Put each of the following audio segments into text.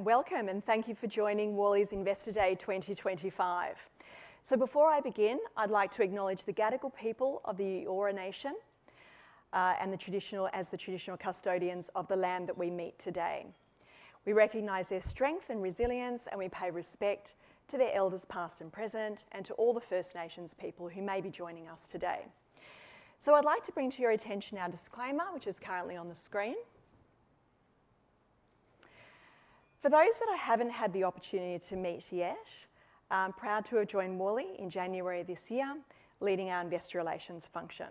Welcome, and thank you for joining Worley's Investor Day 2025. Before I begin, I'd like to acknowledge the Gadigal people of the Eora Nation as the traditional custodians of the land that we meet today. We recognize their strength and resilience, and we pay respect to their elders past and present, and to all the First Nations people who may be joining us today. I'd like to bring to your attention our disclaimer, which is currently on the screen. For those that I haven't had the opportunity to meet yet, I'm proud to have joined Worley in January this year, leading our investor relations function.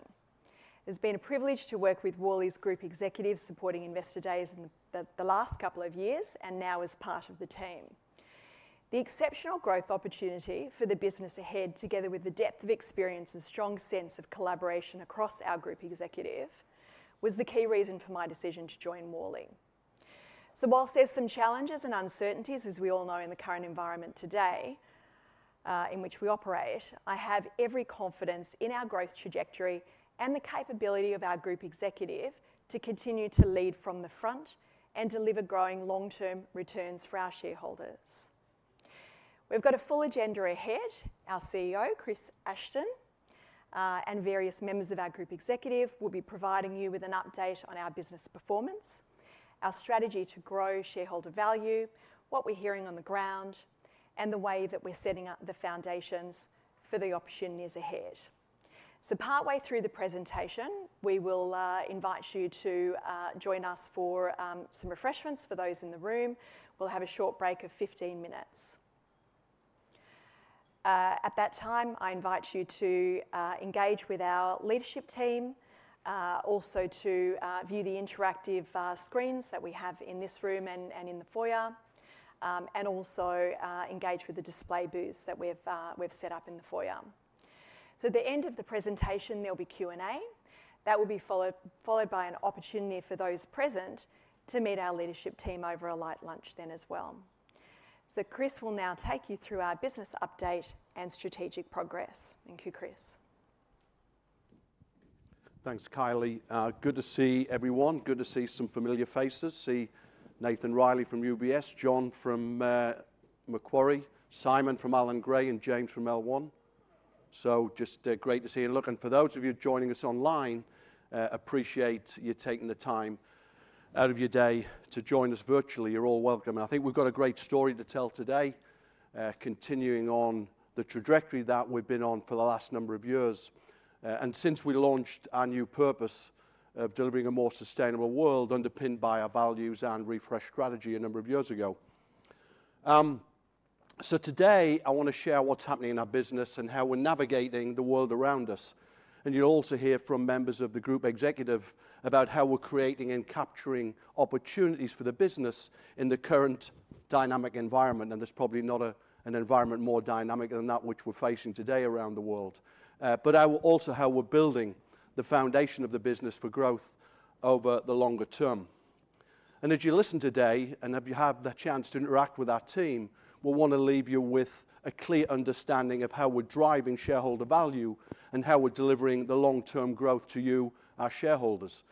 It's been a privilege to work with Worley's group executives supporting Investor Days in the last couple of years, and now as part of the team. The exceptional growth opportunity for the business ahead, together with the depth of experience and strong sense of collaboration across our group executive, was the key reason for my decision to join Worley. Whilst there's some challenges and uncertainties, as we all know in the current environment today in which we operate, I have every confidence in our growth trajectory and the capability of our group executive to continue to lead from the front and deliver growing long-term returns for our shareholders. We've got a full agenda ahead. Our CEO, Chris Ashton, and various members of our group executive will be providing you with an update on our business performance, our strategy to grow shareholder value, what we're hearing on the ground, and the way that we're setting up the foundations for the opportunities ahead. Partway through the presentation, we will invite you to join us for some refreshments. For those in the room, we'll have a short break of 15 minutes. At that time, I invite you to engage with our leadership team, also to view the interactive screens that we have in this room and in the foyer, and also engage with the display booths that we've set up in the foyer. At the end of the presentation, there'll be Q&A. That will be followed by an opportunity for those present to meet our leadership team over a light lunch then as well. Chris will now take you through our business update and strategic progress. Thank you, Chris. Thanks, Kylie. Good to see everyone. Good to see some familiar faces. See Nathan Reilly from UBS, John from Macquarie, Simon from Allan Gray, and James from L1. Just great to see you. For those of you joining us online, appreciate you taking the time out of your day to join us virtually. You're all welcome. I think we've got a great story to tell today, continuing on the trajectory that we've been on for the last number of years. Since we launched our new purpose of delivering a more sustainable world underpinned by our values and refreshed strategy a number of years ago. Today, I want to share what's happening in our business and how we're navigating the world around us. You will also hear from members of the group executive about how we're creating and capturing opportunities for the business in the current dynamic environment. There is probably not an environment more dynamic than that which we're facing today around the world. You will also hear how we're building the foundation of the business for growth over the longer term. As you listen today, and if you have the chance to interact with our team, we want to leave you with a clear understanding of how we're driving shareholder value and how we're delivering the long-term growth to you, our shareholders.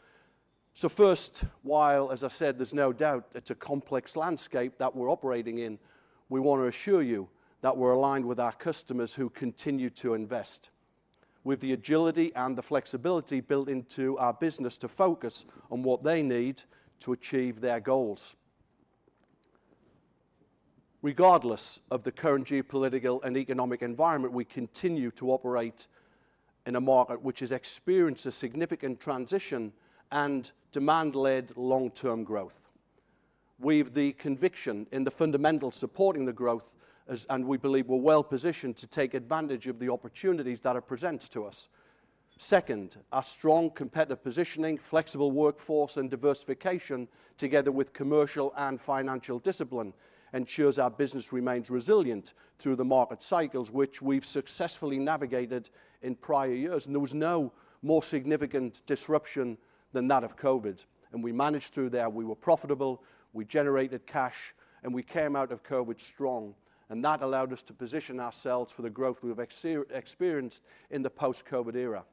First, while, as I said, there's no doubt it's a complex landscape that we're operating in, we want to assure you that we're aligned with our customers who continue to invest with the agility and the flexibility built into our business to focus on what they need to achieve their goals. Regardless of the current geopolitical and economic environment, we continue to operate in a market which has experienced a significant transition and demand-led long-term growth. We have the conviction in the fundamentals supporting the growth, and we believe we're well positioned to take advantage of the opportunities that are presented to us. Second, our strong competitive positioning, flexible workforce, and diversification, together with commercial and financial discipline, ensures our business remains resilient through the market cycles, which we've successfully navigated in prior years. There was no more significant disruption than that of COVID. We managed through there. We were profitable. We generated cash, and we came out of COVID strong. That allowed us to position ourselves for the growth we have experienced in the post-COVID era.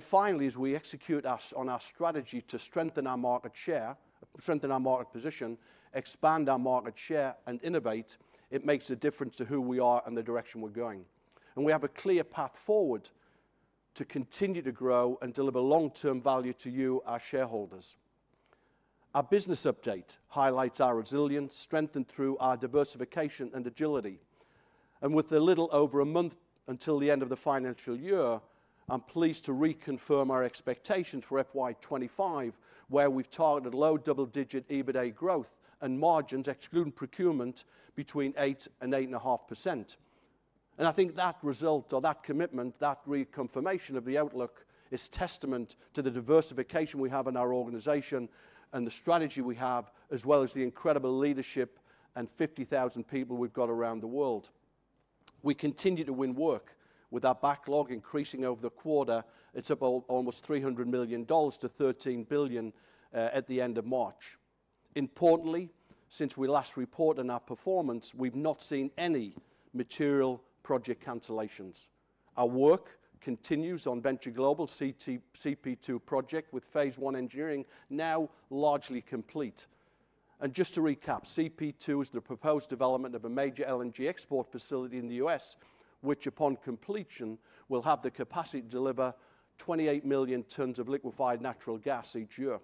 Finally, as we execute on our strategy to strengthen our market share, strengthen our market position, expand our market share, and innovate, it makes a difference to who we are and the direction we are going. We have a clear path forward to continue to grow and deliver long-term value to you, our shareholders. Our business update highlights our resilience strengthened through our diversification and agility. With a little over a month until the end of the financial year, I am pleased to reconfirm our expectations for FY2025, where we have targeted low double-digit EBITDA growth and margins excluding procurement between 8%-8.5%. I think that result, or that commitment, that reconfirmation of the outlook is testament to the diversification we have in our organization and the strategy we have, as well as the incredible leadership and 50,000 people we've got around the world. We continue to win work with our backlog increasing over the quarter. It's about almost $300 million to $13 billion at the end of March. Importantly, since we last reported on our performance, we've not seen any material project cancellations. Our work continues on Venture Global's CP2 project with phase I engineering now largely complete. Just to recap, CP2 is the proposed development of a major LNG export facility in the U.S., which upon completion will have the capacity to deliver 28 million tons of liquefied natural gas each year.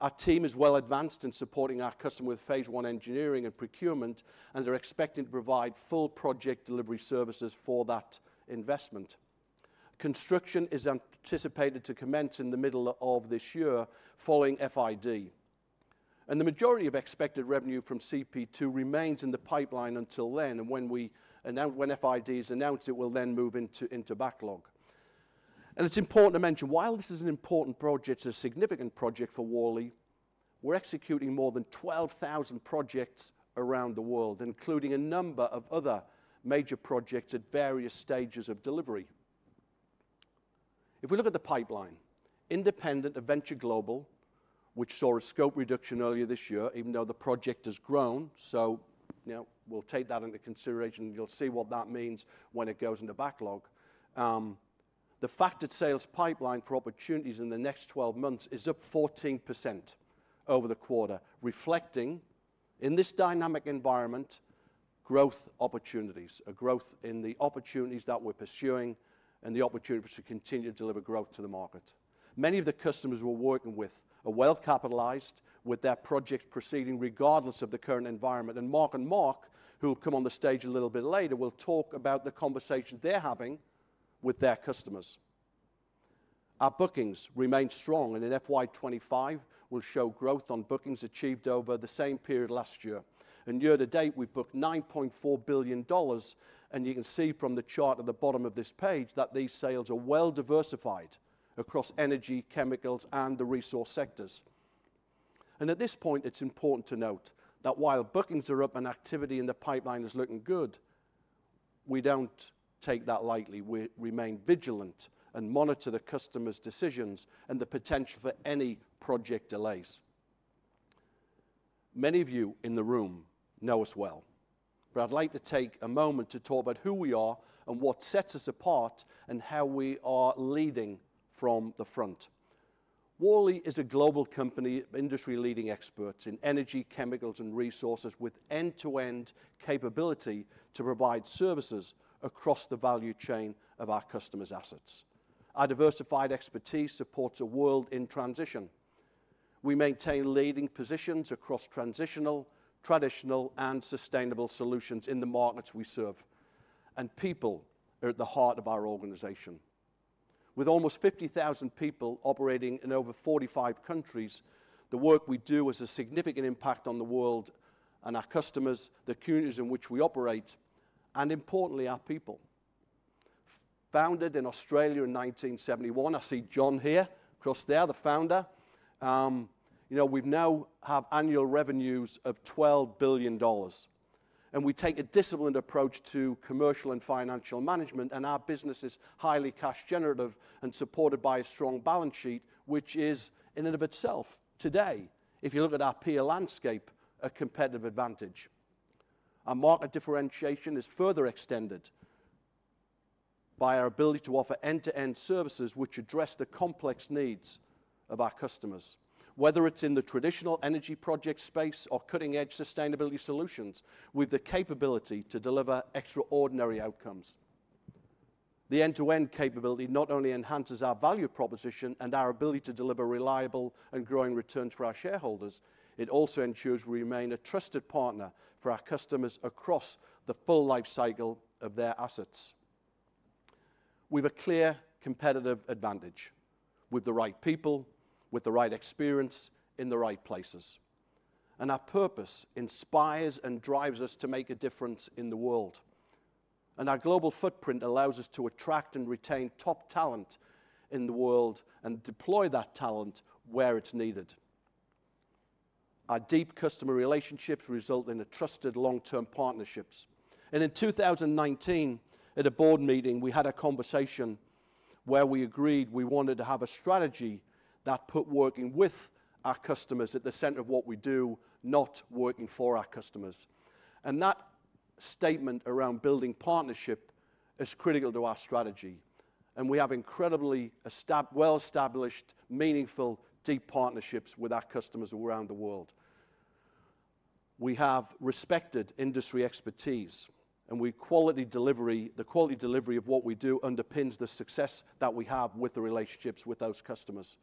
Our team is well advanced in supporting our customer with phase I engineering and procurement, and they're expecting to provide full project delivery services for that investment. Construction is anticipated to commence in the middle of this year following FID. The majority of expected revenue from CP2 remains in the pipeline until then. When FID is announced, it will then move into backlog. It is important to mention, while this is an important project, a significant project for Worley, we're executing more than 12,000 projects around the world, including a number of other major projects at various stages of delivery. If we look at the pipeline, independent of Venture Global, which saw a scope reduction earlier this year, even though the project has grown. We will take that into consideration, and you'll see what that means when it goes into backlog. The factored sales pipeline for opportunities in the next 12 months is up 14% over the quarter, reflecting in this dynamic environment growth opportunities, a growth in the opportunities that we're pursuing and the opportunity to continue to deliver growth to the market. Many of the customers we're working with are well capitalized with their projects proceeding regardless of the current environment. Mark and Mark, who will come on the stage a little bit later, will talk about the conversations they're having with their customers. Our bookings remain strong, and in FY2025, we'll show growth on bookings achieved over the same period last year. Year to date, we've booked $9.4 billion. You can see from the chart at the bottom of this page that these sales are well diversified across energy, chemicals, and the resource sectors. At this point, it's important to note that while bookings are up and activity in the pipeline is looking good, we don't take that lightly. We remain vigilant and monitor the customer's decisions and the potential for any project delays. Many of you in the room know us well, but I'd like to take a moment to talk about who we are, what sets us apart, and how we are leading from the front. Worley is a global company, industry-leading experts in energy, chemicals, and resources with end-to-end capability to provide services across the value chain of our customers' assets. Our diversified expertise supports a world in transition. We maintain leading positions across transitional, traditional, and sustainable solutions in the markets we serve. People are at the heart of our organization. With almost 50,000 people operating in over 45 countries, the work we do has a significant impact on the world and our customers, the communities in which we operate, and importantly, our people. Founded in Australia in 1971, I see John here across there, the founder. We now have annual revenues of $12 billion. We take a disciplined approach to commercial and financial management, and our business is highly cash-generative and supported by a strong balance sheet, which is in and of itself, today, if you look at our peer landscape, a competitive advantage. Our market differentiation is further extended by our ability to offer end-to-end services which address the complex needs of our customers. Whether it is in the traditional energy project space or cutting-edge sustainability solutions, we have the capability to deliver extraordinary outcomes. The end-to-end capability not only enhances our value proposition and our ability to deliver reliable and growing returns for our shareholders, it also ensures we remain a trusted partner for our customers across the full life cycle of their assets. We have a clear competitive advantage with the right people, with the right experience, in the right places. Our purpose inspires and drives us to make a difference in the world. Our global footprint allows us to attract and retain top talent in the world and deploy that talent where it's needed. Our deep customer relationships result in trusted long-term partnerships. In 2019, at a board meeting, we had a conversation where we agreed we wanted to have a strategy that put working with our customers at the centre of what we do, not working for our customers. That statement around building partnership is critical to our strategy. We have incredibly well-established, meaningful, deep partnerships with our customers around the world. We have respected industry expertise, and the quality delivery of what we do underpins the success that we have with the relationships with those customers.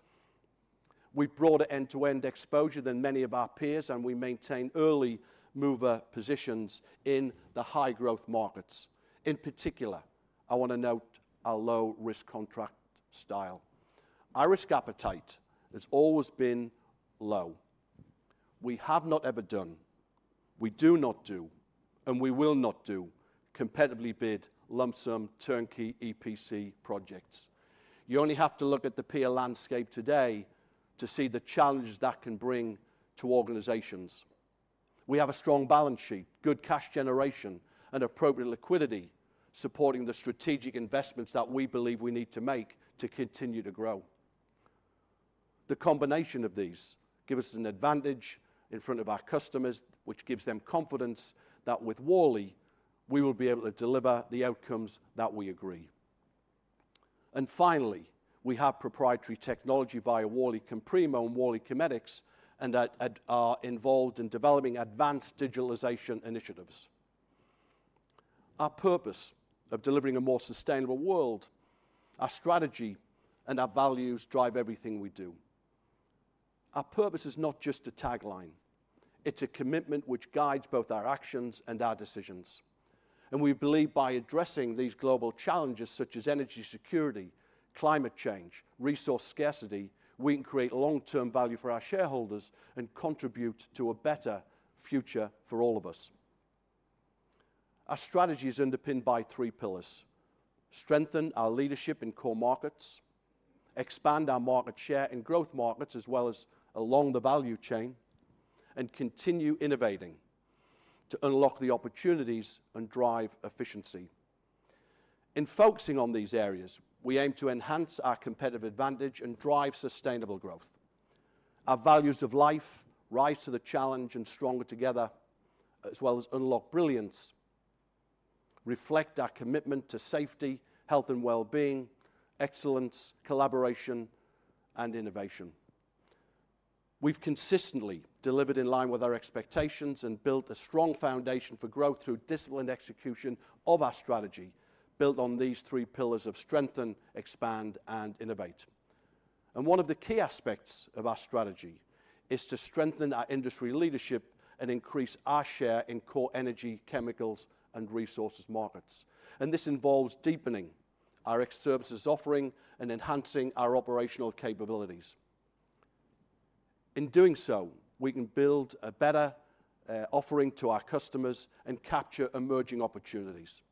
We have broader end-to-end exposure than many of our peers, and we maintain early mover positions in the high-growth markets. In particular, I want to note our low-risk contract style. Our risk appetite has always been low. We have not ever done, we do not do, and we will not do competitively bid lump-sum turnkey EPC projects. You only have to look at the peer landscape today to see the challenges that can bring to organizations. We have a strong balance sheet, good cash generation, and appropriate liquidity supporting the strategic investments that we believe we need to make to continue to grow. The combination of these gives us an advantage in front of our customers, which gives them confidence that with Worley, we will be able to deliver the outcomes that we agree. Finally, we have proprietary technology via Worley Comprimo and Worley Kinetics and are involved in developing advanced digitalisation initiatives. Our purpose of delivering a more sustainable world, our strategy, and our values drive everything we do. Our purpose is not just a tagline. It is a commitment which guides both our actions and our decisions. We believe by addressing these global challenges such as energy security, climate change, resource scarcity, we can create long-term value for our shareholders and contribute to a better future for all of us. Our strategy is underpinned by three pillars: strengthen our leadership in core markets, expand our market share in growth markets as well as along the value chain, and continue innovating to unlock the opportunities and drive efficiency. In focusing on these areas, we aim to enhance our competitive advantage and drive sustainable growth. Our values of life, rise to the challenge and stronger together, as well as unlock brilliance, reflect our commitment to safety, health and well-being, excellence, collaboration, and innovation. We've consistently delivered in line with our expectations and built a strong foundation for growth through disciplined execution of our strategy built on these three pillars of strengthen, expand, and innovate. One of the key aspects of our strategy is to strengthen our industry leadership and increase our share in core energy, chemicals, and resources markets. This involves deepening our services offering and enhancing our operational capabilities. In doing so, we can build a better offering to our customers and capture emerging opportunities.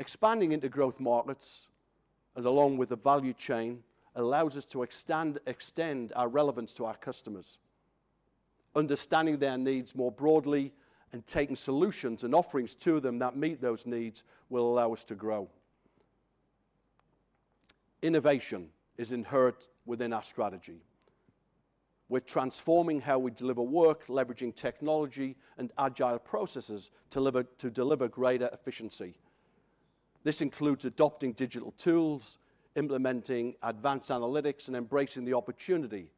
Expanding into growth markets, along with the value chain, allows us to extend our relevance to our customers. Understanding their needs more broadly and taking solutions and offerings to them that meet those needs will allow us to grow. Innovation is inherent within our strategy. We're transforming how we deliver work, leveraging technology and agile processes to deliver greater efficiency. This includes adopting digital tools, implementing advanced analytics, and embracing the opportunity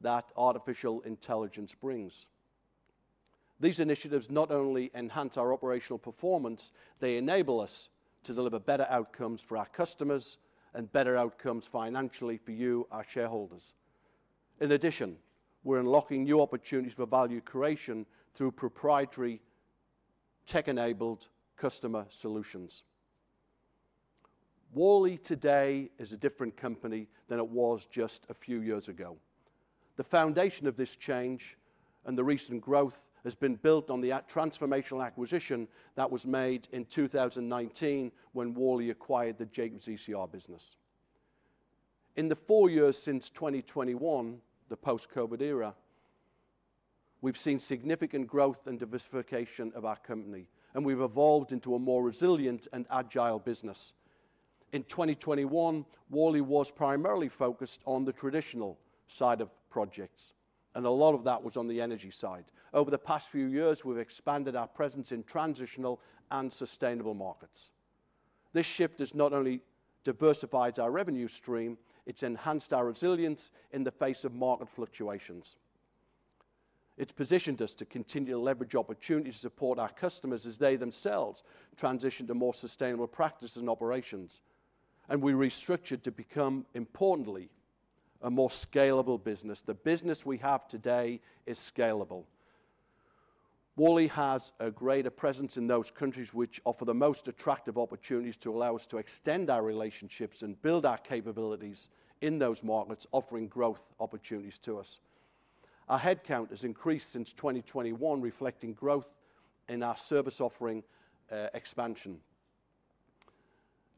that artificial intelligence brings. These initiatives not only enhance our operational performance, they enable us to deliver better outcomes for our customers and better outcomes financially for you, our shareholders. In addition, we're unlocking new opportunities for value creation through proprietary tech-enabled customer solutions. Worley today is a different company than it was just a few years ago. The foundation of this change and the recent growth has been built on the transformational acquisition that was made in 2019 when Worley acquired the Jacobs ECR business. In the four years since 2021, the post-COVID era, we've seen significant growth and diversification of our company, and we've evolved into a more resilient and agile business. In 2021, Worley was primarily focused on the traditional side of projects, and a lot of that was on the energy side. Over the past few years, we've expanded our presence in transitional and sustainable markets. This shift has not only diversified our revenue stream, it's enhanced our resilience in the face of market fluctuations. It's positioned us to continue to leverage opportunities to support our customers as they themselves transition to more sustainable practices and operations. We restructured to become, importantly, a more scalable business. The business we have today is scalable. Worley has a greater presence in those countries which offer the most attractive opportunities to allow us to extend our relationships and build our capabilities in those markets, offering growth opportunities to us. Our headcount has increased since 2021, reflecting growth in our service offering expansion.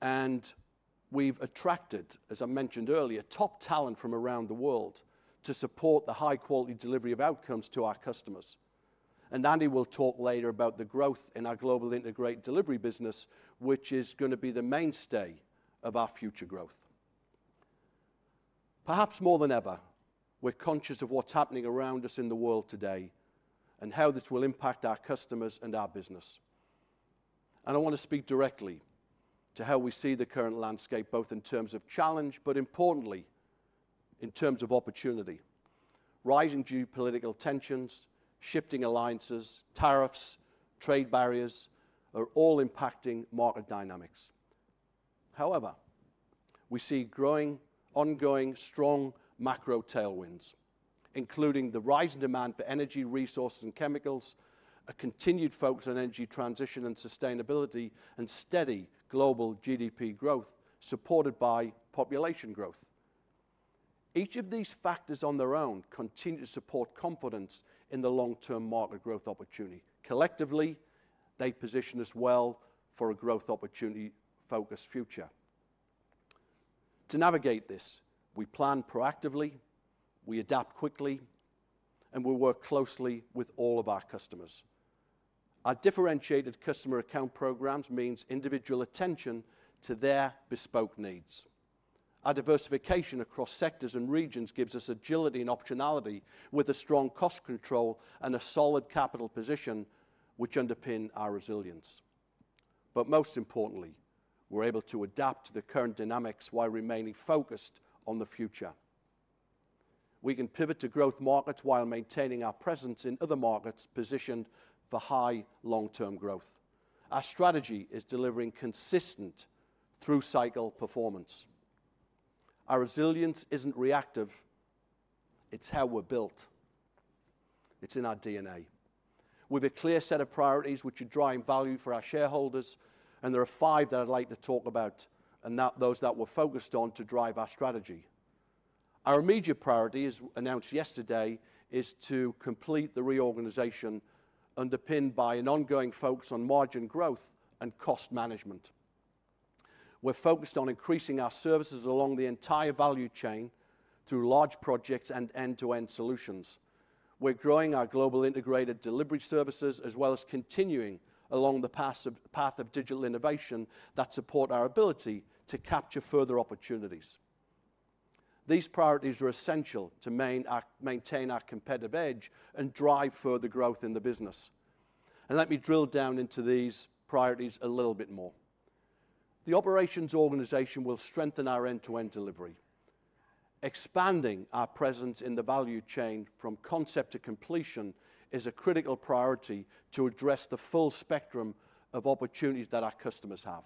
We have attracted, as I mentioned earlier, top talent from around the world to support the high-quality delivery of outcomes to our customers. Andy will talk later about the growth in our global integrated delivery business, which is going to be the mainstay of our future growth. Perhaps more than ever, we are conscious of what is happening around us in the world today and how this will impact our customers and our business. I want to speak directly to how we see the current landscape, both in terms of challenge, but importantly, in terms of opportunity. Rising geopolitical tensions, shifting alliances, tariffs, trade barriers are all impacting market dynamics. However, we see growing, ongoing, strong macro tailwinds, including the rising demand for energy, resources, and chemicals, a continued focus on energy transition and sustainability, and steady global GDP growth supported by population growth. Each of these factors on their own continue to support confidence in the long-term market growth opportunity. Collectively, they position us well for a growth opportunity-focused future. To navigate this, we plan proactively, we adapt quickly, and we work closely with all of our customers. Our differentiated customer account programs mean individual attention to their bespoke needs. Our diversification across sectors and regions gives us agility and optionality with a strong cost control and a solid capital position which underpins our resilience. Most importantly, we're able to adapt to the current dynamics while remaining focused on the future. We can pivot to growth markets while maintaining our presence in other markets positioned for high long-term growth. Our strategy is delivering consistent through-cycle performance. Our resilience is not reactive; it is how we are built. It is in our DNA. We have a clear set of priorities which are driving value for our shareholders, and there are five that I would like to talk about and those that we are focused on to drive our strategy. Our immediate priority, as announced yesterday, is to complete the reorganization underpinned by an ongoing focus on margin growth and cost management. We are focused on increasing our services along the entire value chain through large projects and end-to-end solutions. We are growing our global integrated delivery services as well as continuing along the path of digital innovation that supports our ability to capture further opportunities. These priorities are essential to maintain our competitive edge and drive further growth in the business. Let me drill down into these priorities a little bit more. The operations organization will strengthen our end-to-end delivery. Expanding our presence in the value chain from concept to completion is a critical priority to address the full spectrum of opportunities that our customers have.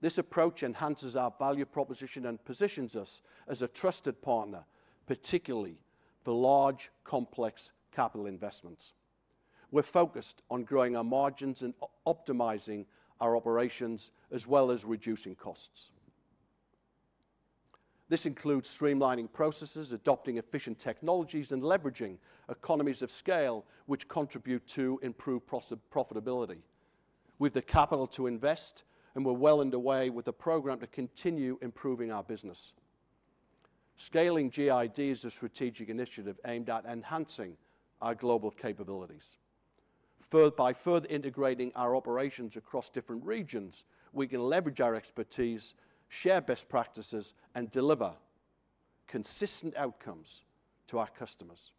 This approach enhances our value proposition and positions us as a trusted partner, particularly for large, complex capital investments. We're focused on growing our margins and optimizing our operations as well as reducing costs. This includes streamlining processes, adopting efficient technologies, and leveraging economies of scale which contribute to improved profitability. We have the capital to invest, and we're well underway with a program to continue improving our business. Scaling GID is a strategic initiative aimed at enhancing our global capabilities. By further integrating our operations across different regions, we can leverage our expertise, share best practices, and deliver consistent outcomes to our customers.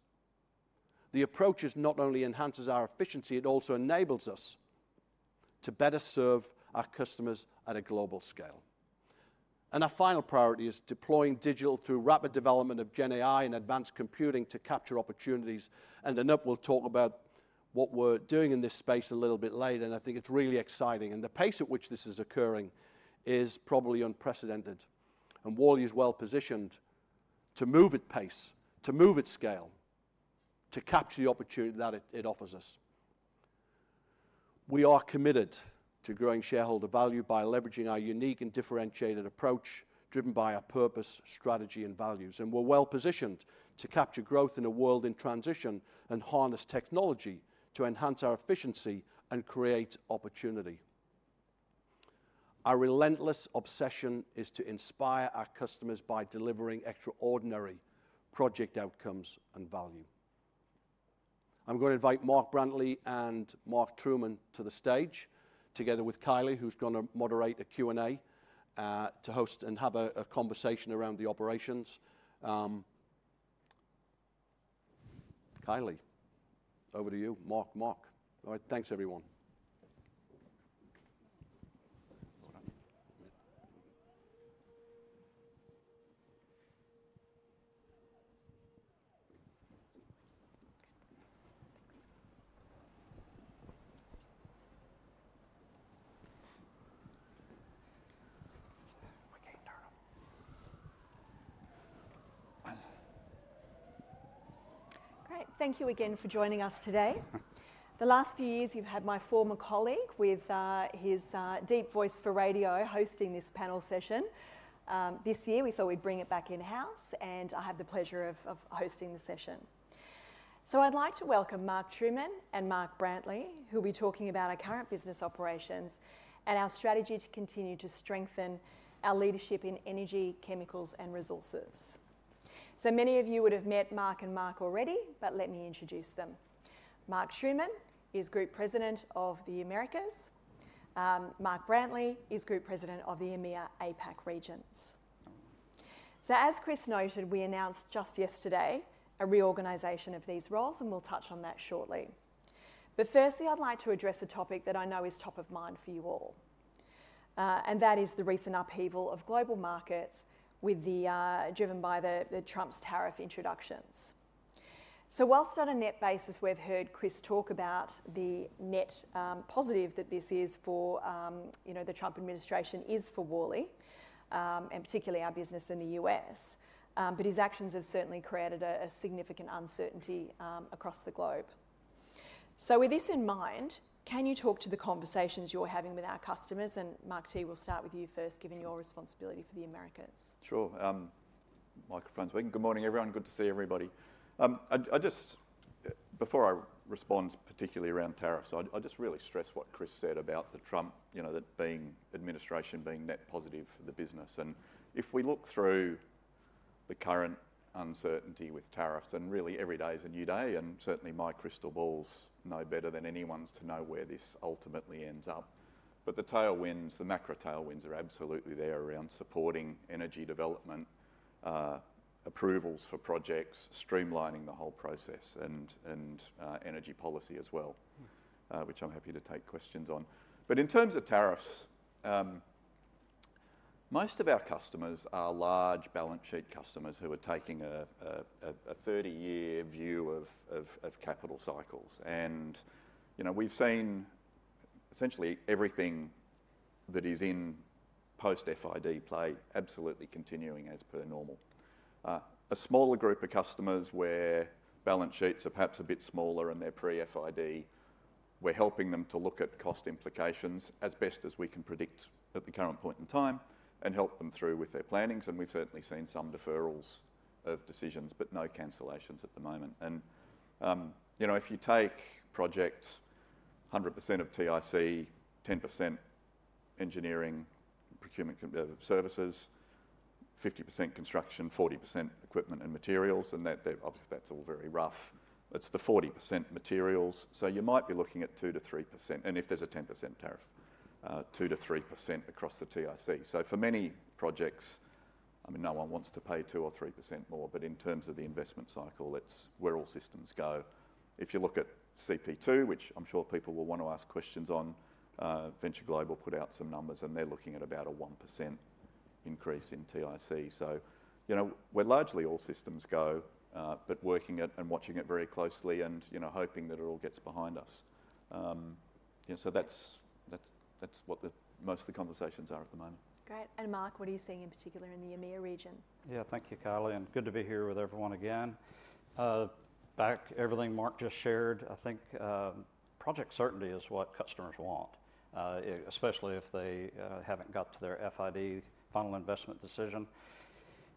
The approach not only enhances our efficiency, it also enables us to better serve our customers at a global scale. Our final priority is deploying digital through rapid development of GenAI and advanced computing to capture opportunities. Anup will talk about what we're doing in this space a little bit later, and I think it's really exciting. The pace at which this is occurring is probably unprecedented. Worley is well positioned to move at pace, to move at scale, to capture the opportunity that it offers us. We are committed to growing shareholder value by leveraging our unique and differentiated approach driven by our purpose, strategy, and values. We are well positioned to capture growth in a world in transition and harness technology to enhance our efficiency and create opportunity. Our relentless obsession is to inspire our customers by delivering extraordinary project outcomes and value. I am going to invite Mark Brantley and Mark Trueman to the stage together with Kylie, who is going to moderate a Q&A to host and have a conversation around the operations. Kylie, over to you. Mark, Mark. All right, thanks everyone. Great. Thank you again for joining us today. The last few years, you have had my former colleague with his deep voice for radio hosting this panel session. This year, we thought we would bring it back in-house, and I have the pleasure of hosting the session. I'd like to welcome Mark Trueman and Mark Brantley, who will be talking about our current business operations and our strategy to continue to strengthen our leadership in energy, chemicals, and resources. Many of you would have met Mark and Mark already, but let me introduce them. Mark Trueman is Group President of the Americas. Mark Brantley is Group President of the EMEA APAC regions. As Chris noted, we announced just yesterday a reorganization of these roles, and we'll touch on that shortly. Firstly, I'd like to address a topic that I know is top of mind for you all, and that is the recent upheaval of global markets driven by the Trump's tariff introductions. Whilst on a net basis, we've heard Chris talk about the net positive that this is for the Trump administration is for Worley, and particularly our business in the U.S., but his actions have certainly created a significant uncertainty across the globe. With this in mind, can you talk to the conversations you're having with our customers? Mark, we'll start with you first, given your responsibility for the Americas. Sure. Microphone's working. Good morning, everyone. Good to see everybody. Before I respond particularly around tariffs, I just really stress what Chris said about the Trump administration being net positive for the business. If we look through the current uncertainty with tariffs, and really every day is a new day, and certainly my crystal ball is no better than anyone's to know where this ultimately ends up. The tailwinds, the macro tailwinds are absolutely there around supporting energy development, approvals for projects, streamlining the whole process, and energy policy as well, which I'm happy to take questions on. In terms of tariffs, most of our customers are large balance sheet customers who are taking a 30-year view of capital cycles. We've seen essentially everything that is in post-FID play absolutely continuing as per normal. A smaller group of customers where balance sheets are perhaps a bit smaller and they're pre-FID, we're helping them to look at cost implications as best as we can predict at the current point in time and help them through with their plannings. We've certainly seen some deferrals of decisions, but no cancellations at the moment. If you take projects, 100% of TIC, 10% engineering procurement services, 50% construction, 40% equipment and materials, and that's all very rough. It's the 40% materials. You might be looking at 2-3%, and if there's a 10% tariff, 2-3% across the TIC. For many projects, I mean, no one wants to pay 2 or 3% more, but in terms of the investment cycle, it's where all systems go. If you look at CP2, which I'm sure people will want to ask questions on, Venture Global put out some numbers, and they're looking at about a 1% increase in TIC. We're largely all systems go, but working at and watching it very closely and hoping that it all gets behind us. That's what most of the conversations are at the moment. Great. Mark, what are you seeing in particular in the EMEA region? Yeah, thank you, Kylie, and good to be here with everyone again. Back everything Mark just shared, I think project certainty is what customers want, especially if they haven't got to their FID final investment decision.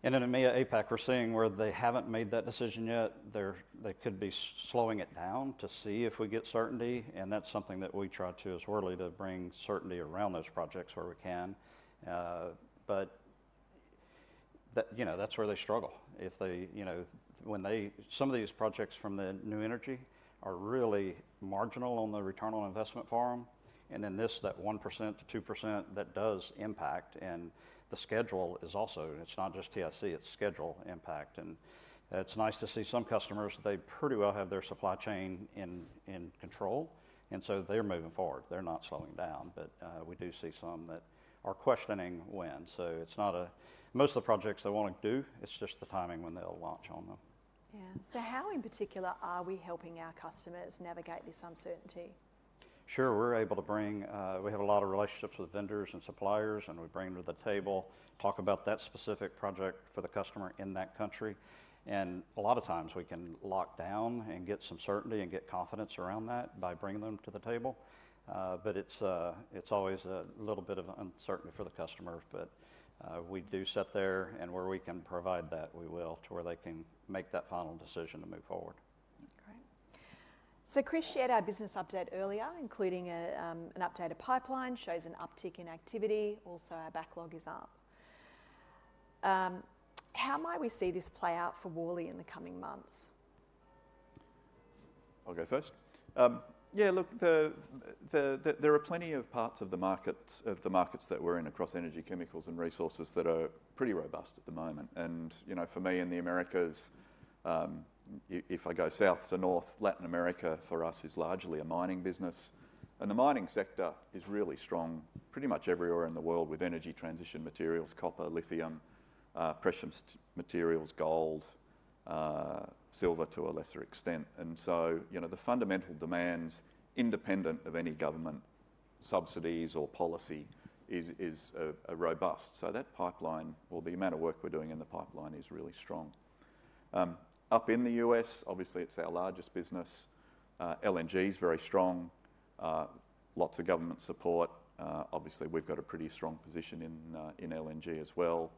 In EMEA APAC, we're seeing where they haven't made that decision yet. They could be slowing it down to see if we get certainty, and that's something that we try to, as Worley, to bring certainty around those projects where we can. That's where they struggle. Some of these projects from the new energy are really marginal on the return on investment for them. This, that 1%-2% that does impact, and the schedule is also, it's not just TIC, it's schedule impact. It's nice to see some customers, they pretty well have their supply chain in control, and so they're moving forward. They're not slowing down, but we do see some that are questioning when. It's not that most of the projects they want to do, it's just the timing when they'll launch on them. Yeah. How in particular are we helping our customers navigate this uncertainty? Sure. We're able to bring—we have a lot of relationships with vendors and suppliers, and we bring them to the table, talk about that specific project for the customer in that country. A lot of times we can lock down and get some certainty and get confidence around that by bringing them to the table. It's always a little bit of uncertainty for the customers. We do sit there, and where we can provide that, we will, to where they can make that final decision to move forward. Great. Chris shared our business update earlier, including an updated pipeline, shows an uptick in activity. Also, our backlog is up. How might we see this play out for Worley in the coming months? I'll go first. Yeah, look, there are plenty of parts of the markets that we're in across energy, chemicals, and resources that are pretty robust at the moment. For me in the Americas, if I go south to north, Latin America for us is largely a mining business. The mining sector is really strong pretty much everywhere in the world with energy transition materials, copper, lithium, precious materials, gold, silver to a lesser extent. The fundamental demands, independent of any government subsidies or policy, is robust. That pipeline, or the amount of work we're doing in the pipeline, is really strong. Up in the U.S., obviously it's our largest business. LNG is very strong, lots of government support. Obviously, we've got a pretty strong position in LNG as well.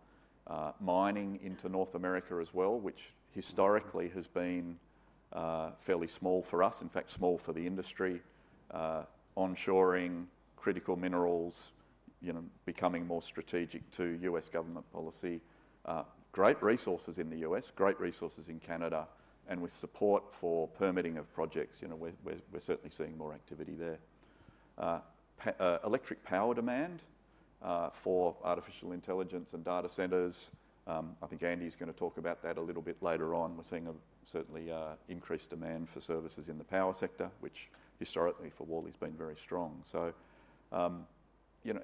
Mining into North America as well, which historically has been fairly small for us, in fact small for the industry. Onshoring, critical minerals, becoming more strategic to U.S. government policy. Great resources in the U.S., great resources in Canada, and with support for permitting of projects, we're certainly seeing more activity there. Electric power demand for artificial intelligence and data centers. I think Andy is going to talk about that a little bit later on. We're seeing certainly increased demand for services in the power sector, which historically for Worley has been very strong.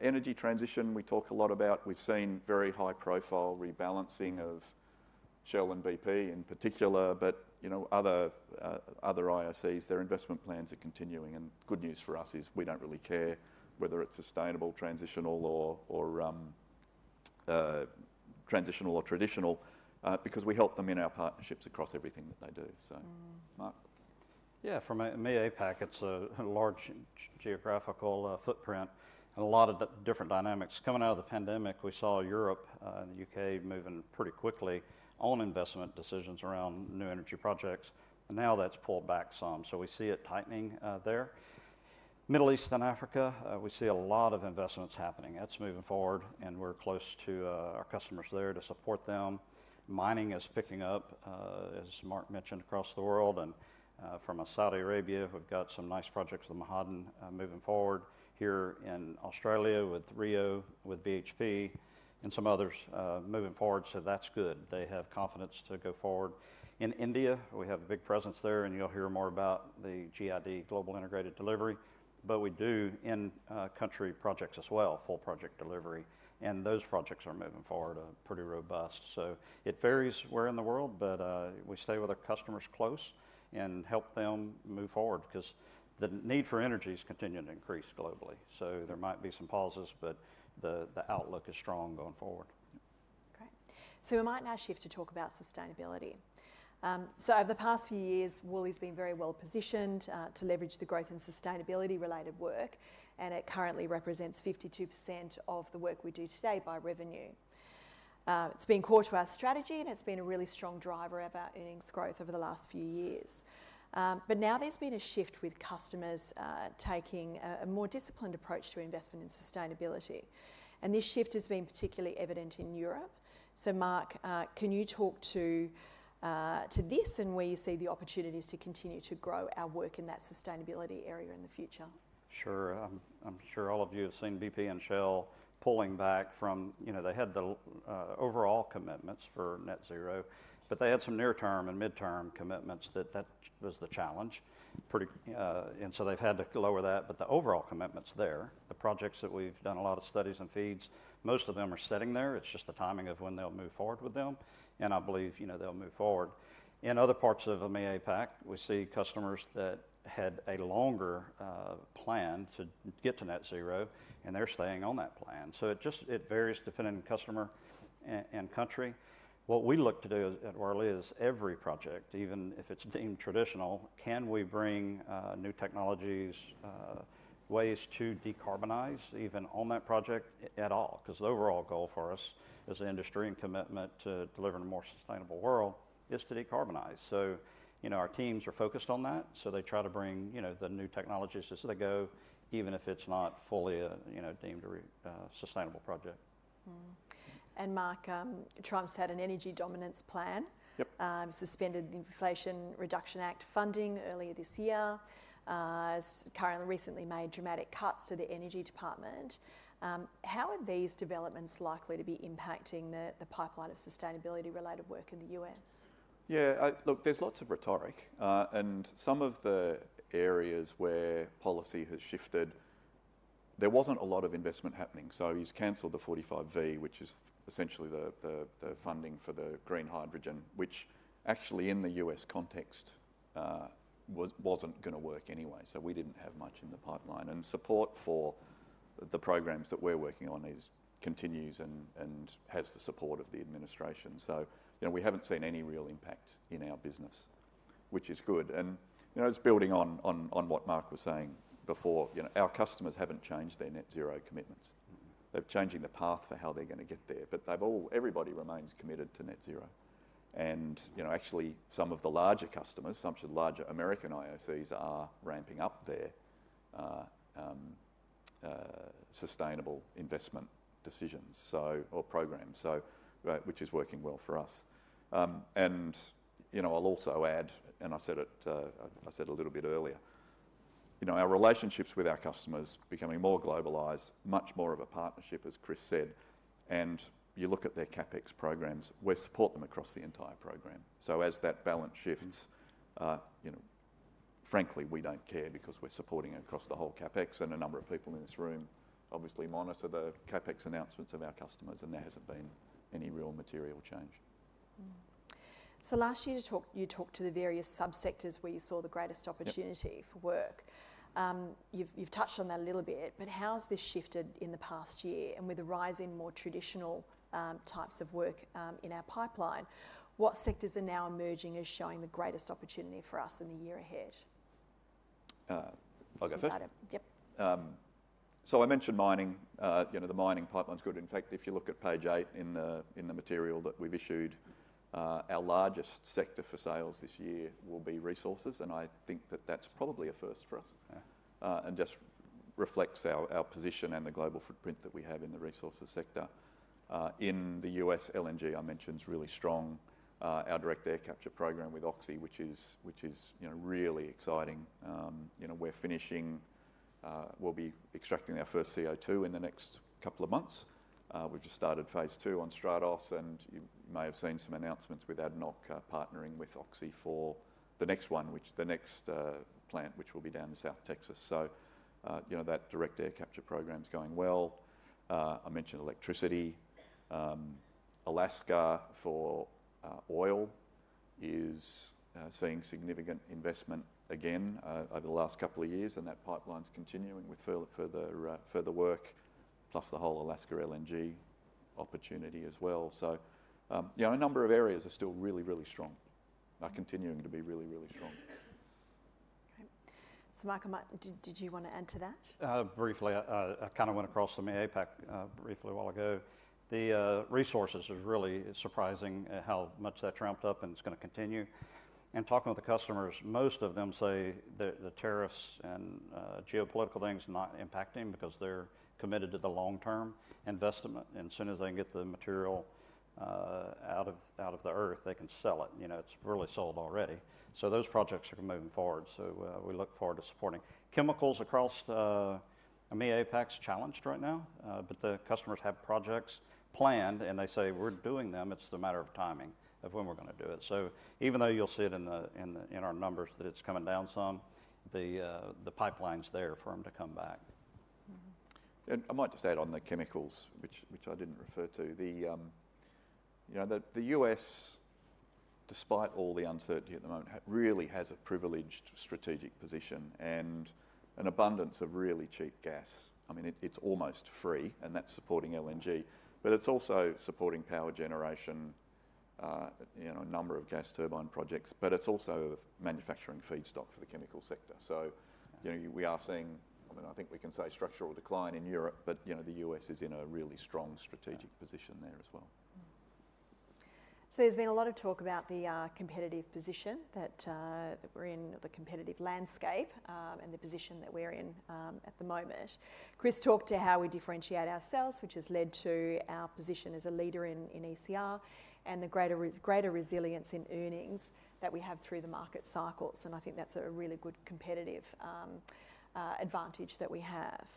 Energy transition, we talk a lot about. We've seen very high-profile rebalancing of Shell and BP in particular, but other ISEs, their investment plans are continuing. Good news for us is we do not really care whether it is sustainable, transitional, or traditional, because we help them in our partnerships across everything that they do. Mark. From EMEA APAC, it is a large geographical footprint and a lot of different dynamics. Coming out of the pandemic, we saw Europe and the U.K. moving pretty quickly on investment decisions around new energy projects. Now that has pulled back some. We see it tightening there. Middle East and Africa, we see a lot of investments happening. That is moving forward, and we are close to our customers there to support them. Mining is picking up, as Mark mentioned, across the world. From Saudi Arabia, we have some nice projects with Ma'aden moving forward. Here in Australia with Rio Tinto, with BHP, and some others moving forward. That is good. They have confidence to go forward. In India, we have a big presence there, and you'll hear more about the GID, Global Integrated Delivery. We do in-country projects as well, full project delivery. Those projects are moving forward pretty robust. It varies where in the world, but we stay with our customers close and help them move forward because the need for energy is continuing to increase globally. There might be some pauses, but the outlook is strong going forward. Great. We might now shift to talk about sustainability. Over the past few years, Worley has been very well positioned to leverage the growth in sustainability-related work, and it currently represents 52% of the work we do today by revenue. It's been core to our strategy, and it's been a really strong driver of our earnings growth over the last few years. Now there's been a shift with customers taking a more disciplined approach to investment in sustainability. This shift has been particularly evident in Europe. Mark, can you talk to this and where you see the opportunities to continue to grow our work in that sustainability area in the future? Sure. I'm sure all of you have seen BP and Shell pulling back from they had the overall commitments for net zero, but they had some near-term and mid-term commitments that that was the challenge. They have had to lower that. The overall commitments there, the projects that we've done a lot of studies and feeds, most of them are setting there. It's just the timing of when they'll move forward with them. I believe they'll move forward. In other parts of EMEA APAC, we see customers that had a longer plan to get to net zero, and they're staying on that plan. It varies depending on customer and country. What we look to do at Worley is every project, even if it's deemed traditional, can we bring new technologies, ways to decarbonize, even on that project at all? The overall goal for us as an industry and commitment to delivering a more sustainable world is to decarbonize. Our teams are focused on that. They try to bring the new technologies as they go, even if it's not fully a deemed sustainable project. Mark, Trump's had an energy dominance plan, suspended the Inflation Reduction Act funding earlier this year, currently recently made dramatic cuts to the Energy Department. How are these developments likely to be impacting the pipeline of sustainability-related work in the U.S.? Yeah, look, there's lots of rhetoric. Some of the areas where policy has shifted, there wasn't a lot of investment happening. He has cancelled the 45V, which is essentially the funding for the green hydrogen, which actually in the U.S. context wasn't going to work anyway. We didn't have much in the pipeline. Support for the programs that we're working on continues and has the support of the administration. We haven't seen any real impact in our business, which is good. It's building on what Mark was saying before. Our customers haven't changed their net zero commitments. They're changing the path for how they're going to get there, but everybody remains committed to net zero. Actually, some of the larger customers, some larger American ISEs, are ramping up their sustainable investment decisions or programs, which is working well for us. I'll also add, and I said it a little bit earlier, our relationships with our customers are becoming more globalized, much more of a partnership, as Chris said. You look at their CapEx programs, we support them across the entire program. As that balance shifts, frankly, we do not care because we are supporting across the whole CapEx. A number of people in this room obviously monitor the CapEx announcements of our customers, and there has not been any real material change. Last year, you talked to the various subsectors where you saw the greatest opportunity for work. You have touched on that a little bit, but how has this shifted in the past year? With the rise in more traditional types of work in our pipeline, what sectors are now emerging as showing the greatest opportunity for us in the year ahead? I'll go first. Yep. I mentioned mining. The mining pipeline's good. In fact, if you look at page eight in the material that we've issued, our largest sector for sales this year will be resources. I think that that's probably a first for us and just reflects our position and the global footprint that we have in the resources sector. In the U.S., LNG, I mentioned, is really strong. Our direct air capture program with Oxy, which is really exciting. We're finishing, we'll be extracting our first CO2 in the next couple of months. We've just started phase II on STRATOS. You may have seen some announcements with Adnoc partnering with Oxy for the next one, which the next plant, which will be down in South Texas. That direct air capture program's going well. I mentioned electricity. Alaska for oil is seeing significant investment again over the last couple of years, and that pipeline's continuing with further work, plus the whole Alaska LNG opportunity as well. A number of areas are still really, really strong, continuing to be really, really strong. Okay. Mark, did you want to add to that? Briefly, I kind of went across EMEA APAC briefly a while ago. The resources are really surprising how much that ramped up and it's going to continue. Talking with the customers, most of them say that the tariffs and geopolitical things are not impacting because they're committed to the long-term investment. As soon as they can get the material out of the earth, they can sell it. It's really sold already. Those projects are moving forward. We look forward to supporting. Chemicals across EMEA APAC's challenged right now, but the customers have projects planned, and they say we're doing them. It's the matter of timing of when we're going to do it. Even though you'll see it in our numbers that it's coming down some, the pipeline's there for them to come back. I might just add on the chemicals, which I didn't refer to. The U.S., despite all the uncertainty at the moment, really has a privileged strategic position and an abundance of really cheap gas. I mean, it's almost free, and that's supporting LNG. But it's also supporting power generation, a number of gas turbine projects, but it's also a manufacturing feedstock for the chemical sector. We are seeing, I mean, I think we can say structural decline in Europe, but the U.S. is in a really strong strategic position there as well. There's been a lot of talk about the competitive position that we're in, the competitive landscape and the position that we're in at the moment. Chris talked to how we differentiate ourselves, which has led to our position as a leader in ECR and the greater resilience in earnings that we have through the market cycles. I think that's a really good competitive advantage that we have.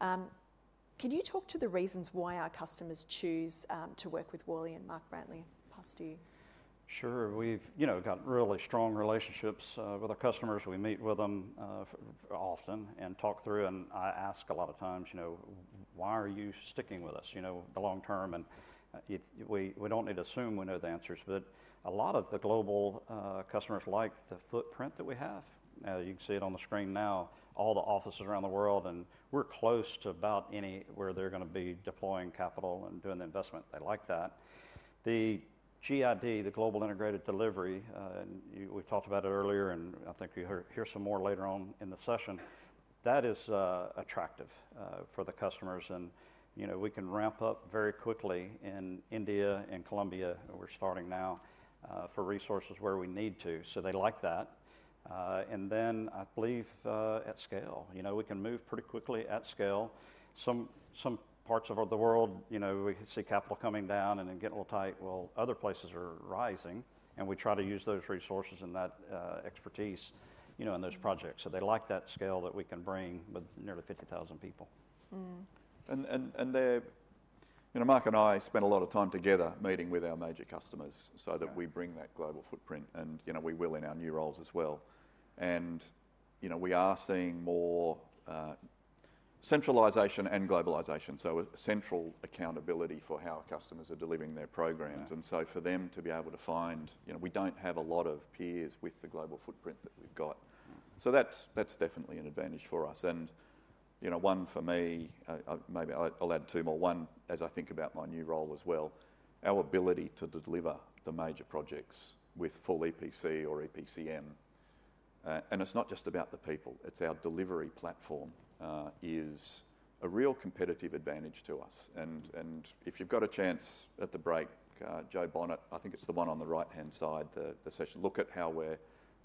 Can you talk to the reasons why our customers choose to work with Worley and Mark Brantley past due? Sure. We've got really strong relationships with our customers. We meet with them often and talk through, and I ask a lot of times, "Why are you sticking with us the long term?" We do not need to assume we know the answers, but a lot of the global customers like the footprint that we have. You can see it on the screen now, all the offices around the world, and we are close to about anywhere they are going to be deploying capital and doing the investment. They like that. The GID, the Global Integrated Delivery, we have talked about it earlier, and I think you will hear some more later on in the session. That is attractive for the customers. We can ramp up very quickly in India and Colombia. We are starting now for resources where we need to. They like that. I believe at scale, we can move pretty quickly at scale. Some parts of the world, we see capital coming down and getting a little tight. Other places are rising, and we try to use those resources and that expertise in those projects. They like that scale that we can bring with nearly 50,000 people. Mark and I spend a lot of time together meeting with our major customers so that we bring that global footprint. We will in our new roles as well. We are seeing more centralisation and globalisation, so central accountability for how customers are delivering their programs. For them to be able to find, we do not have a lot of peers with the global footprint that we have got. That is definitely an advantage for us. One for me, maybe I will add two more. One, as I think about my new role as well, our ability to deliver the major projects with full EPC or EPCM. It is not just about the people. Our delivery platform is a real competitive advantage to us. If you have got a chance at the break, Joe Bonnett, I think it is the one on the right-hand side, the session, look at how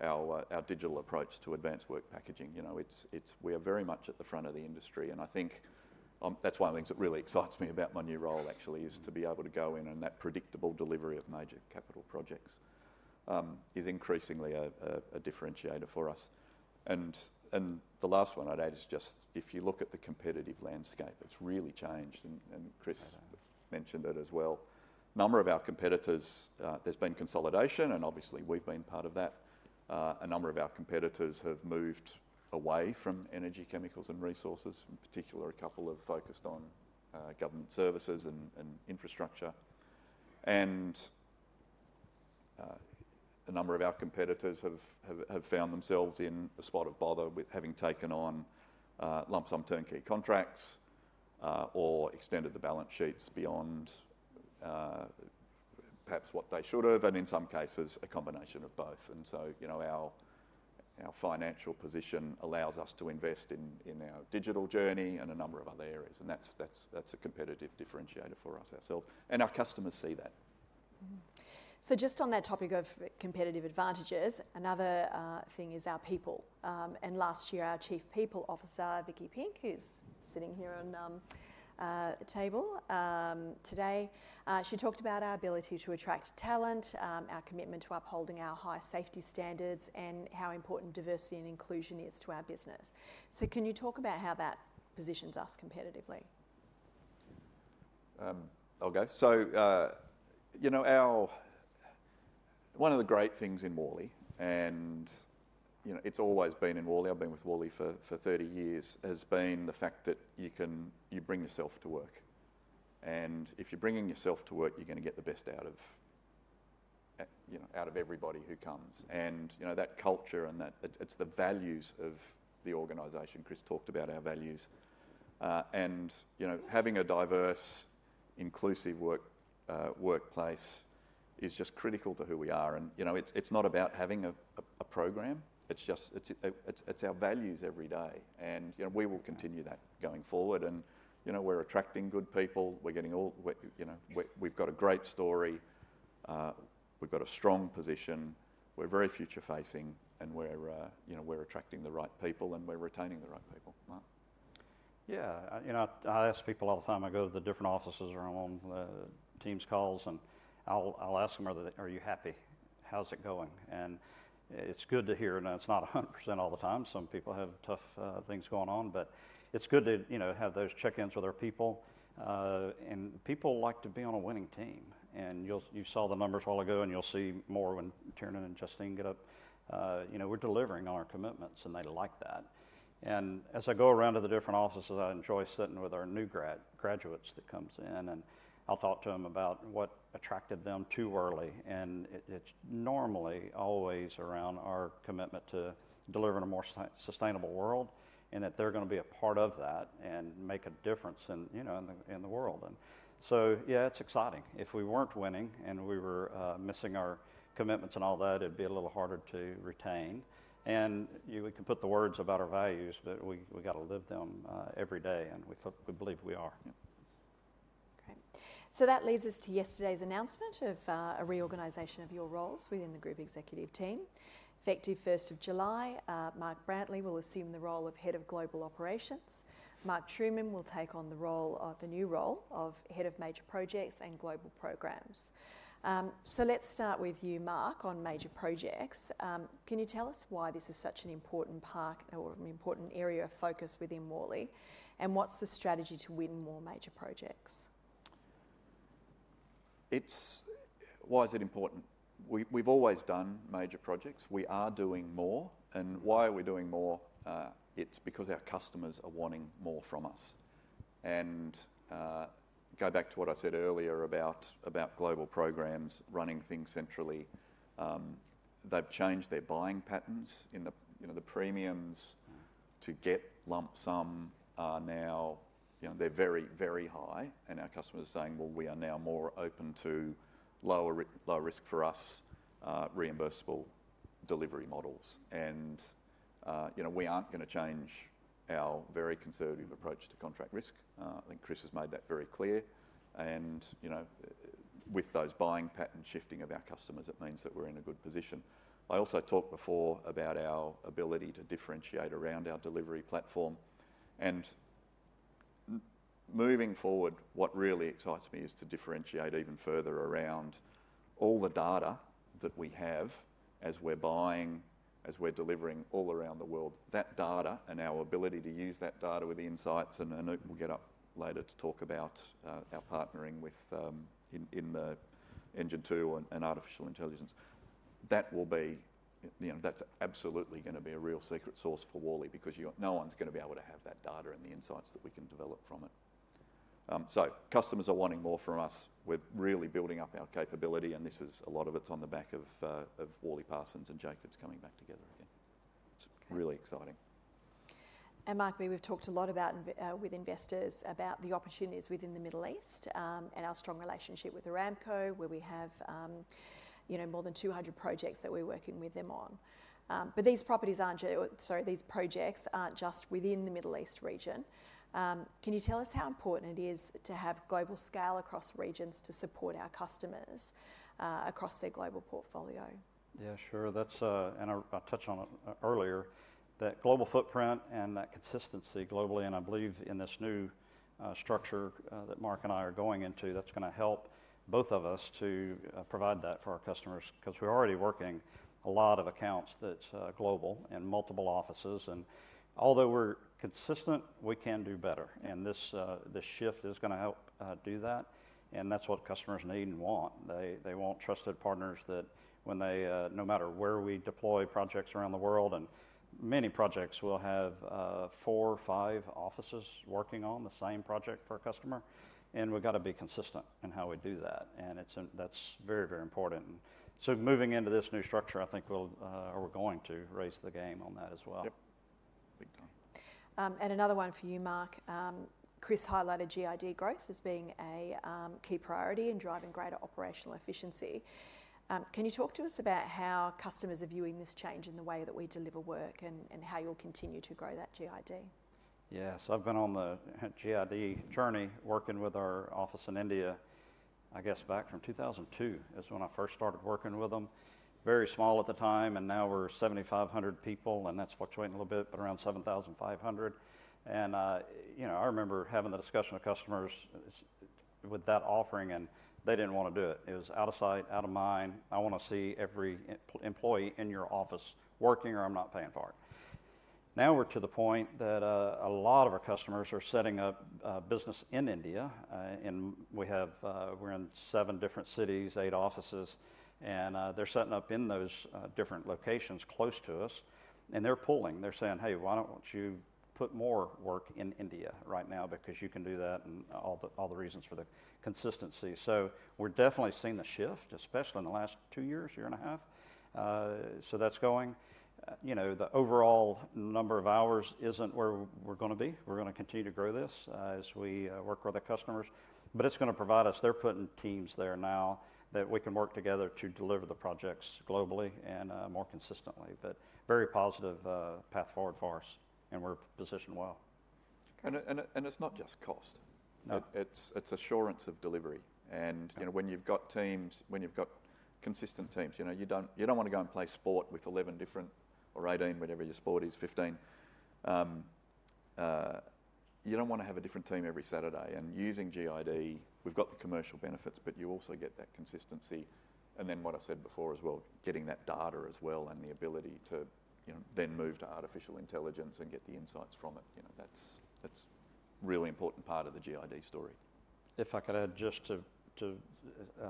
our digital approach to advanced work packaging. We are very much at the front of the industry. I think that is one of the things that really excites me about my new role, actually, to be able to go in and that predictable delivery of major capital projects is increasingly a differentiator for us. The last one I would add is just if you look at the competitive landscape, it has really changed. Chris mentioned it as well. A number of our competitors, there has been consolidation, and obviously, we have been part of that. A number of our competitors have moved away from energy, chemicals, and resources, in particular, a couple have focused on government services and infrastructure. A number of our competitors have found themselves in a spot of bother with having taken on lump sum turnkey contracts or extended the balance sheets beyond perhaps what they should have, and in some cases, a combination of both. Our financial position allows us to invest in our digital journey and a number of other areas. That is a competitive differentiator for us ourselves. Our customers see that. Just on that topic of competitive advantages, another thing is our people. Last year, our Chief People Officer, Vikky Pink, who's sitting here on the table today, talked about our ability to attract talent, our commitment to upholding our high safety standards, and how important diversity and inclusion is to our business. Can you talk about how that positions us competitively? I'll go. One of the great things in Worley, and it's always been in Worley, I've been with Worley for 30 years, has been the fact that you bring yourself to work. If you're bringing yourself to work, you're going to get the best out of everybody who comes. That culture and that, it's the values of the organization. Chris talked about our values. Having a diverse, inclusive workplace is just critical to who we are. It's not about having a program. It's our values every day. We will continue that going forward. We are attracting good people. We have got a great story. We have got a strong position. We are very future-facing, and we are attracting the right people, and we are retaining the right people. I ask people all the time. I go to the different offices or on the team's calls, and I will ask them, "Are you happy? How is it going?" It is good to hear. It is not 100% all the time. Some people have tough things going on, but it is good to have those check-ins with our people. People like to be on a winning team. You saw the numbers a while ago, and you will see more when Tiernan and Justine get up. We are delivering on our commitments, and they like that. As I go around to the different offices, I enjoy sitting with our new graduates that come in, and I'll talk to them about what attracted them to Worley. It's normally always around our commitment to delivering a more sustainable world and that they're going to be a part of that and make a difference in the world. Yeah, it's exciting. If we weren't winning and we were missing our commitments and all that, it'd be a little harder to retain. We can put the words about our values, but we got to live them every day, and we believe we are. Okay. That leads us to yesterday's announcement of a reorganization of your roles within the group executive team. Effective 1st of July, Mark Brantley will assume the role of Head of Global Operations. Mark Trueman will take on the new role of Head of Major Projects and Global Programs. Let's start with you, Mark, on major projects. Can you tell us why this is such an important part or an important area of focus within Worley, and what's the strategy to win more major projects? Why is it important? We've always done major projects. We are doing more. And why are we doing more? It's because our customers are wanting more from us. Go back to what I said earlier about global programs, running things centrally. They've changed their buying patterns. The premiums to get lump sum are now very, very high. Our customers are saying, "We are now more open to lower risk for us, reimbursable delivery models." We aren't going to change our very conservative approach to contract risk. I think Chris has made that very clear. With those buying patterns shifting of our customers, it means that we're in a good position. I also talked before about our ability to differentiate around our delivery platform. Moving forward, what really excites me is to differentiate even further around all the data that we have as we're buying, as we're delivering all around the world, that data and our ability to use that data with the insights. Anup will get up later to talk about our partnering in the Engine 2 and artificial intelligence. That will be that's absolutely going to be a real secret sauce for Worley because no one's going to be able to have that data and the insights that we can develop from it. Customers are wanting more from us. We're really building up our capability, and a lot of it's on the back of Worley Parsons and Jacobs coming back together again. It's really exciting. Mark, we've talked a lot with investors about the opportunities within the Middle East and our strong relationship with Aramco, where we have more than 200 projects that we're working with them on. These projects aren't just within the Middle East region. Can you tell us how important it is to have global scale across regions to support our customers across their global portfolio? Yeah, sure. I touched on it earlier, that global footprint and that consistency globally. I believe in this new structure that Mark and I are going into, that's going to help both of us to provide that for our customers because we're already working a lot of accounts that's global and multiple offices. Although we're consistent, we can do better. This shift is going to help do that. That's what customers need and want. They want trusted partners that, no matter where we deploy projects around the world, and many projects will have four or five offices working on the same project for a customer. We've got to be consistent in how we do that. That's very, very important. Moving into this new structure, I think we're going to raise the game on that as well. Yep. Big time. Another one for you, Mark. Chris highlighted GID growth as being a key priority in driving greater operational efficiency. Can you talk to us about how customers are viewing this change in the way that we deliver work and how you'll continue to grow that GID? Yeah. I've been on the GID journey working with our office in India, I guess back from 2002 is when I first started working with them. Very small at the time, and now we're 7,500 people, and that's fluctuating a little bit, but around 7,500. I remember having the discussion with customers with that offering, and they didn't want to do it. It was out of sight, out of mind. I want to see every employee in your office working or I'm not paying for it. Now we're to the point that a lot of our customers are setting up business in India, and we're in seven different cities, eight offices, and they're setting up in those different locations close to us. They're pulling. They're saying, "Hey, why don't you put more work in India right now because you can do that and all the reasons for the consistency?" We're definitely seeing the shift, especially in the last two years, year and a half. That's going. The overall number of hours isn't where we're going to be. We're going to continue to grow this as we work with our customers. It's going to provide us they're putting teams there now that we can work together to deliver the projects globally and more consistently. Very positive path forward for us, and we're positioned well. It's not just cost. It's assurance of delivery. When you've got teams, when you've got consistent teams, you don't want to go and play sport with 11 different or 18, whatever your sport is, 15. You don't want to have a different team every Saturday. Using GID, we've got the commercial benefits, but you also get that consistency. What I said before as well, getting that data as well and the ability to then move to artificial intelligence and get the insights from it. That's a really important part of the GID story. If I could add just to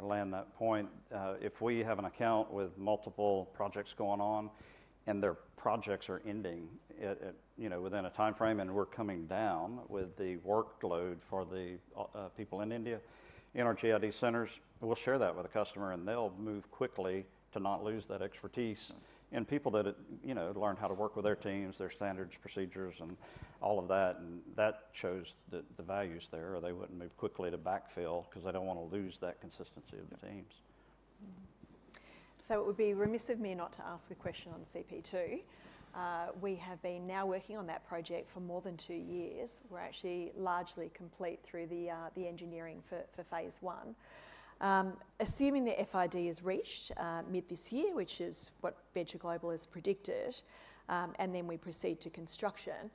land that point, if we have an account with multiple projects going on and their projects are ending within a timeframe and we're coming down with the workload for the people in India in our GID centres, we'll share that with a customer, and they'll move quickly to not lose that expertise. And people that learn how to work with their teams, their standards, procedures, and all of that, and that shows the values there. They wouldn't move quickly to backfill because they don't want to lose that consistency of the teams. It would be remiss of me not to ask a question on CP2. We have been now working on that project for more than two years. We're actually largely complete through the engineering for phase I. Assuming the FID is reached mid this year, which is what Venture Global has predicted, and then we proceed to construction,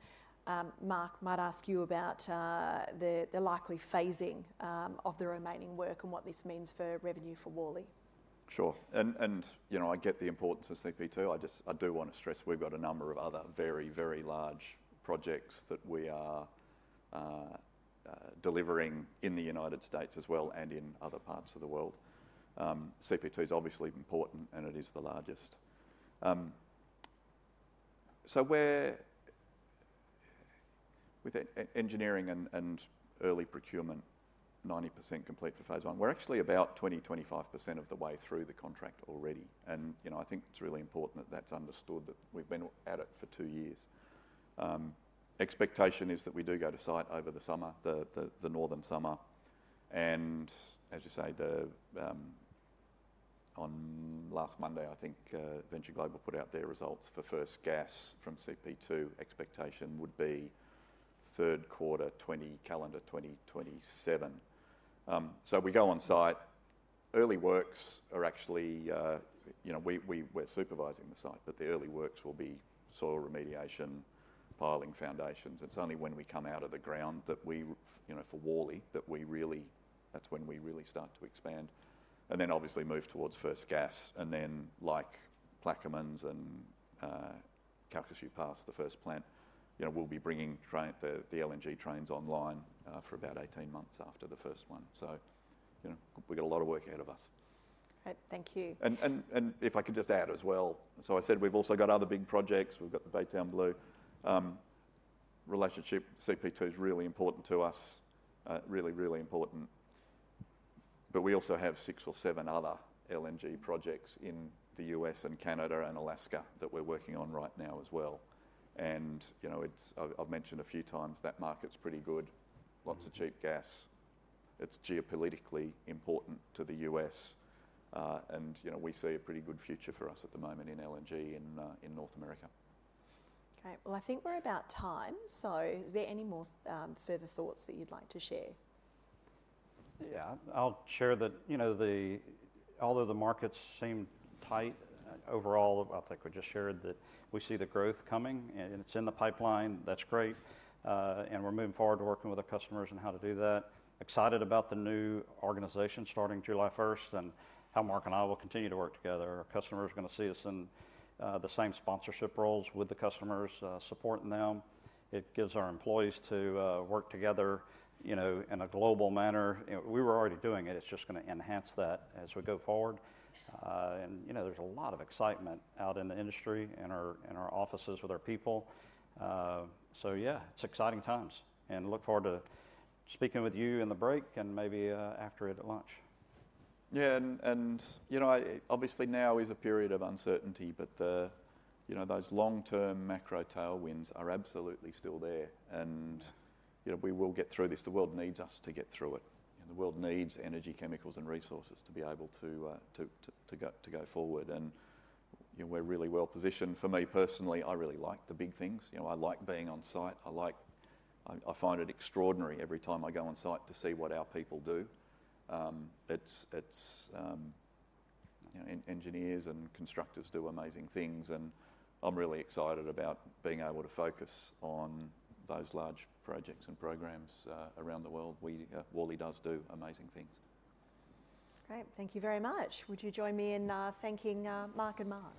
Mark might ask you about the likely phasing of the remaining work and what this means for revenue for Worley. Sure. I get the importance of CP2. I do want to stress we've got a number of other very, very large projects that we are delivering in the United States as well and in other parts of the world. CP2 is obviously important, and it is the largest. With engineering and early procurement, 90% complete for phase I, we're actually about 20-25% of the way through the contract already. I think it's really important that that's understood that we've been at it for two years. Expectation is that we do go to site over the summer, the northern summer. As you say, on last Monday, I think Venture Global put out their results for first gas from CP2. Expectation would be third quarter, calendar 2027. We go on site. Early works are actually we're supervising the site, but the early works will be soil remediation, piling foundations. It's only when we come out of the ground that for Worley, that's when we really start to expand. Obviously, we move towards first gas. Like Placermans and Calcasieu Pass, the first plant, we'll be bringing the LNG trains online for about 18 months after the first one. We've got a lot of work ahead of us. All right. Thank you. If I could just add as well, we've also got other big projects. We've got the Baytown Blue relationship. CP2 is really important to us, really, really important. We also have six or seven other LNG projects in the US and Canada and Alaska that we're working on right now as well. I've mentioned a few times that market's pretty good. Lots of cheap gas. It's geopolitically important to the US. We see a pretty good future for us at the moment in LNG in North America. I think we're about time. Is there any more further thoughts that you'd like to share? Yeah. I'll share that although the markets seem tight overall, I think we just shared that we see the growth coming, and it's in the pipeline. That's great. We're moving forward to working with our customers and how to do that. Excited about the new organisation starting July 1 and how Mark and I will continue to work together. Our customers are going to see us in the same sponsorship roles with the customers, supporting them. It gives our employees the ability to work together in a global manner. We were already doing it. It is just going to enhance that as we go forward. There is a lot of excitement out in the industry and our offices with our people. Yeah, it is exciting times. I look forward to speaking with you in the break and maybe after it at lunch. Obviously, now is a period of uncertainty, but those long-term macro tailwinds are absolutely still there. We will get through this. The world needs us to get through it. The world needs energy, chemicals, and resources to be able to go forward. We are really well positioned. For me personally, I really like the big things. I like being on site. I find it extraordinary every time I go on site to see what our people do. Engineers and constructors do amazing things. I am really excited about being able to focus on those large projects and programs around the world. Worley does do amazing things. Great. Thank you very much. Would you join me in thanking Mark and Mark?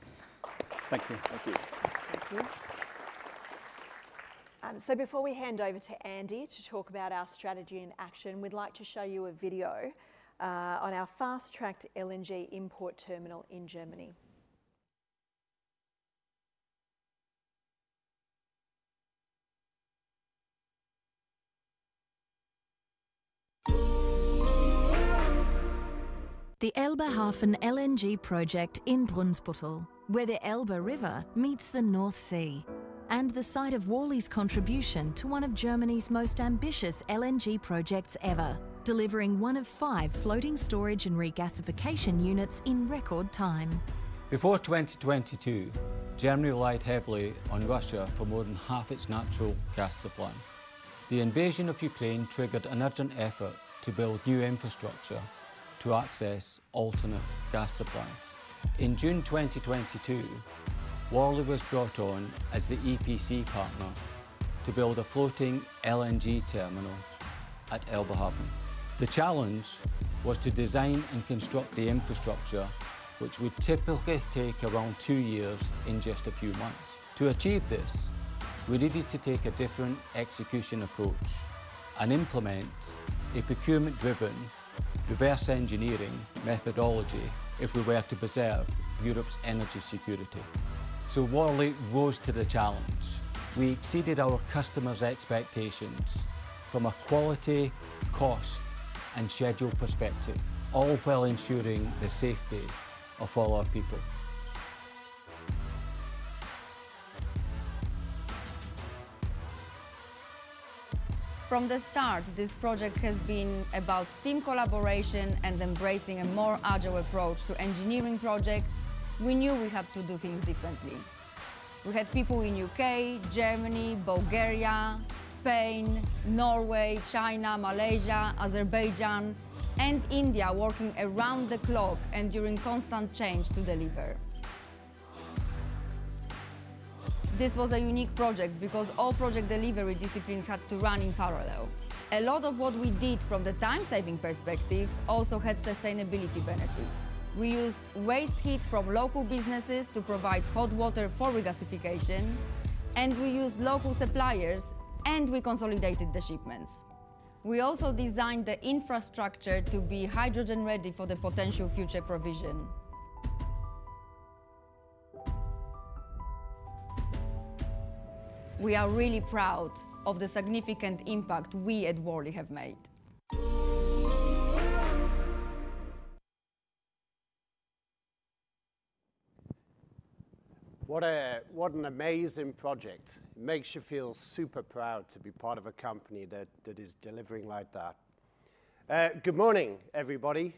Thank you. Thank you. Thank you. Before we hand over to Andy to talk about our strategy in action, we would like to show you a video on our fast-tracked LNG import terminal in Germany. The Elbehafen LNG project in Brunsbüttel, where the Elbe River meets the North Sea, and the site of Worley's contribution to one of Germany's most ambitious LNG projects ever, delivering one of five floating storage and regasification units in record time. Before 2022, Germany relied heavily on Russia for more than half its natural gas supply. The invasion of Ukraine triggered an urgent effort to build new infrastructure to access alternate gas supplies. In June 2022, Worley was brought on as the EPC partner to build a floating LNG terminal at Elbehafen. The challenge was to design and construct the infrastructure, which would typically take around two years, in just a few months. To achieve this, we needed to take a different execution approach and implement a procurement-driven reverse engineering methodology if we were to preserve Europe's energy security. Worley rose to the challenge. We exceeded our customers' expectations from a quality, cost, and schedule perspective, all while ensuring the safety of all our people. From the start, this project has been about team collaboration and embracing a more agile approach to engineering projects. We knew we had to do things differently. We had people in the U.K., Germany, Bulgaria, Spain, Norway, China, Malaysia, Azerbaijan, and India working around the clock and during constant change to deliver. This was a unique project because all project delivery disciplines had to run in parallel. A lot of what we did from the time-saving perspective also had sustainability benefits. We used waste heat from local businesses to provide hot water for regassification, and we used local suppliers, and we consolidated the shipments. We also designed the infrastructure to be hydrogen-ready for the potential future provision. We are really proud of the significant impact we at Worley have made. What an amazing project. It makes you feel super proud to be part of a company that is delivering like that. Good morning, everybody.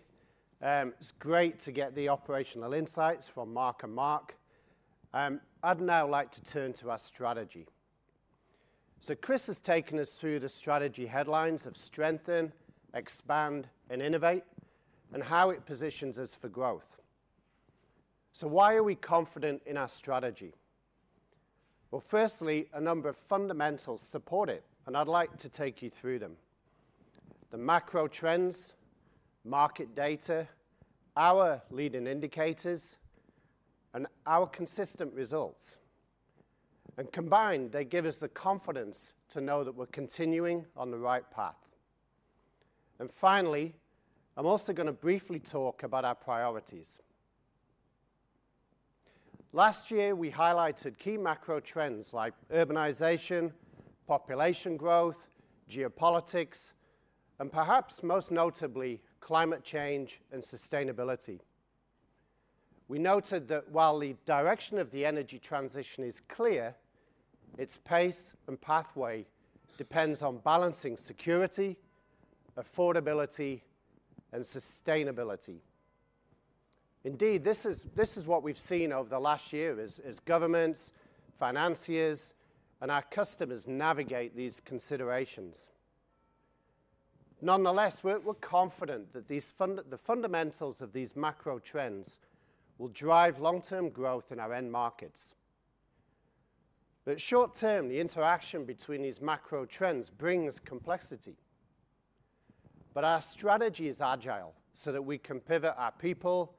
It's great to get the operational insights from Mark and Mark. I'd now like to turn to our strategy. Chris has taken us through the strategy headlines of Strengthen, Expand, and Innovate, and how it positions us for growth. Why are we confident in our strategy? Firstly, a number of fundamentals support it, and I'd like to take you through them. The macro trends, market data, our leading indicators, and our consistent results. Combined, they give us the confidence to know that we're continuing on the right path. Finally, I'm also going to briefly talk about our priorities. Last year, we highlighted key macro trends like urbanization, population growth, geopolitics, and perhaps most notably, climate change and sustainability. We noted that while the direction of the energy transition is clear, its pace and pathway depends on balancing security, affordability, and sustainability. Indeed, this is what we've seen over the last year as governments, financiers, and our customers navigate these considerations. Nonetheless, we're confident that the fundamentals of these macro trends will drive long-term growth in our end markets. Short-term, the interaction between these macro trends brings complexity. Our strategy is agile so that we can pivot our people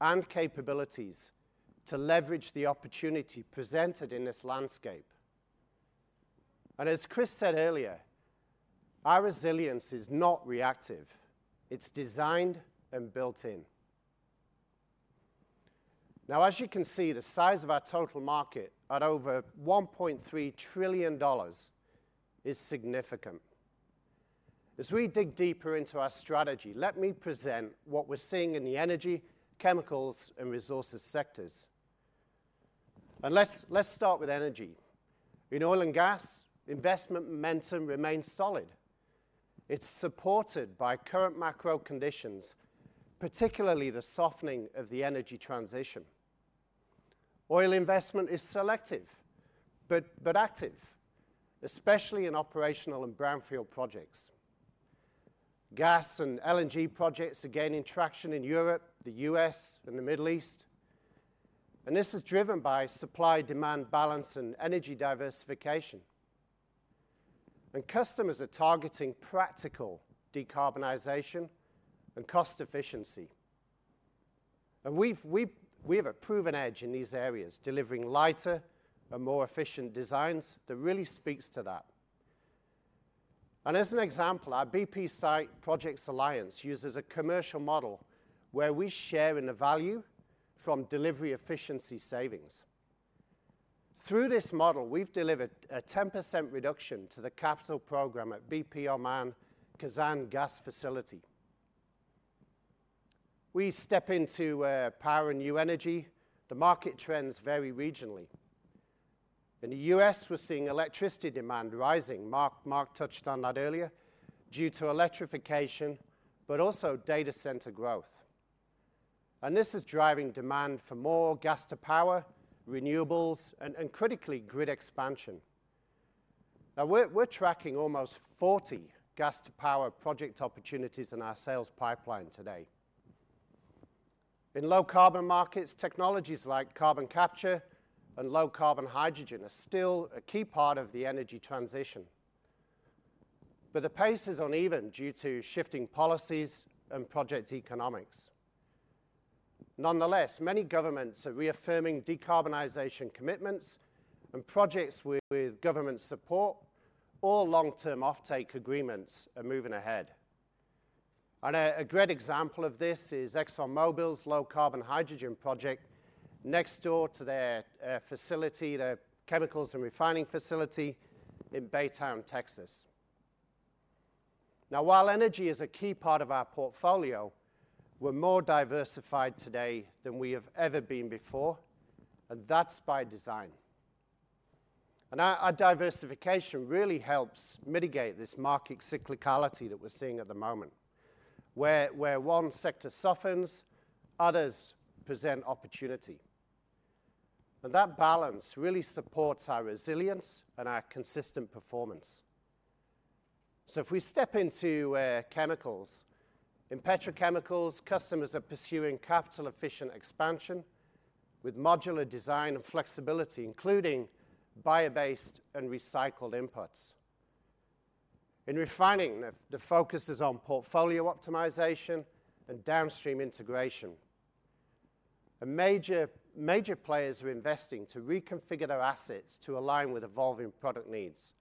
and capabilities to leverage the opportunity presented in this landscape. As Chris said earlier, our resilience is not reactive. It's designed and built in. Now, as you can see, the size of our total market at over $1.3 trillion is significant. As we dig deeper into our strategy, let me present what we're seeing in the energy, chemicals, and resources sectors. Let's start with energy. In oil and gas, investment momentum remains solid. It's supported by current macro conditions, particularly the softening of the energy transition. Oil investment is selective but active, especially in operational and brownfield projects. Gas and LNG projects are gaining traction in Europe, the U.S., and the Middle East. This is driven by supply-demand balance and energy diversification. Customers are targeting practical decarbonization and cost efficiency. We have a proven edge in these areas, delivering lighter and more efficient designs. That really speaks to that. As an example, our BP site projects alliance uses a commercial model where we share in the value from delivery efficiency savings. Through this model, we have delivered a 10% reduction to the capital program at BP Oman Kazan gas facility. We step into power and new energy. The market trends vary regionally. In the U.S., we are seeing electricity demand rising. Mark touched on that earlier due to electrification, but also data centre growth. This is driving demand for more gas-to-power, renewables, and critically, grid expansion. Now, we're tracking almost 40 gas-to-power project opportunities in our sales pipeline today. In low-carbon markets, technologies like carbon capture and low-carbon hydrogen are still a key part of the energy transition. The pace is uneven due to shifting policies and project economics. Nonetheless, many governments are reaffirming decarbonization commitments and projects with government support, or long-term offtake agreements are moving ahead. A great example of this is ExxonMobil's low-carbon hydrogen project next door to their chemicals and refining facility in Baytown, Texas. Now, while energy is a key part of our portfolio, we're more diversified today than we have ever been before, and that's by design. Our diversification really helps mitigate this market cyclicality that we're seeing at the moment, where one sector softens, others present opportunity. That balance really supports our resilience and our consistent performance. If we step into chemicals, in petrochemicals, customers are pursuing capital-efficient expansion with modular design and flexibility, including bio-based and recycled inputs. In refining, the focus is on portfolio optimization and downstream integration. Major players are investing to reconfigure their assets to align with evolving product needs.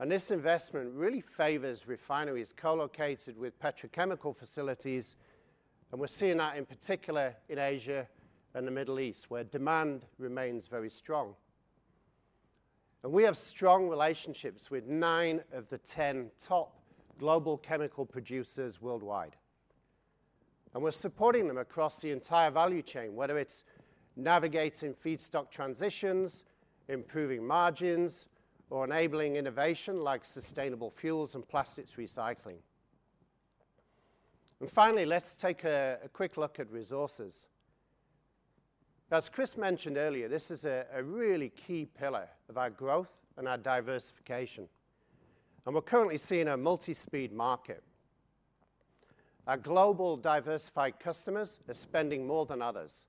This investment really favors refineries co-located with petrochemical facilities, and we are seeing that in particular in Asia and the Middle East, where demand remains very strong. We have strong relationships with nine of the ten top global chemical producers worldwide. We are supporting them across the entire value chain, whether it is navigating feedstock transitions, improving margins, or enabling innovation like sustainable fuels and plastics recycling. Finally, let's take a quick look at resources. As Chris mentioned earlier, this is a really key pillar of our growth and our diversification. We are currently seeing a multi-speed market. Our global diversified customers are spending more than others,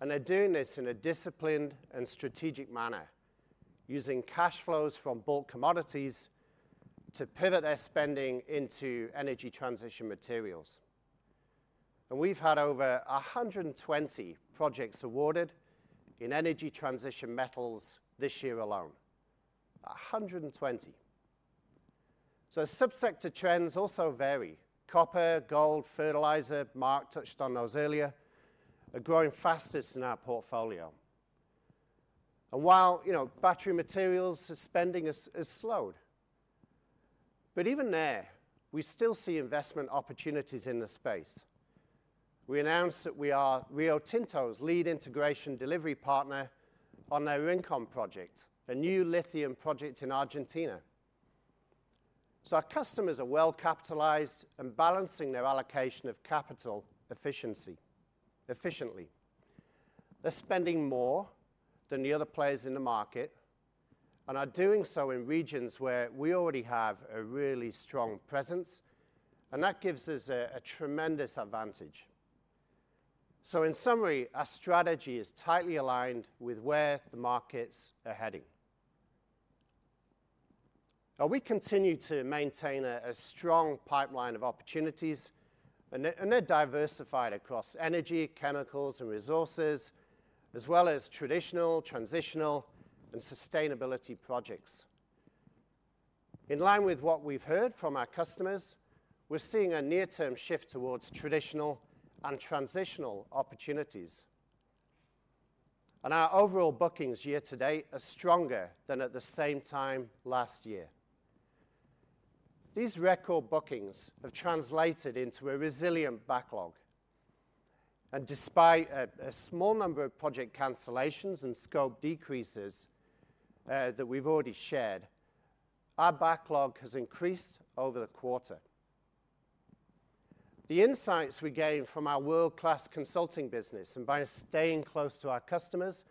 and they're doing this in a disciplined and strategic manner, using cash flows from bulk commodities to pivot their spending into energy transition materials. We have had over 120 projects awarded in energy transition metals this year alone. 120. Subsector trends also vary. Copper, gold, fertilizer, Mark touched on those earlier, are growing fastest in our portfolio. While battery materials, the spending has slowed. Even there, we still see investment opportunities in the space. We announced that we are Rio Tinto's lead integration delivery partner on their Rincón project, a new lithium project in Argentina. Our customers are well capitalized and balancing their allocation of capital efficiently. They're spending more than the other players in the market and are doing so in regions where we already have a really strong presence, and that gives us a tremendous advantage. In summary, our strategy is tightly aligned with where the markets are heading. We continue to maintain a strong pipeline of opportunities, and they're diversified across energy, chemicals, and resources, as well as traditional, transitional, and sustainability projects. In line with what we've heard from our customers, we're seeing a near-term shift towards traditional and transitional opportunities. Our overall bookings year to date are stronger than at the same time last year. These record bookings have translated into a resilient backlog. Despite a small number of project cancellations and scope decreases that we've already shared, our backlog has increased over the quarter. The insights we gain from our world-class consulting business and by staying close to our customers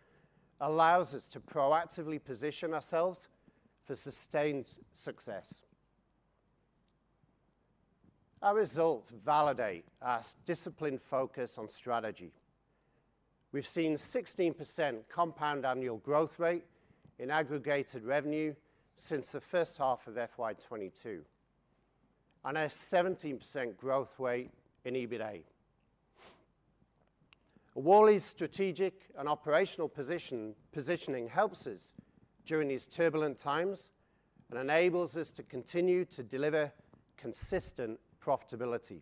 allows us to proactively position ourselves for sustained success. Our results validate our disciplined focus on strategy. We've seen 16% compound annual growth rate in aggregated revenue since the first half of FY2022, and a 17% growth rate in EBITDA. Worley's strategic and operational positioning helps us during these turbulent times and enables us to continue to deliver consistent profitability.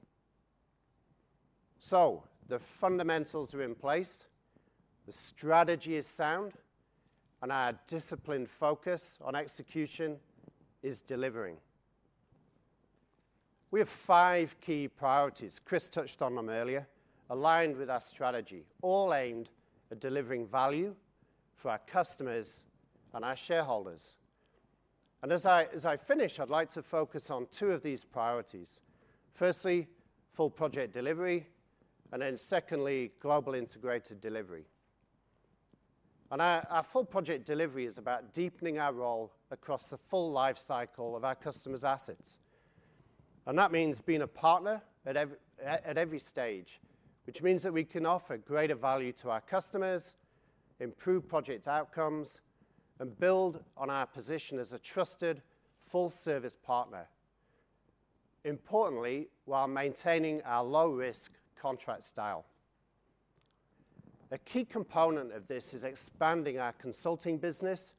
The fundamentals are in place, the strategy is sound, and our disciplined focus on execution is delivering. We have five key priorities, Chris touched on them earlier, aligned with our strategy, all aimed at delivering value for our customers and our shareholders. As I finish, I'd like to focus on two of these priorities. Firstly, full project delivery, and then secondly, global integrated delivery. Our full project delivery is about deepening our role across the full lifecycle of our customers' assets. That means being a partner at every stage, which means that we can offer greater value to our customers, improve project outcomes, and build on our position as a trusted full-service partner, importantly while maintaining our low-risk contract style. A key component of this is expanding our consulting business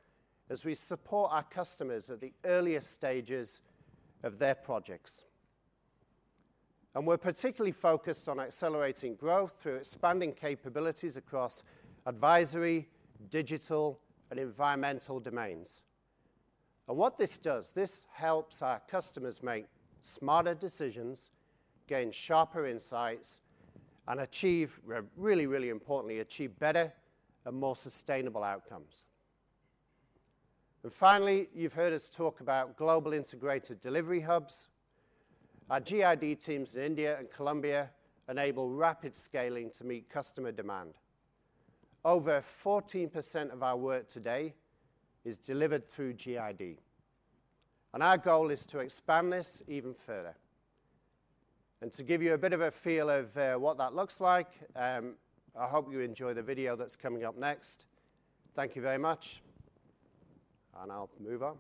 as we support our customers at the earliest stages of their projects. We're particularly focused on accelerating growth through expanding capabilities across advisory, digital, and environmental domains. What this does is help our customers make smarter decisions, gain sharper insights, and achieve, really, really importantly, achieve better and more sustainable outcomes. Finally, you've heard us talk about global integrated delivery hubs. Our GID teams in India and Colombia enable rapid scaling to meet customer demand. Over 14% of our work today is delivered through GID. Our goal is to expand this even further. To give you a bit of a feel of what that looks like, I hope you enjoy the video that is coming up next. Thank you very much, and I will move on.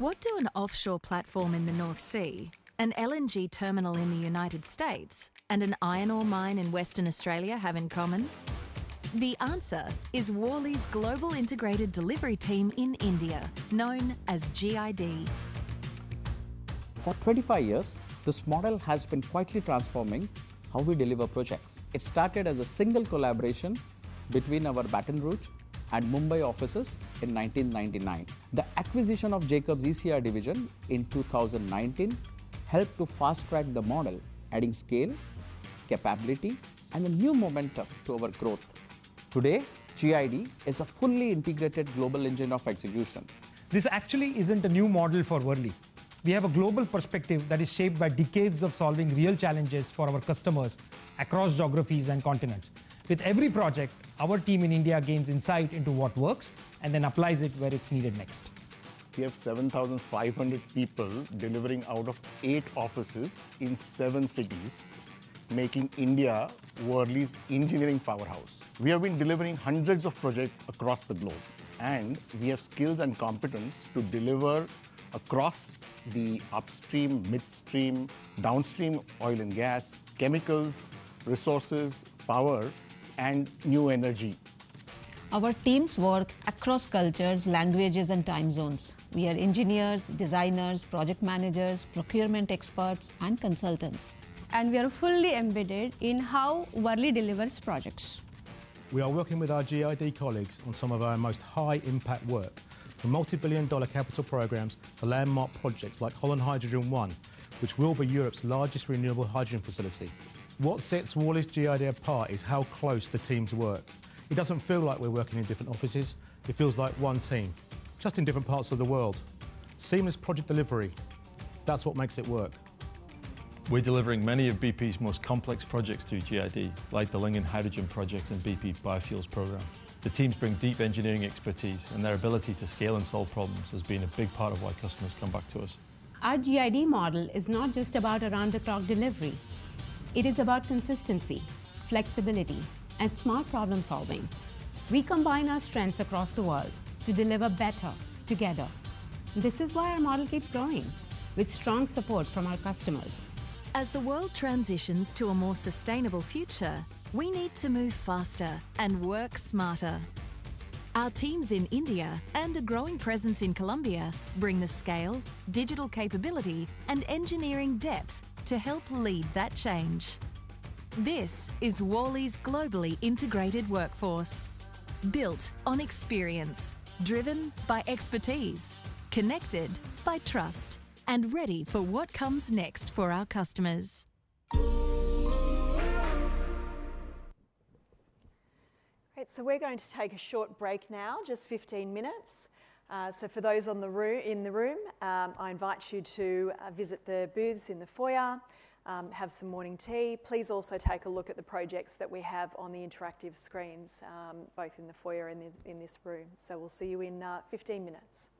What do an offshore platform in the North Sea, an LNG terminal in the United States, and an iron ore mine in Western Australia have in common? The answer is Worley's global integrated delivery team in India, known as GID. For 25 years, this model has been quietly transforming how we deliver projects. It started as a single collaboration between our Baton Rouge and Mumbai offices in 1999. The acquisition of Jacobs ECR division in 2019 helped to fast-track the model, adding scale, capability, and a new momentum to our growth. Today, GID is a fully integrated global engine of execution. This actually isn't a new model for Worley. We have a global perspective that is shaped by decades of solving real challenges for our customers across geographies and continents. With every project, our team in India gains insight into what works and then applies it where it's needed next. We have 7,500 people delivering out of eight offices in seven cities, making India Worley's engineering powerhouse. We have been delivering hundreds of projects across the globe, and we have skills and competence to deliver across the upstream, midstream, downstream oil and gas, chemicals, resources, power, and new energy. Our teams work across cultures, languages, and time zones. We are engineers, designers, project managers, procurement experts, and consultants. We are fully embedded in how Worley delivers projects. We are working with our GID colleagues on some of our most high-impact work, from multi-billion dollar capital programs to landmark projects like Holland Hydrogen 1, which will be Europe's largest renewable hydrogen facility. What sets Worley's GID apart is how close the teams work. It does not feel like we are working in different offices. It feels like one team, just in different parts of the world. Seamless project delivery, that is what makes it work. We are delivering many of BP's most complex projects through GID, like the Lincoln Hydrogen Project and BP Biofuels Program. The teams bring deep engineering expertise, and their ability to scale and solve problems has been a big part of why customers come back to us. Our GID model is not just about around-the-clock delivery. It is about consistency, flexibility, and smart problem-solving. We combine our strengths across the world to deliver better together. This is why our model keeps growing, with strong support from our customers. As the world transitions to a more sustainable future, we need to move faster and work smarter. Our teams in India and a growing presence in Colombia bring the scale, digital capability, and engineering depth to help lead that change. This is Worley's globally integrated workforce, built on experience, driven by expertise, connected by trust, and ready for what comes next for our customers. Right, we are going to take a short break now, just 15 minutes. For those in the room, I invite you to visit the booths in the foyer, have some morning tea. Please also take a look at the projects that we have on the interactive screens, both in the foyer and in this room. We will see you in 15 minutes.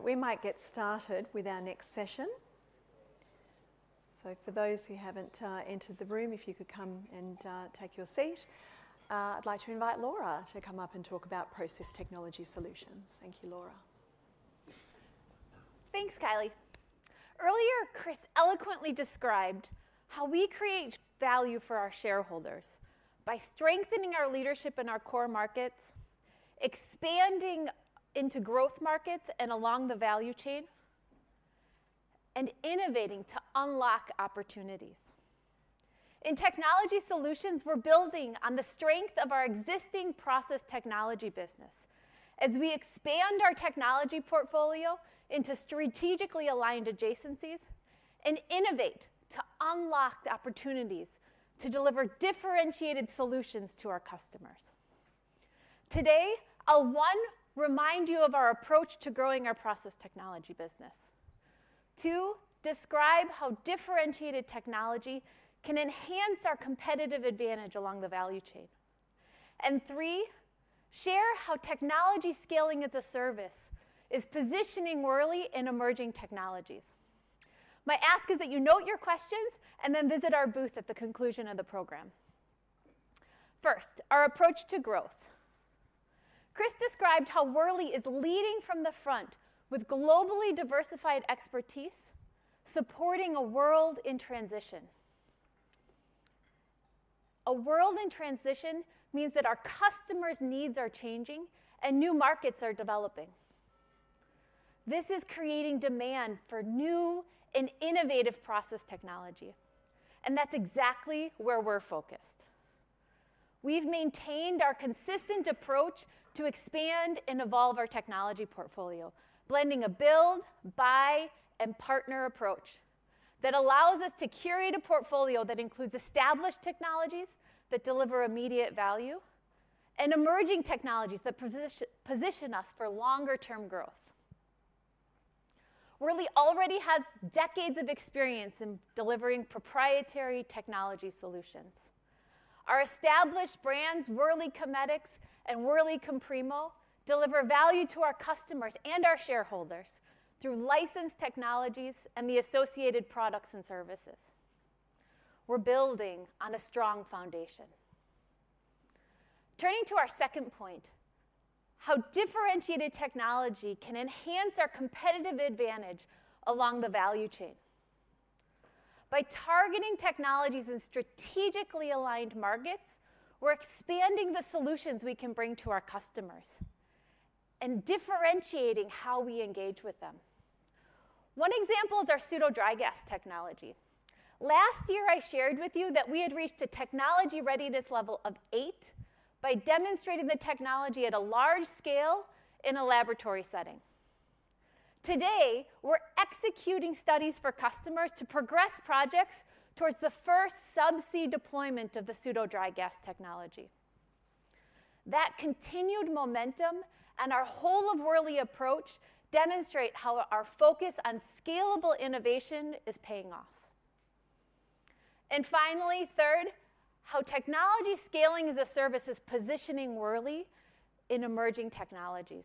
Right, we might get started with our next session. For those who have not entered the room, if you could come and take your seat, I would like to invite Laura to come up and talk about process technology solutions. Thank you, Laura. Thanks, Kylie. Earlier, Chris eloquently described how we create value for our shareholders by strengthening our leadership in our core markets, expanding into growth markets and along the value chain, and innovating to unlock opportunities. In technology solutions, we are building on the strength of our existing process technology business as we expand our technology portfolio into strategically aligned adjacencies and innovate to unlock the opportunities to deliver differentiated solutions to our customers. Today, I will, one, remind you of our approach to growing our process technology business. Two, describe how differentiated technology can enhance our competitive advantage along the value chain. Three, share how technology scaling as a service is positioning Worley in emerging technologies. My ask is that you note your questions and then visit our booth at the conclusion of the program. First, our approach to growth. Chris described how Worley is leading from the front with globally diversified expertise, supporting a world in transition. A world in transition means that our customers' needs are changing and new markets are developing. This is creating demand for new and innovative process technology, and that's exactly where we're focused. We've maintained our consistent approach to expand and evolve our technology portfolio, blending a build, buy, and partner approach that allows us to curate a portfolio that includes established technologies that deliver immediate value and emerging technologies that position us for longer-term growth. Worley already has decades of experience in delivering proprietary technology solutions. Our established brands, Worley Kinetics and Worley Comprimo, deliver value to our customers and our shareholders through licensed technologies and the associated products and services. We're building on a strong foundation. Turning to our second point, how differentiated technology can enhance our competitive advantage along the value chain. By targeting technologies in strategically aligned markets, we're expanding the solutions we can bring to our customers and differentiating how we engage with them. One example is our pseudo dry gas technology. Last year, I shared with you that we had reached a technology readiness level of 8 by demonstrating the technology at a large scale in a laboratory setting. Today, we're executing studies for customers to progress projects towards the first subsea deployment of the pseudo dry gas technology. That continued momentum and our whole-of-Worley approach demonstrate how our focus on scalable innovation is paying off. Finally, third, how technology scaling as a service is positioning Worley in emerging technologies.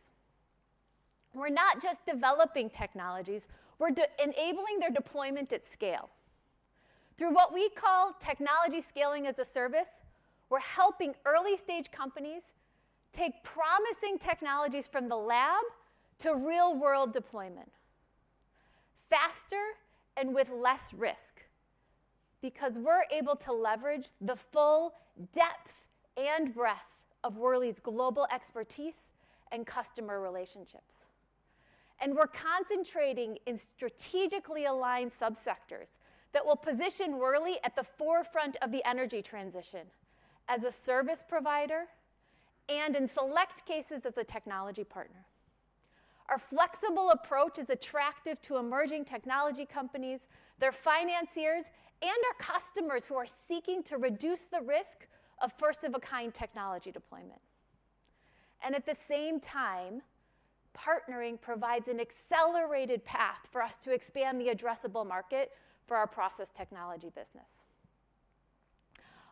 We're not just developing technologies; we're enabling their deployment at scale. Through what we call technology scaling as a service, we're helping early-stage companies take promising technologies from the lab to real-world deployment faster and with less risk because we're able to leverage the full depth and breadth of Worley's global expertise and customer relationships. We're concentrating in strategically aligned subsectors that will position Worley at the forefront of the energy transition as a service provider and, in select cases, as a technology partner. Our flexible approach is attractive to emerging technology companies, their financiers, and our customers who are seeking to reduce the risk of first-of-a-kind technology deployment. At the same time, partnering provides an accelerated path for us to expand the addressable market for our process technology business.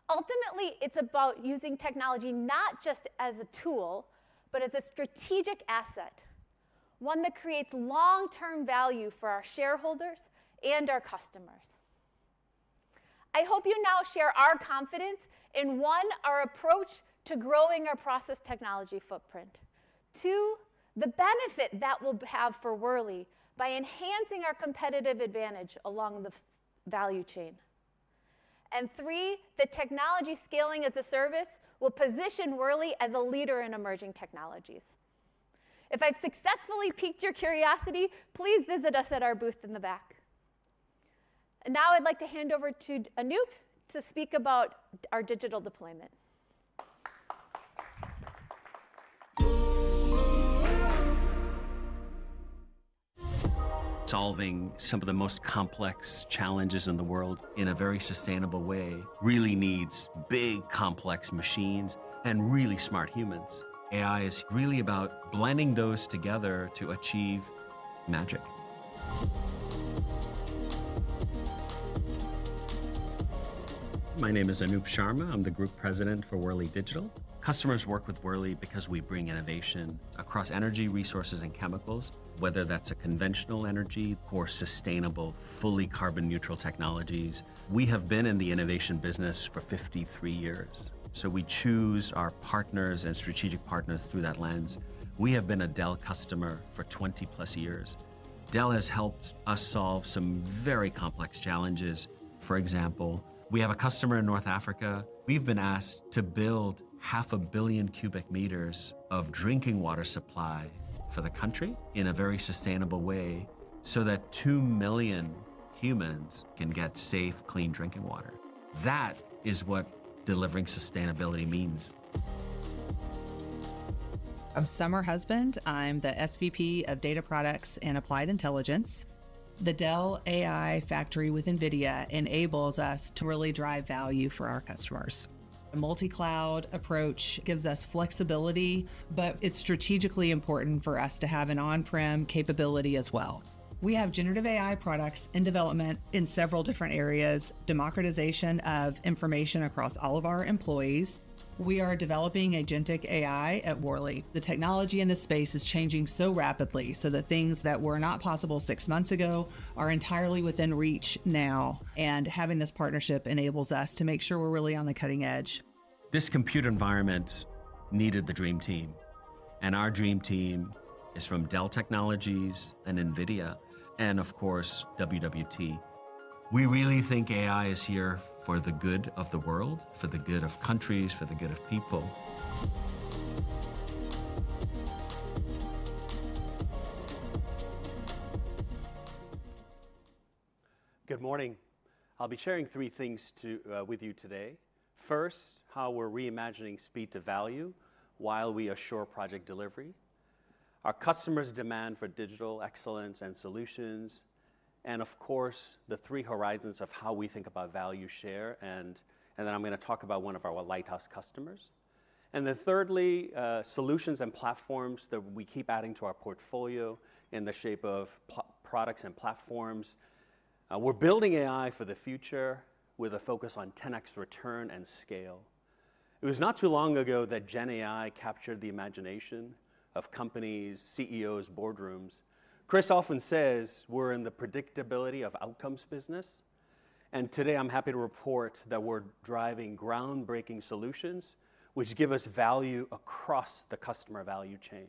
Ultimately, it's about using technology not just as a tool, but as a strategic asset, one that creates long-term value for our shareholders and our customers. I hope you now share our confidence in, one, our approach to growing our process technology footprint, two, the benefit that we'll have for Worley by enhancing our competitive advantage along the value chain, and three, that technology scaling as a service will position Worley as a leader in emerging technologies. If I've successfully piqued your curiosity, please visit us at our booth in the back. Now I'd like to hand over to Anup to speak about our digital deployment. Solving some of the most complex challenges in the world in a very sustainable way really needs big, complex machines and really smart humans. AI is really about blending those together to achieve magic. My name is Anup Sharma. I'm the Group President for Worley Digital. Customers work with Worley because we bring innovation across energy, resources, and chemicals, whether that's conventional energy or sustainable, fully carbon-neutral technologies. We have been in the innovation business for 53 years, so we choose our partners and strategic partners through that lens. We have been a Dell customer for 20-plus years. Dell has helped us solve some very complex challenges. For example, we have a customer in North Africa. We've been asked to build 500,000,000 cubic meters of drinking water supply for the country in a very sustainable way so that 2,000,000 humans can get safe, clean drinking water. That is what delivering sustainability means. I'm Summer Husband. I'm the SVP of Data Products and Applied Intelligence. The Dell AI factory with NVIDIA enables us to really drive value for our customers. A multi-cloud approach gives us flexibility, but it's strategically important for us to have an on-prem capability as well. We have generative AI products in development in several different areas, democratization of information across all of our employees. We are developing agentic AI at Worley. The technology in this space is changing so rapidly so that things that were not possible six months ago are entirely within reach now, and having this partnership enables us to make sure we're really on the cutting edge. This compute environment needed the dream team, and our dream team is from Dell Technologies and NVIDIA and, of course, WWT. We really think AI is here for the good of the world, for the good of countries, for the good of people. Good morning. I'll be sharing three things with you today. First, how we're reimagining speed to value while we assure project delivery, our customers' demand for digital excellence and solutions, and, of course, the three horizons of how we think about value share. I am going to talk about one of our lighthouse customers. Thirdly, solutions and platforms that we keep adding to our portfolio in the shape of products and platforms. We're building AI for the future with a focus on 10x return and scale. It was not too long ago that GenAI captured the imagination of companies, CEOs, boardrooms. Chris often says, "We're in the predictability of outcomes business." Today, I'm happy to report that we're driving groundbreaking solutions which give us value across the customer value chain.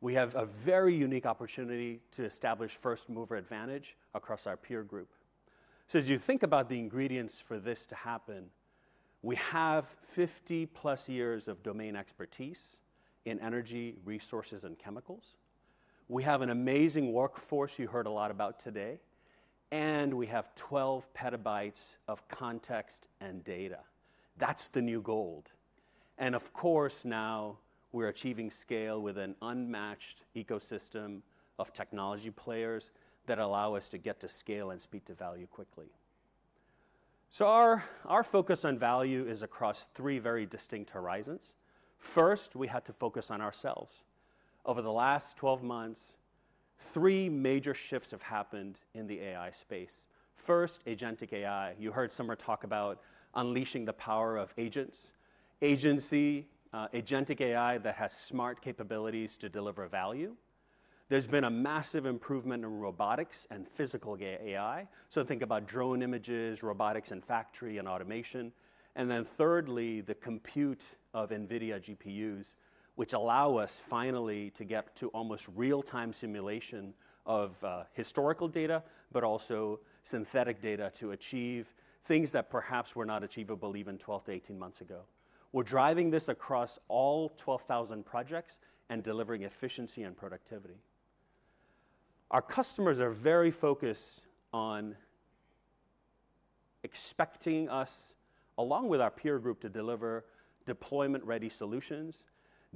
We have a very unique opportunity to establish first-mover advantage across our peer group. As you think about the ingredients for this to happen, we have 50-plus years of domain expertise in energy, resources, and chemicals. We have an amazing workforce you heard a lot about today, and we have 12 petabytes of context and data. That's the new gold. Of course, now we're achieving scale with an unmatched ecosystem of technology players that allow us to get to scale and speed to value quickly. Our focus on value is across three very distinct horizons. First, we had to focus on ourselves. Over the last 12 months, three major shifts have happened in the AI space. First, agentic AI. You heard Summer talk about unleashing the power of agents, agency, agentic AI that has smart capabilities to deliver value. There's been a massive improvement in robotics and physical AI. Think about drone images, robotics in factory and automation. Thirdly, the compute of NVIDIA GPUs, which allow us finally to get to almost real-time simulation of historical data, but also synthetic data to achieve things that perhaps were not achievable even 12 to 18 months ago. We are driving this across all 12,000 projects and delivering efficiency and productivity. Our customers are very focused on expecting us, along with our peer group, to deliver deployment-ready solutions.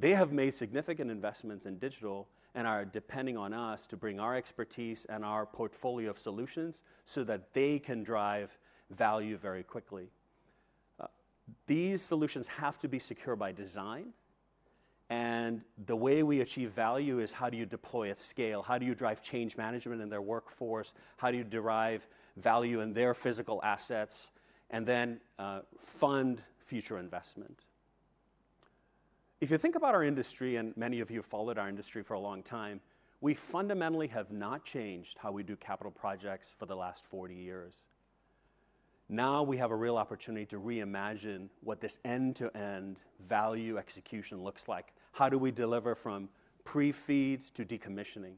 They have made significant investments in digital and are depending on us to bring our expertise and our portfolio of solutions so that they can drive value very quickly. These solutions have to be secure by design, and the way we achieve value is how do you deploy at scale? How do you drive change management in their workforce? How do you derive value in their physical assets and then fund future investment? If you think about our industry, and many of you have followed our industry for a long time, we fundamentally have not changed how we do capital projects for the last 40 years. Now we have a real opportunity to reimagine what this end-to-end value execution looks like. How do we deliver from pre-feed to decommissioning?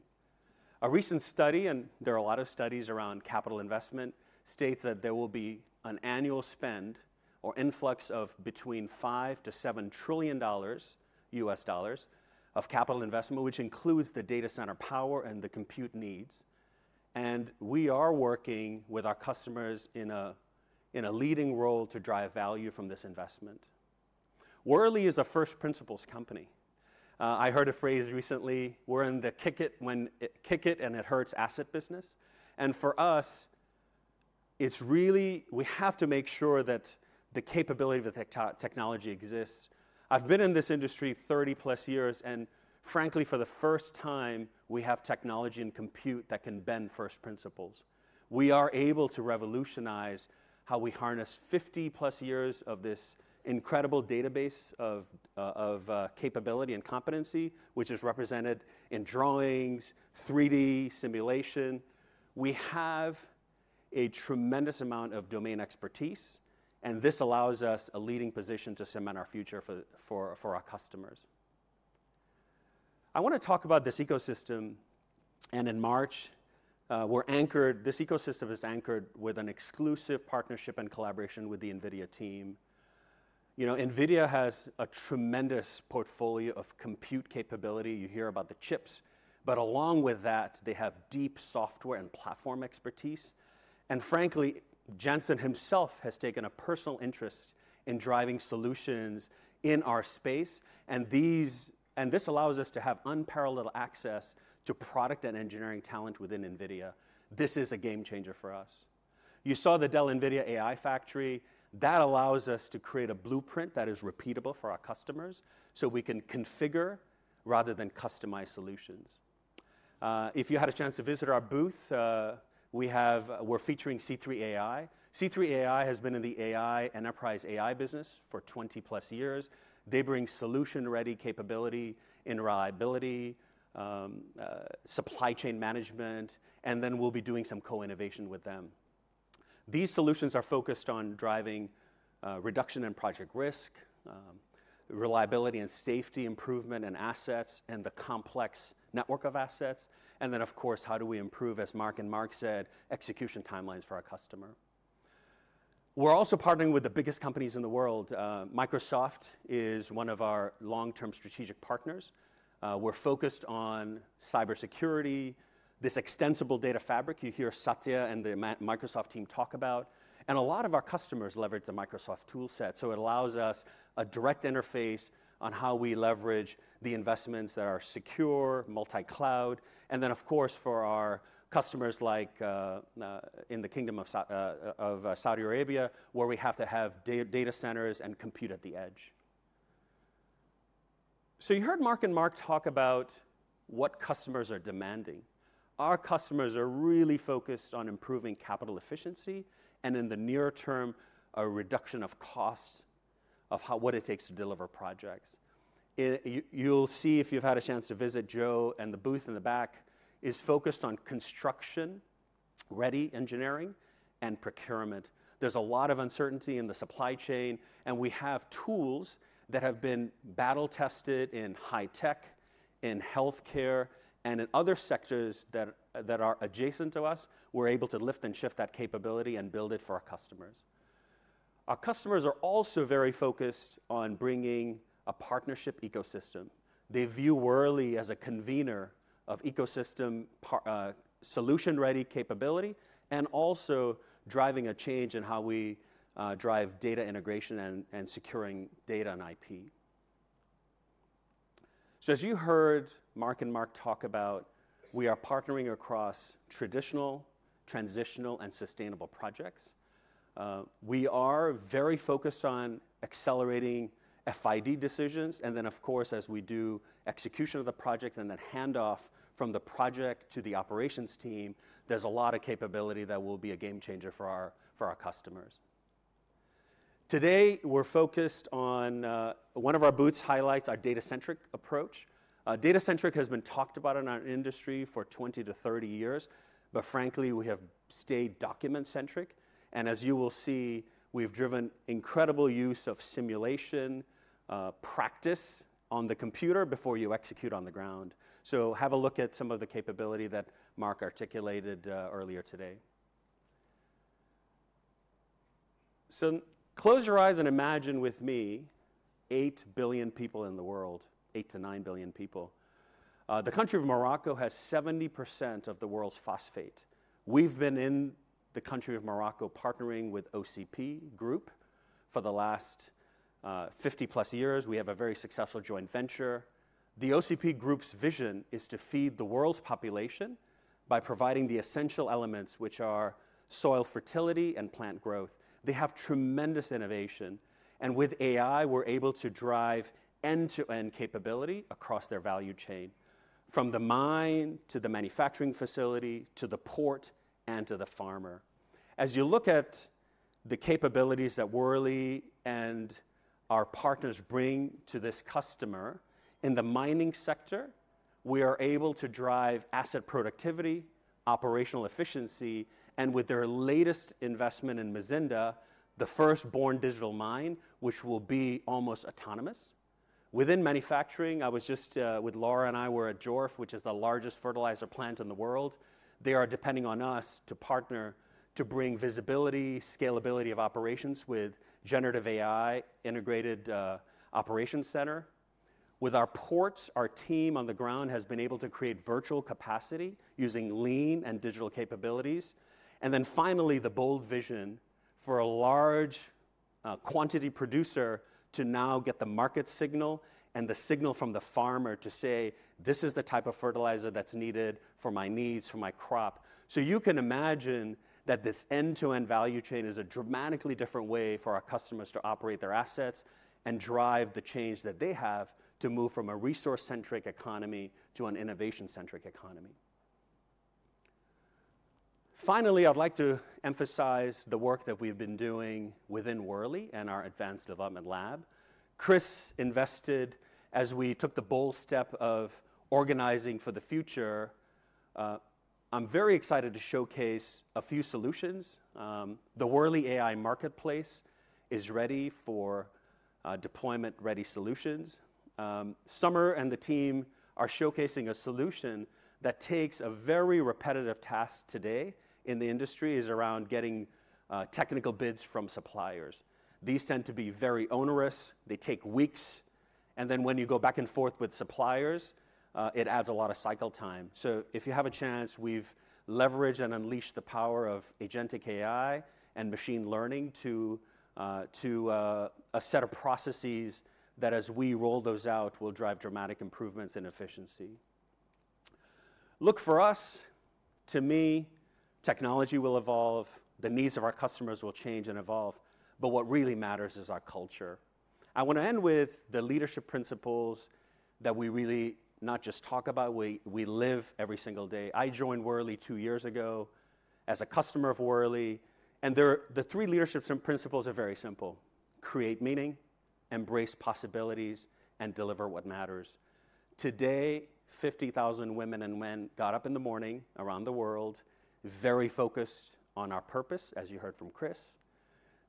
A recent study, and there are a lot of studies around capital investment, states that there will be an annual spend or influx of between $5 trillion-$7 trillion of capital investment, which includes the data center power and the compute needs. We are working with our customers in a leading role to drive value from this investment. Worley is a first-principles company. I heard a phrase recently, "We're in the kick it when it hurts asset business." For us, it's really we have to make sure that the capability of the technology exists. I've been in this industry 30-plus years, and frankly, for the first time, we have technology and compute that can bend first principles. We are able to revolutionize how we harness 50-plus years of this incredible database of capability and competency, which is represented in drawings, 3D simulation. We have a tremendous amount of domain expertise, and this allows us a leading position to cement our future for our customers. I want to talk about this ecosystem, and in March, this ecosystem is anchored with an exclusive partnership and collaboration with the NVIDIA team. NVIDIA has a tremendous portfolio of compute capability. You hear about the chips, but along with that, they have deep software and platform expertise. Frankly, Jensen himself has taken a personal interest in driving solutions in our space, and this allows us to have unparalleled access to product and engineering talent within NVIDIA. This is a game changer for us. You saw the Dell NVIDIA AI factory. That allows us to create a blueprint that is repeatable for our customers so we can configure rather than customize solutions. If you had a chance to visit our booth, we're featuring C3 AI. C3 AI has been in the AI enterprise AI business for 20-plus years. They bring solution-ready capability in reliability, supply chain management, and then we'll be doing some co-innovation with them. These solutions are focused on driving reduction in project risk, reliability and safety improvement in assets and the complex network of assets. Of course, how do we improve, as Mark and Mark said, execution timelines for our customer? We are also partnering with the biggest companies in the world. Microsoft is one of our long-term strategic partners. We are focused on cybersecurity, this extensible data fabric you hear Satya and the Microsoft team talk about. A lot of our customers leverage the Microsoft toolset, so it allows us a direct interface on how we leverage the investments that are secure, multi-cloud. For our customers like in the Kingdom of Saudi Arabia, where we have to have data centers and compute at the edge, you heard Mark and Mark talk about what customers are demanding. Our customers are really focused on improving capital efficiency and, in the near term, a reduction of cost of what it takes to deliver projects. You'll see if you've had a chance to visit Joe and the booth in the back is focused on construction-ready engineering and procurement. There's a lot of uncertainty in the supply chain, and we have tools that have been battle-tested in high tech, in healthcare, and in other sectors that are adjacent to us. We're able to lift and shift that capability and build it for our customers. Our customers are also very focused on bringing a partnership ecosystem. They view Worley as a convener of ecosystem, solution-ready capability, and also driving a change in how we drive data integration and securing data and IP. As you heard Mark and Mark talk about, we are partnering across traditional, transitional, and sustainable projects. We are very focused on accelerating FID decisions. Of course, as we do execution of the project and then handoff from the project to the operations team, there's a lot of capability that will be a game changer for our customers. Today, we're focused on one of our booths highlights, our data-centric approach. Data-centric has been talked about in our industry for 20-30 years, but frankly, we have stayed document-centric. As you will see, we've driven incredible use of simulation practice on the computer before you execute on the ground. Have a look at some of the capability that Mark articulated earlier today. Close your eyes and imagine with me 8 billion people in the world, 8-9 billion people. The country of Morocco has 70% of the world's phosphate. We've been in the country of Morocco partnering with OCP Group for the last 50-plus years. We have a very successful joint venture. The OCP Group's vision is to feed the world's population by providing the essential elements, which are soil fertility and plant growth. They have tremendous innovation. With AI, we're able to drive end-to-end capability across their value chain, from the mine to the manufacturing facility to the port and to the farmer. As you look at the capabilities that Worley and our partners bring to this customer in the mining sector, we are able to drive asset productivity, operational efficiency, and with their latest investment in Mazinda, the first born digital mine, which will be almost autonomous. Within manufacturing, I was just with Laura and I were at Jorf, which is the largest fertilizer plant in the world. They are depending on us to partner to bring visibility, scalability of operations with generative AI, integrated operations center. With our ports, our team on the ground has been able to create virtual capacity using lean and digital capabilities. Finally, the bold vision for a large quantity producer to now get the market signal and the signal from the farmer to say, "This is the type of fertilizer that's needed for my needs, for my crop." You can imagine that this end-to-end value chain is a dramatically different way for our customers to operate their assets and drive the change that they have to move from a resource-centric economy to an innovation-centric economy. Finally, I'd like to emphasize the work that we've been doing within Worley and our advanced development lab. Chris invested as we took the bold step of organizing for the future. I'm very excited to showcase a few solutions. The Worley AI Marketplace is ready for deployment-ready solutions. Summer and the team are showcasing a solution that takes a very repetitive task today in the industry is around getting technical bids from suppliers. These tend to be very onerous. They take weeks. When you go back and forth with suppliers, it adds a lot of cycle time. If you have a chance, we've leveraged and unleashed the power of agentic AI and machine learning to a set of processes that, as we roll those out, will drive dramatic improvements in efficiency. Look for us. To me, technology will evolve. The needs of our customers will change and evolve. What really matters is our culture. I want to end with the leadership principles that we really not just talk about. We live every single day. I joined Worley two years ago as a customer of Worley. The three leadership principles are very simple: create meaning, embrace possibilities, and deliver what matters. Today, 50,000 women and men got up in the morning around the world, very focused on our purpose, as you heard from Chris.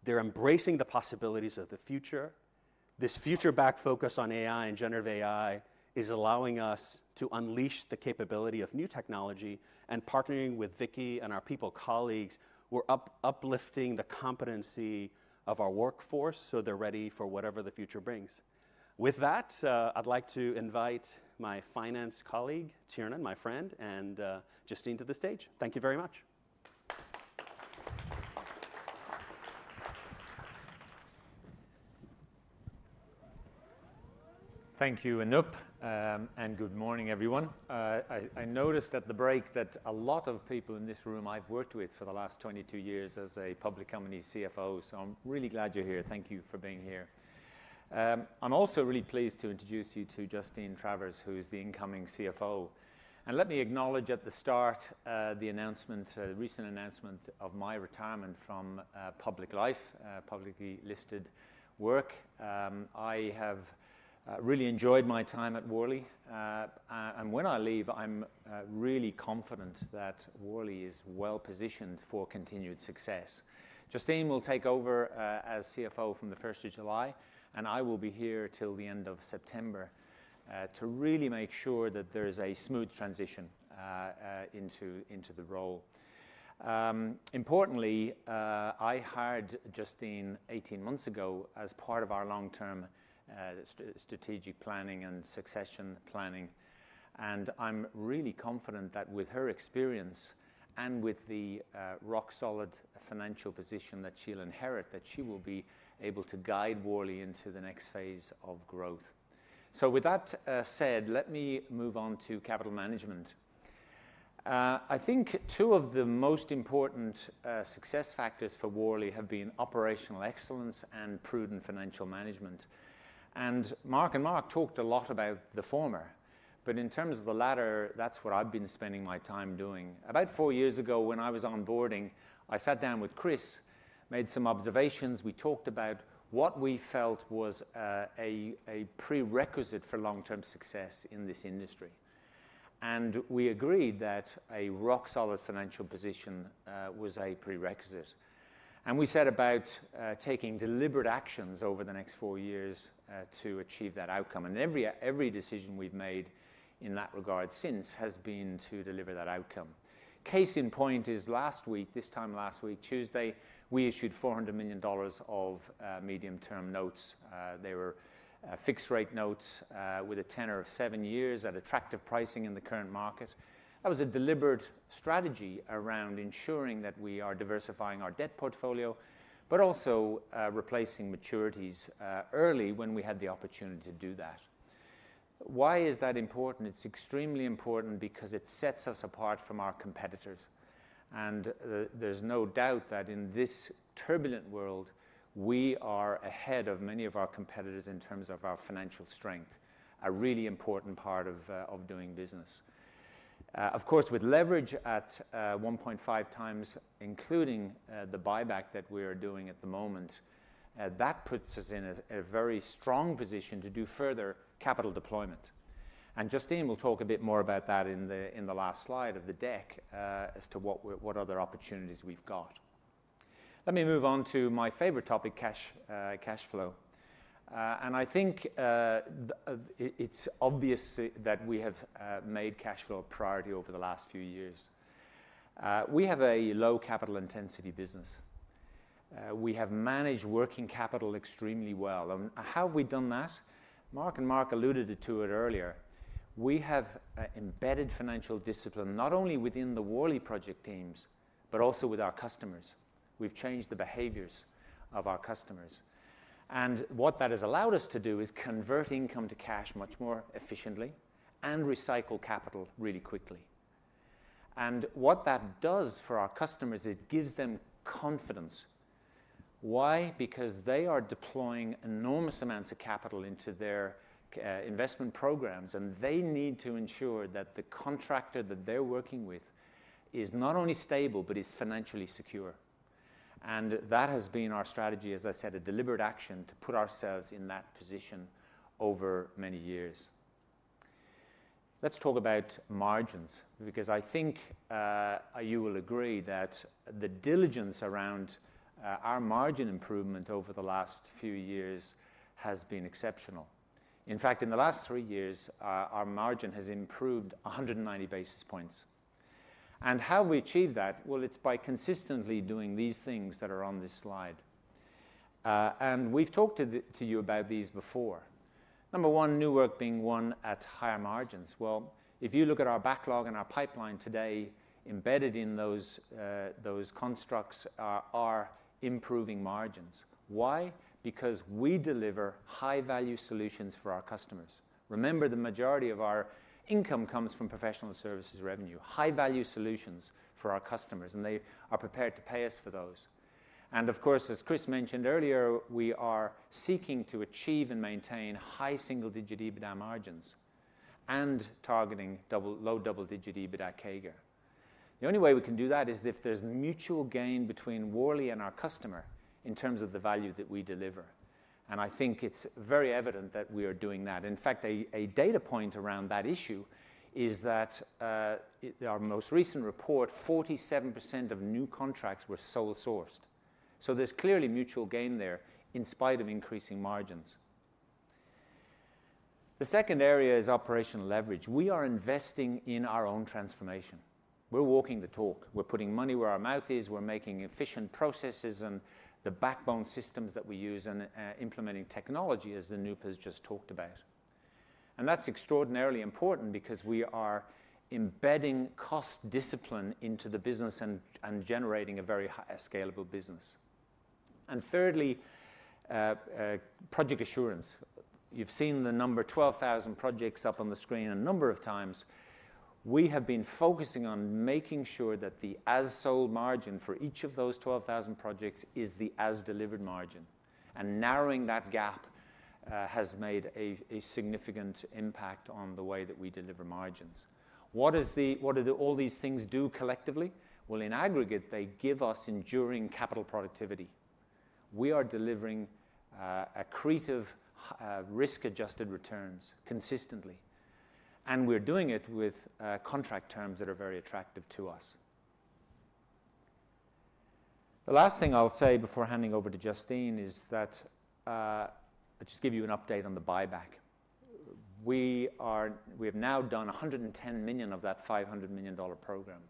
They are embracing the possibilities of the future. This future-backed focus on AI and generative AI is allowing us to unleash the capability of new technology and partnering with Vicky and our people colleagues. We are uplifting the competency of our workforce so they are ready for whatever the future brings. With that, I would like to invite my finance colleague, Tiernan, my friend, and Justine to the stage. Thank you very much. Thank you, Anup, and good morning, everyone. I noticed at the break that a lot of people in this room I've worked with for the last 22 years as a public company CFO, so I'm really glad you're here. Thank you for being here. I'm also really pleased to introduce you to Justine Travers, who is the incoming CFO. Let me acknowledge at the start the announcement, the recent announcement of my retirement from public life, publicly listed work. I have really enjoyed my time at Worley. When I leave, I'm really confident that Worley is well positioned for continued success. Justine will take over as CFO from the 1st of July, and I will be here till the end of September to really make sure that there is a smooth transition into the role. Importantly, I hired Justine 18 months ago as part of our long-term strategic planning and succession planning. I'm really confident that with her experience and with the rock-solid financial position that she'll inherit, she will be able to guide Worley into the next phase of growth. Let me move on to capital management. I think two of the most important success factors for Worley have been operational excellence and prudent financial management. Mark and Mark talked a lot about the former, but in terms of the latter, that's what I've been spending my time doing. About four years ago, when I was onboarding, I sat down with Chris, made some observations. We talked about what we felt was a prerequisite for long-term success in this industry. We agreed that a rock-solid financial position was a prerequisite. We set about taking deliberate actions over the next four years to achieve that outcome. Every decision we have made in that regard since has been to deliver that outcome. Case in point is last week, this time last week, Tuesday, we issued $400 million of medium-term notes. They were fixed-rate notes with a tenor of seven years at attractive pricing in the current market. That was a deliberate strategy around ensuring that we are diversifying our debt portfolio, but also replacing maturities early when we had the opportunity to do that. Why is that important? It is extremely important because it sets us apart from our competitors. There is no doubt that in this turbulent world, we are ahead of many of our competitors in terms of our financial strength, a really important part of doing business. Of course, with leverage at 1.5 times, including the buyback that we are doing at the moment, that puts us in a very strong position to do further capital deployment. Justine will talk a bit more about that in the last slide of the deck as to what other opportunities we've got. Let me move on to my favorite topic, cash flow. I think it's obvious that we have made cash flow a priority over the last few years. We have a low capital intensity business. We have managed working capital extremely well. How have we done that? Mark and Mark alluded to it earlier. We have embedded financial discipline not only within the Worley project teams, but also with our customers. We've changed the behaviors of our customers. What that has allowed us to do is convert income to cash much more efficiently and recycle capital really quickly. What that does for our customers is it gives them confidence. Why? Because they are deploying enormous amounts of capital into their investment programs, and they need to ensure that the contractor that they're working with is not only stable, but is financially secure. That has been our strategy, as I said, a deliberate action to put ourselves in that position over many years. Let's talk about margins, because I think you will agree that the diligence around our margin improvement over the last few years has been exceptional. In fact, in the last three years, our margin has improved 190 basis points. How have we achieved that? It's by consistently doing these things that are on this slide. We have talked to you about these before. Number one, new work being won at higher margins. If you look at our backlog and our pipeline today, embedded in those constructs are improving margins. Why? Because we deliver high-value solutions for our customers. Remember, the majority of our income comes from professional services revenue, high-value solutions for our customers, and they are prepared to pay us for those. As Chris mentioned earlier, we are seeking to achieve and maintain high single-digit EBITDA margins and targeting low double-digit EBITDA CAGR. The only way we can do that is if there is mutual gain between Worley and our customer in terms of the value that we deliver. I think it is very evident that we are doing that. In fact, a data point around that issue is that in our most recent report, 47% of new contracts were sole sourced. There is clearly mutual gain there in spite of increasing margins. The second area is operational leverage. We are investing in our own transformation. We are walking the talk. We are putting money where our mouth is. We are making efficient processes and the backbone systems that we use and implementing technology, as Anup has just talked about. That is extraordinarily important because we are embedding cost discipline into the business and generating a very scalable business. Thirdly, project assurance. You have seen the number 12,000 projects up on the screen a number of times. We have been focusing on making sure that the as-sold margin for each of those 12,000 projects is the as-delivered margin. Narrowing that gap has made a significant impact on the way that we deliver margins. What do all these things do collectively? In aggregate, they give us enduring capital productivity. We are delivering accretive risk-adjusted returns consistently. We are doing it with contract terms that are very attractive to us. The last thing I'll say before handing over to Justine is that I'll just give you an update on the buyback. We have now done $110 million of that $500 million program.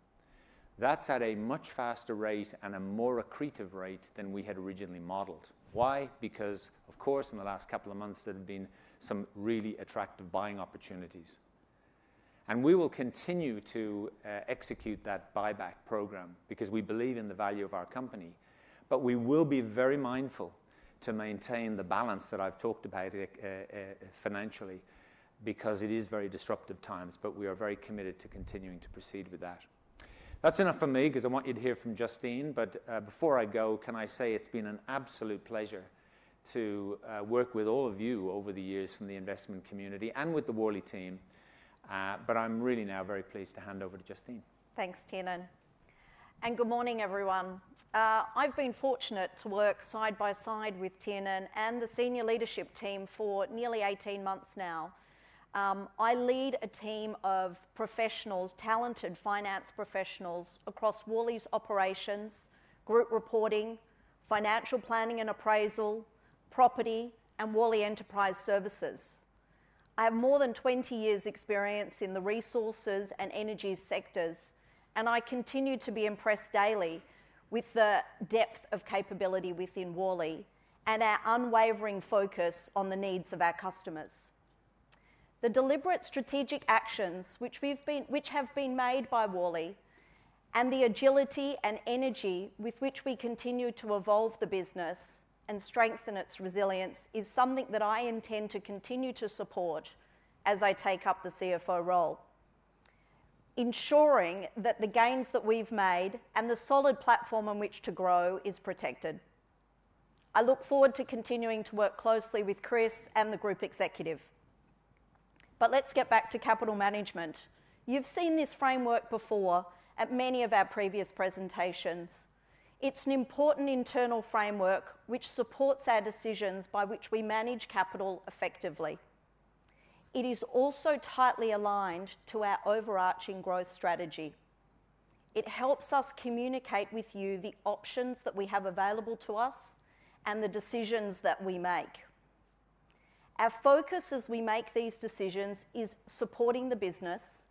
That is at a much faster rate and a more accretive rate than we had originally modeled. Why? Because, of course, in the last couple of months, there have been some really attractive buying opportunities. We will continue to execute that buyback program because we believe in the value of our company. We will be very mindful to maintain the balance that I've talked about financially because it is very disruptive times, but we are very committed to continuing to proceed with that. That's enough for me because I want you to hear from Justine. Before I go, can I say it's been an absolute pleasure to work with all of you over the years from the investment community and with the Worley team. I am really now very pleased to hand over to Justine. Thanks, Tiernan. Good morning, everyone. I've been fortunate to work side by side with Tiernan and the senior leadership team for nearly 18 months now. I lead a team of talented finance professionals across Worley's operations, group reporting, financial planning and appraisal, property, and Worley Enterprise Services. I have more than 20 years' experience in the resources and energy sectors, and I continue to be impressed daily with the depth of capability within Worley and our unwavering focus on the needs of our customers. The deliberate strategic actions which have been made by Worley and the agility and energy with which we continue to evolve the business and strengthen its resilience is something that I intend to continue to support as I take up the CFO role, ensuring that the gains that we've made and the solid platform on which to grow is protected. I look forward to continuing to work closely with Chris and the group executive. Let's get back to capital management. You've seen this framework before at many of our previous presentations. It's an important internal framework which supports our decisions by which we manage capital effectively. It is also tightly aligned to our overarching growth strategy. It helps us communicate with you the options that we have available to us and the decisions that we make. Our focus as we make these decisions is supporting the business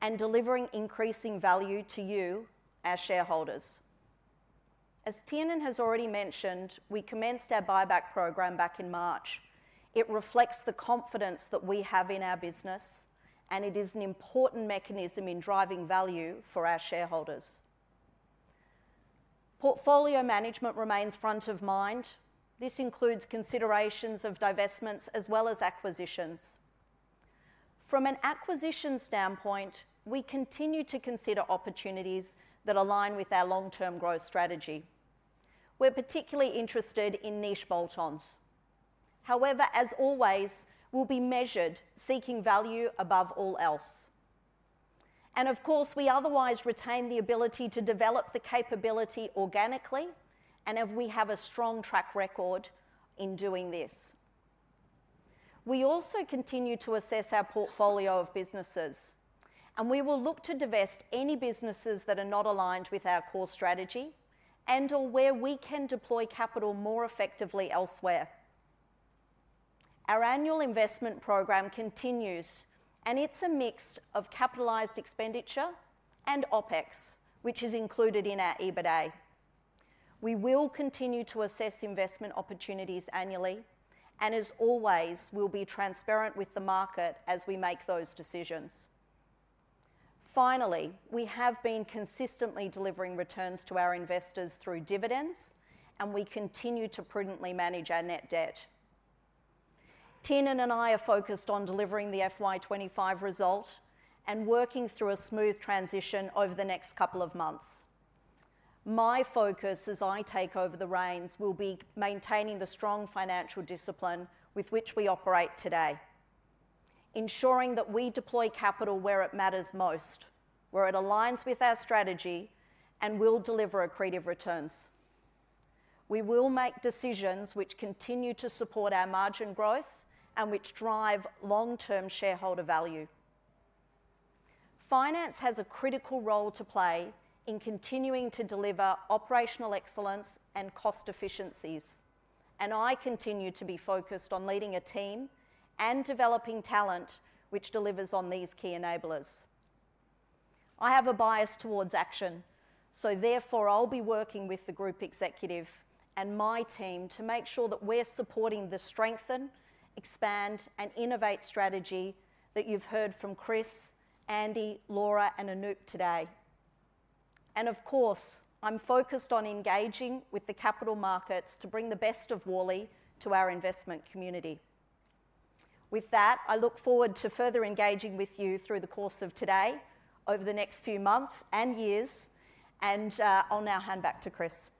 and delivering increasing value to you, our shareholders. As Tiernan has already mentioned, we commenced our buyback program back in March. It reflects the confidence that we have in our business, and it is an important mechanism in driving value for our shareholders. Portfolio management remains front of mind. This includes considerations of divestments as well as acquisitions. From an acquisition standpoint, we continue to consider opportunities that align with our long-term growth strategy. We're particularly interested in niche bolt-ons. However, as always, we'll be measured, seeking value above all else. Of course, we otherwise retain the ability to develop the capability organically, and we have a strong track record in doing this. We also continue to assess our portfolio of businesses, and we will look to divest any businesses that are not aligned with our core strategy and/or where we can deploy capital more effectively elsewhere. Our annual investment program continues, and it's a mix of capitalized expenditure and OPEX, which is included in our EBITDA. We will continue to assess investment opportunities annually, and as always, we'll be transparent with the market as we make those decisions. Finally, we have been consistently delivering returns to our investors through dividends, and we continue to prudently manage our net debt. Tiernan and I are focused on delivering the FY25 result and working through a smooth transition over the next couple of months. My focus, as I take over the reins, will be maintaining the strong financial discipline with which we operate today, ensuring that we deploy capital where it matters most, where it aligns with our strategy, and we will deliver accretive returns. We will make decisions which continue to support our margin growth and which drive long-term shareholder value. Finance has a critical role to play in continuing to deliver operational excellence and cost efficiencies, and I continue to be focused on leading a team and developing talent which delivers on these key enablers. I have a bias towards action, so therefore I'll be working with the Group Executive and my team to make sure that we're supporting the strengthen, expand, and innovate strategy that you've heard from Chris, Andy, Laura, and Anup today. Of course, I'm focused on engaging with the capital markets to bring the best of Worley to our investment community. With that, I look forward to further engaging with you through the course of today, over the next few months and years, and I'll now hand back to Chris.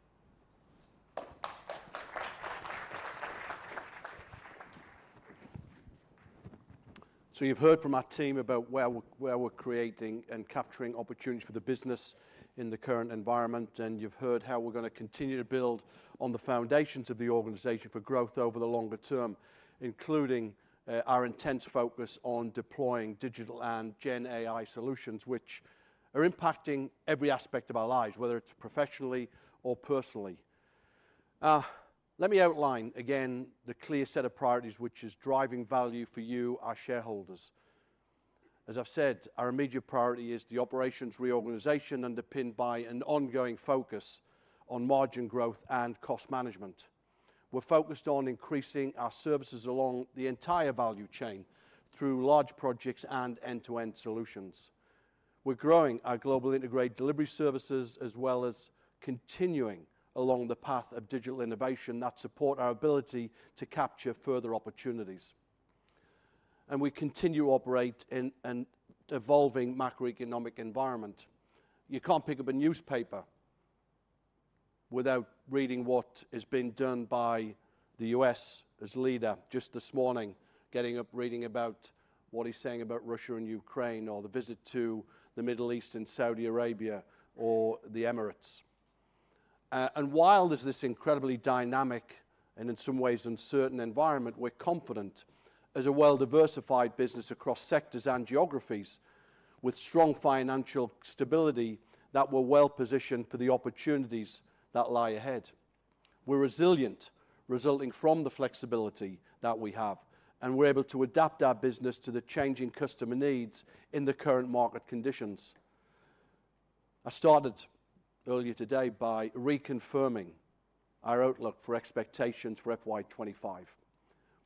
You've heard from our team about where we're creating and capturing opportunities for the business in the current environment, and you've heard how we're going to continue to build on the foundations of the organization for growth over the longer term, including our intense focus on deploying digital and GenAI solutions, which are impacting every aspect of our lives, whether it's professionally or personally. Let me outline again the clear set of priorities which is driving value for you, our shareholders. As I've said, our immediate priority is the operations reorganization underpinned by an ongoing focus on margin growth and cost management. We're focused on increasing our services along the entire value chain through large projects and end-to-end solutions. We're growing our global integrated delivery services as well as continuing along the path of digital innovation that supports our ability to capture further opportunities. We continue to operate in an evolving macroeconomic environment. You can't pick up a newspaper without reading what has been done by the U.S. as leader just this morning, getting up reading about what he's saying about Russia and Ukraine, or the visit to the Middle East and Saudi Arabia, or the Emirates. While there's this incredibly dynamic and in some ways uncertain environment, we're confident as a well-diversified business across sectors and geographies with strong financial stability that we're well positioned for the opportunities that lie ahead. We're resilient, resulting from the flexibility that we have, and we're able to adapt our business to the changing customer needs in the current market conditions. I started earlier today by reconfirming our outlook for expectations for FY2025.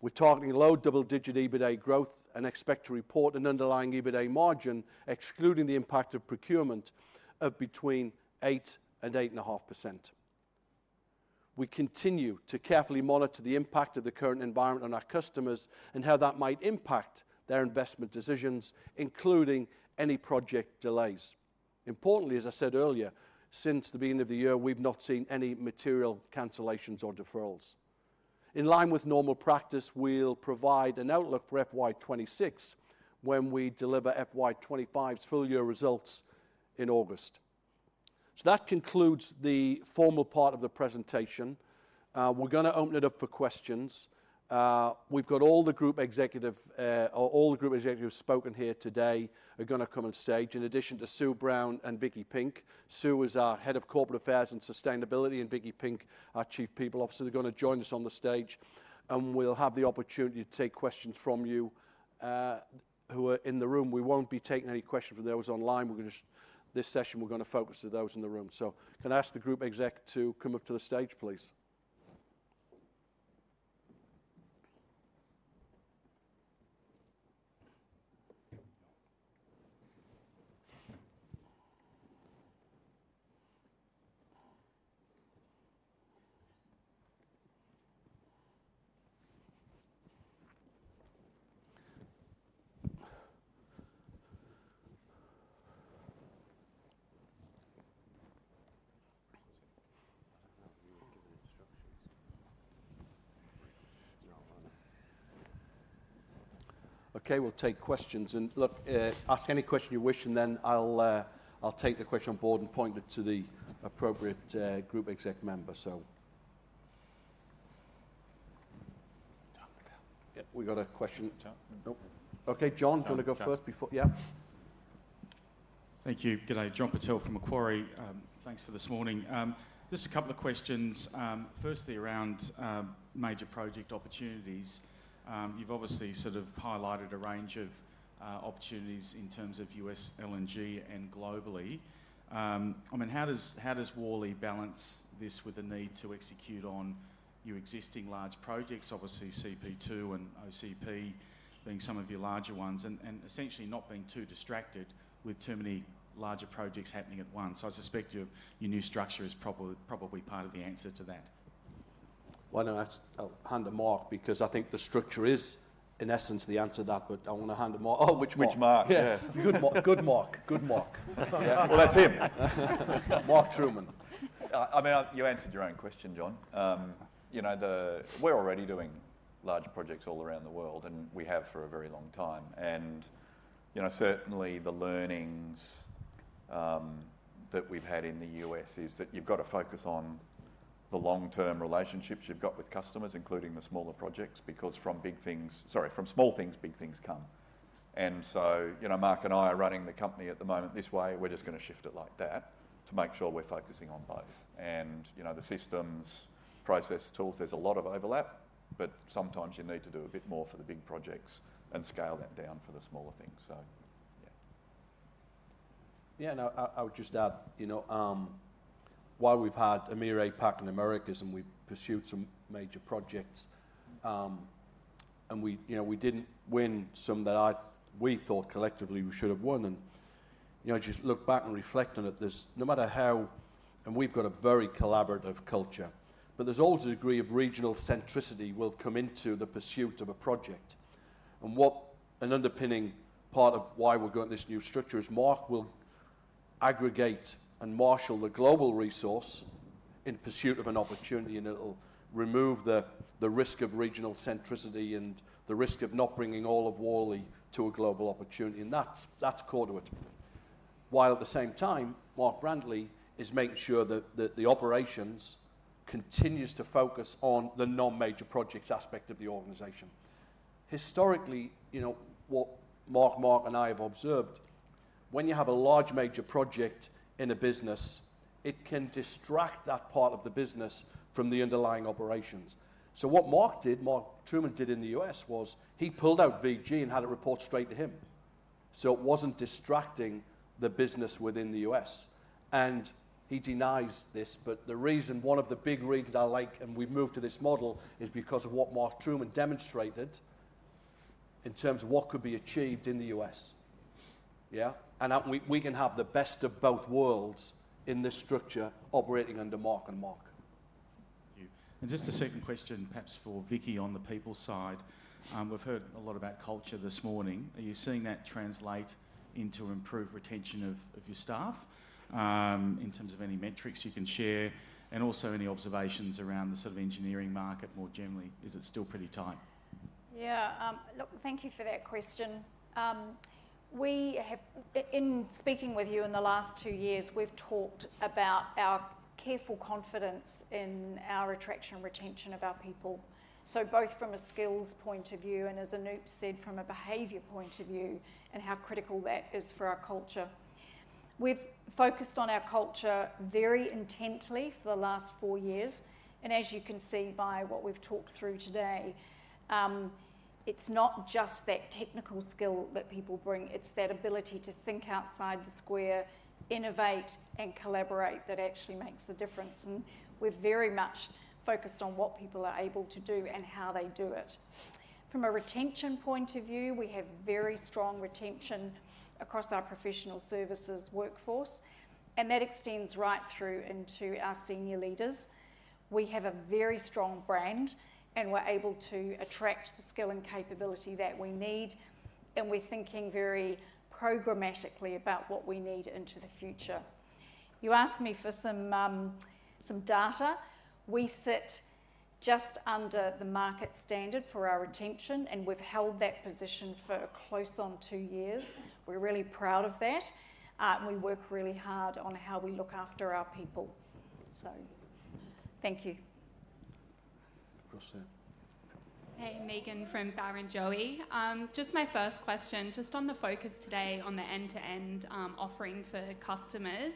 We're targeting low double-digit EBITDA growth and expect to report an underlying EBITDA margin, excluding the impact of procurement, between 8% and 8.5%. We continue to carefully monitor the impact of the current environment on our customers and how that might impact their investment decisions, including any project delays. Importantly, as I said earlier, since the beginning of the year, we've not seen any material cancellations or deferrals. In line with normal practice, we'll provide an outlook for FY2026 when we deliver FY2025's full year results in August. That concludes the formal part of the presentation. We're going to open it up for questions. We've got all the group executives who have spoken here today are going to come on stage. In addition to Sue Brown and Vikki Pink, Sue is our Head of Corporate Affairs and Sustainability, and Vikki Pink, our Chief People Officer, is going to join us on the stage. We will have the opportunity to take questions from you who are in the room. We will not be taking any questions from those online. This session, we are going to focus to those in the room. Can I ask the group exec to come up to the stage, please? Okay, we will take questions. Look, ask any question you wish, and then I will take the question on board and point it to the appropriate group exec member. Yeah, we got a question. Okay, John, do you want to go first before? Yeah. Thank you. Good day, John Purtell from Macquarie. Thanks for this morning. Just a couple of questions. Firstly, around major project opportunities. You've obviously sort of highlighted a range of opportunities in terms of US LNG and globally. I mean, how does Worley balance this with the need to execute on your existing large projects, obviously CP2 and OCP being some of your larger ones, and essentially not being too distracted with too many larger projects happening at once? I suspect your new structure is probably part of the answer to that. Why don't I hand to Mark because I think the structure is, in essence, the answer to that, but I want to hand to Mark. Oh, which Mark? Which Mark? Yeah. Good Mark. That's him. Mark Trueman. I mean, you answered your own question, John. We're already doing large projects all around the world, and we have for a very long time. Certainly, the learnings that we've had in the U.S. is that you've got to focus on the long-term relationships you've got with customers, including the smaller projects, because from big things—sorry, from small things, big things come. Mark and I are running the company at the moment this way. We're just going to shift it like that to make sure we're focusing on both. The systems, process, tools, there's a lot of overlap, but sometimes you need to do a bit more for the big projects and scale that down for the smaller things. Yeah. Yeah, and I would just add, while we've had a mere eight-pack in Americas and we've pursued some major projects, and we didn't win some that we thought collectively we should have won. Just look back and reflect on it, no matter how—and we've got a very collaborative culture—but there's always a degree of regional centricity that will come into the pursuit of a project. An underpinning part of why we're going at this new structure is Mark will aggregate and marshal the global resource in pursuit of an opportunity, and it'll remove the risk of regional centricity and the risk of not bringing all of Worley to a global opportunity. That's core to it. While at the same time, Mark Brantley is making sure that the operations continue to focus on the non-major projects aspect of the organization. Historically, what Mark, Mark and I have observed, when you have a large major project in a business, it can distract that part of the business from the underlying operations. What Mark did, Mark Trueman did in the U.S., was he pulled out VG and had it report straight to him. It was not distracting the business within the U.S. He denies this, but the reason one of the big reasons I like—and we have moved to this model—is because of what Mark Trueman demonstrated in terms of what could be achieved in the U.S. Yeah? We can have the best of both worlds in this structure operating under Mark and Mark. Thank you. Just a second question, perhaps for Vikki on the people side. We've heard a lot about culture this morning. Are you seeing that translate into improved retention of your staff in terms of any metrics you can share? Also, any observations around the sort of engineering market more generally? Is it still pretty tight? Yeah. Look, thank you for that question. In speaking with you in the last two years, we've talked about our careful confidence in our attraction and retention of our people, so both from a skills point of view and, as Anup said, from a behavior point of view, and how critical that is for our culture. We've focused on our culture very intently for the last four years. As you can see by what we've talked through today, it's not just that technical skill that people bring. It's that ability to think outside the square, innovate, and collaborate that actually makes the difference. We're very much focused on what people are able to do and how they do it. From a retention point of view, we have very strong retention across our professional services workforce, and that extends right through into our senior leaders. We have a very strong brand, and we're able to attract the skill and capability that we need, and we're thinking very programmatically about what we need into the future. You asked me for some data. We sit just under the market standard for our retention, and we've held that position for close on two years. We're really proud of that. We work really hard on how we look after our people. Thank you. Of course, yeah. Hey, Megan from Barrenjoey. Just my first question, just on the focus today on the end-to-end offering for customers.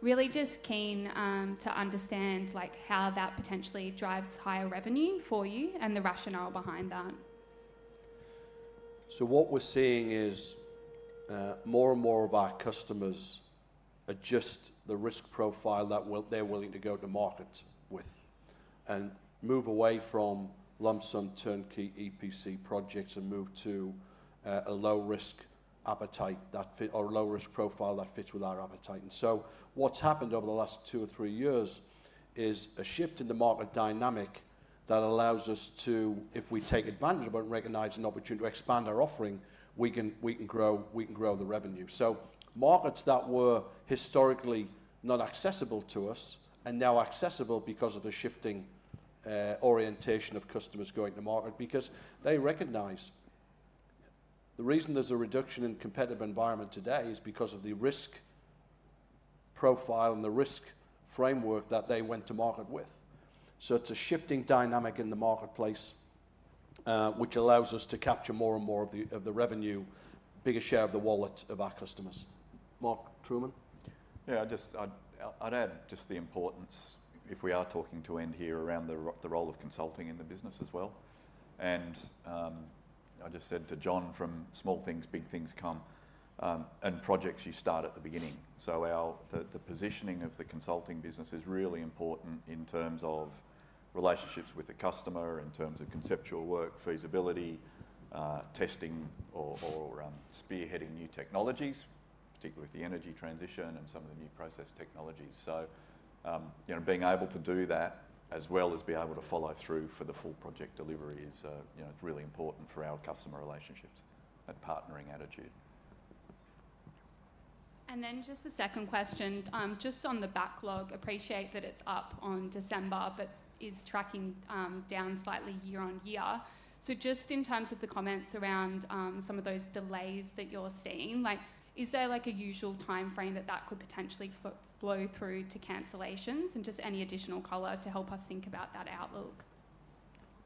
Really just keen to understand how that potentially drives higher revenue for you and the rationale behind that. What we're seeing is more and more of our customers adjust the risk profile that they're willing to go to market with and move away from lump-sum, turnkey, EPC projects and move to a low-risk appetite or a low-risk profile that fits with our appetite. What's happened over the last two or three years is a shift in the market dynamic that allows us to, if we take advantage of it and recognize an opportunity to expand our offering, we can grow the revenue. Markets that were historically not accessible to us are now accessible because of the shifting orientation of customers going to market because they recognize the reason there's a reduction in competitive environment today is because of the risk profile and the risk framework that they went to market with. It's a shifting dynamic in the marketplace which allows us to capture more and more of the revenue, bigger share of the wallet of our customers. Mark Trueman? Yeah, I'd add just the importance, if we are talking to end here, around the role of consulting in the business as well. I just said to John, from small things, big things come, and projects you start at the beginning. The positioning of the consulting business is really important in terms of relationships with the customer, in terms of conceptual work, feasibility, testing, or spearheading new technologies, particularly with the energy transition and some of the new process technologies. Being able to do that as well as being able to follow through for the full project delivery is really important for our customer relationships and partnering attitude. Just a second question. Just on the backlog, appreciate that it's up on December, but it's tracking down slightly year on year. In terms of the comments around some of those delays that you're seeing, is there a usual timeframe that that could potentially flow through to cancellations? Just any additional color to help us think about that outlook?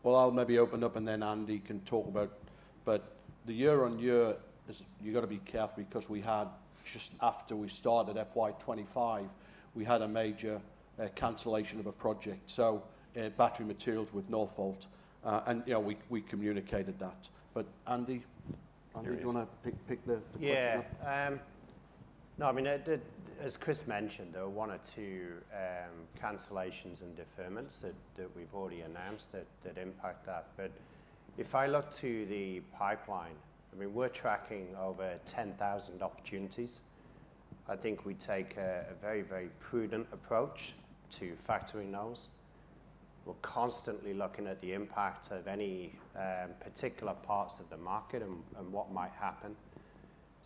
I'll maybe open it up, and then Andy can talk about it. The year on year, you've got to be careful because we had, just after we started FY2025, we had a major cancellation of a project. Battery materials with Northvolt. We communicated that. Andy, do you want to pick the question up? Yeah. No, I mean, as Chris mentioned, there were one or two cancellations and deferments that we've already announced that impact that. If I look to the pipeline, I mean, we're tracking over 10,000 opportunities. I think we take a very, very prudent approach to factoring those. We're constantly looking at the impact of any particular parts of the market and what might happen.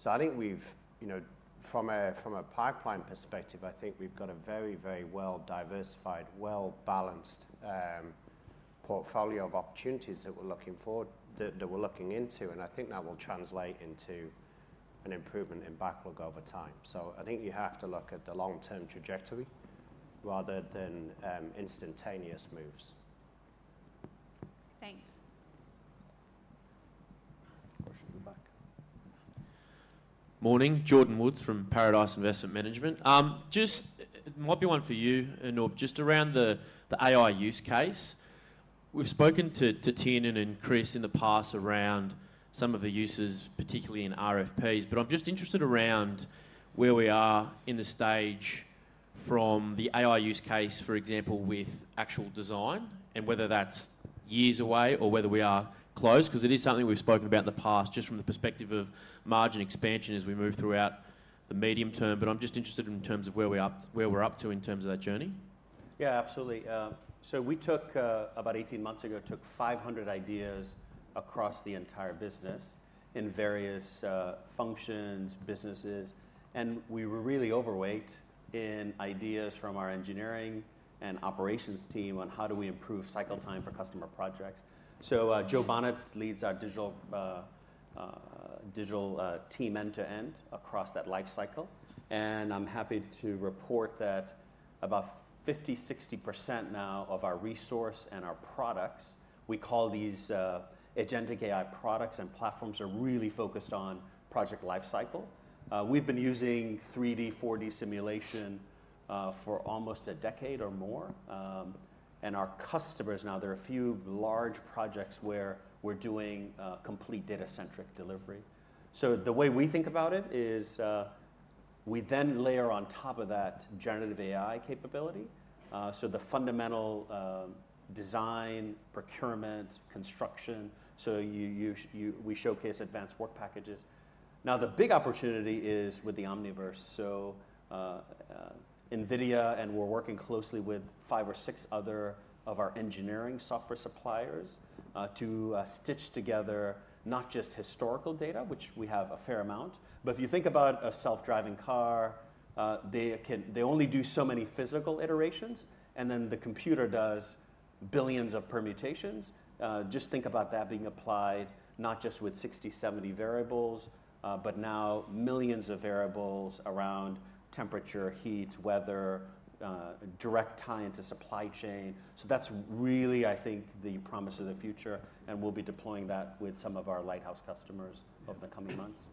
I think from a pipeline perspective, I think we've got a very, very well-diversified, well-balanced portfolio of opportunities that we're looking for, that we're looking into. I think that will translate into an improvement in backlog over time. You have to look at the long-term trajectory rather than instantaneous moves. Thanks. Question in the back. Morning. Jordan Woods from Paradice Investment Management. Just might be one for you, Anup, just around the AI use case. We've spoken to Tiernan and Chris in the past around some of the uses, particularly in RFPs. I'm just interested around where we are in the stage from the AI use case, for example, with actual design, and whether that's years away or whether we are close, because it is something we've spoken about in the past just from the perspective of margin expansion as we move throughout the medium term. I'm just interested in terms of where we're up to in terms of that journey. Yeah, absolutely. We took about 18 months ago, took 500 ideas across the entire business in various functions, businesses. We were really overweight in ideas from our engineering and operations team on how do we improve cycle time for customer projects. Joe Bonnett leads our digital team end-to-end across that life cycle. I'm happy to report that about 50-60% now of our resource and our products, we call these agentic AI products and platforms, are really focused on project life cycle. We've been using 3D, 4D simulation for almost a decade or more. Our customers now, there are a few large projects where we're doing complete data-centric delivery. The way we think about it is we then layer on top of that generative AI capability. The fundamental design, procurement, construction. We showcase advanced work packages. Now, the big opportunity is with the Omniverse. NVIDIA and we're working closely with five or six other of our engineering software suppliers to stitch together not just historical data, which we have a fair amount, but if you think about a self-driving car, they only do so many physical iterations, and then the computer does billions of permutations. Just think about that being applied not just with 60, 70 variables, but now millions of variables around temperature, heat, weather, direct tie into supply chain. That is really, I think, the promise of the future. We'll be deploying that with some of our Lighthouse customers over the coming months.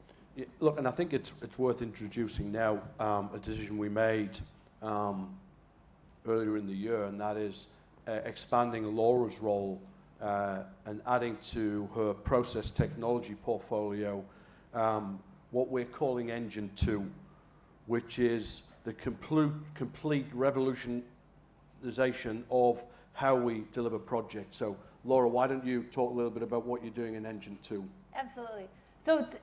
Look, and I think it's worth introducing now a decision we made earlier in the year, and that is expanding Laura's role and adding to her process technology portfolio what we're calling Engine 2, which is the complete revolutionization of how we deliver projects. Laura, why don't you talk a little bit about what you're doing in Engine 2? Absolutely.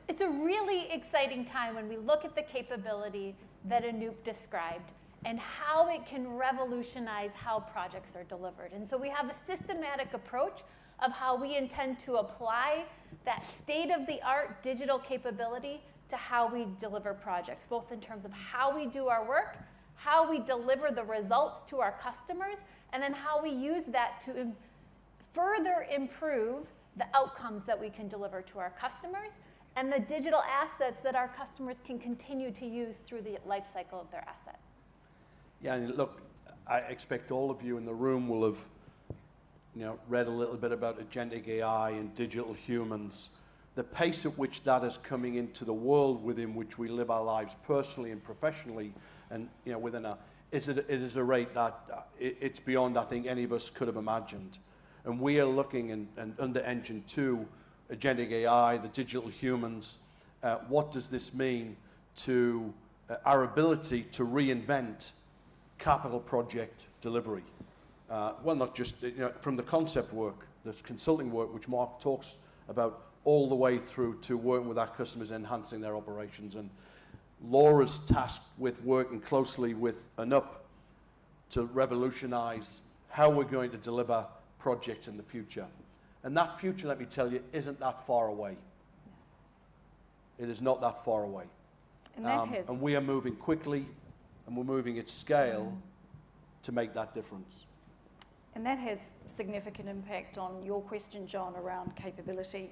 It is a really exciting time when we look at the capability that Anup described and how it can revolutionize how projects are delivered. We have a systematic approach of how we intend to apply that state-of-the-art digital capability to how we deliver projects, both in terms of how we do our work, how we deliver the results to our customers, and then how we use that to further improve the outcomes that we can deliver to our customers and the digital assets that our customers can continue to use through the life cycle of their asset. Yeah. Look, I expect all of you in the room will have read a little bit about agentic AI and digital humans. The pace at which that is coming into the world within which we live our lives personally and professionally and within it is a rate that it's beyond, I think, any of us could have imagined. We are looking under Engine 2, agentic AI, the digital humans. What does this mean to our ability to reinvent capital project delivery? Not just from the concept work, the consulting work, which Mark talks about, all the way through to working with our customers and enhancing their operations. Laura's tasked with working closely with Anup to revolutionize how we're going to deliver projects in the future. That future, let me tell you, isn't that far away. It is not that far away. That has. We are moving quickly, and we're moving at scale to make that difference. That has a significant impact on your question, John, around capability.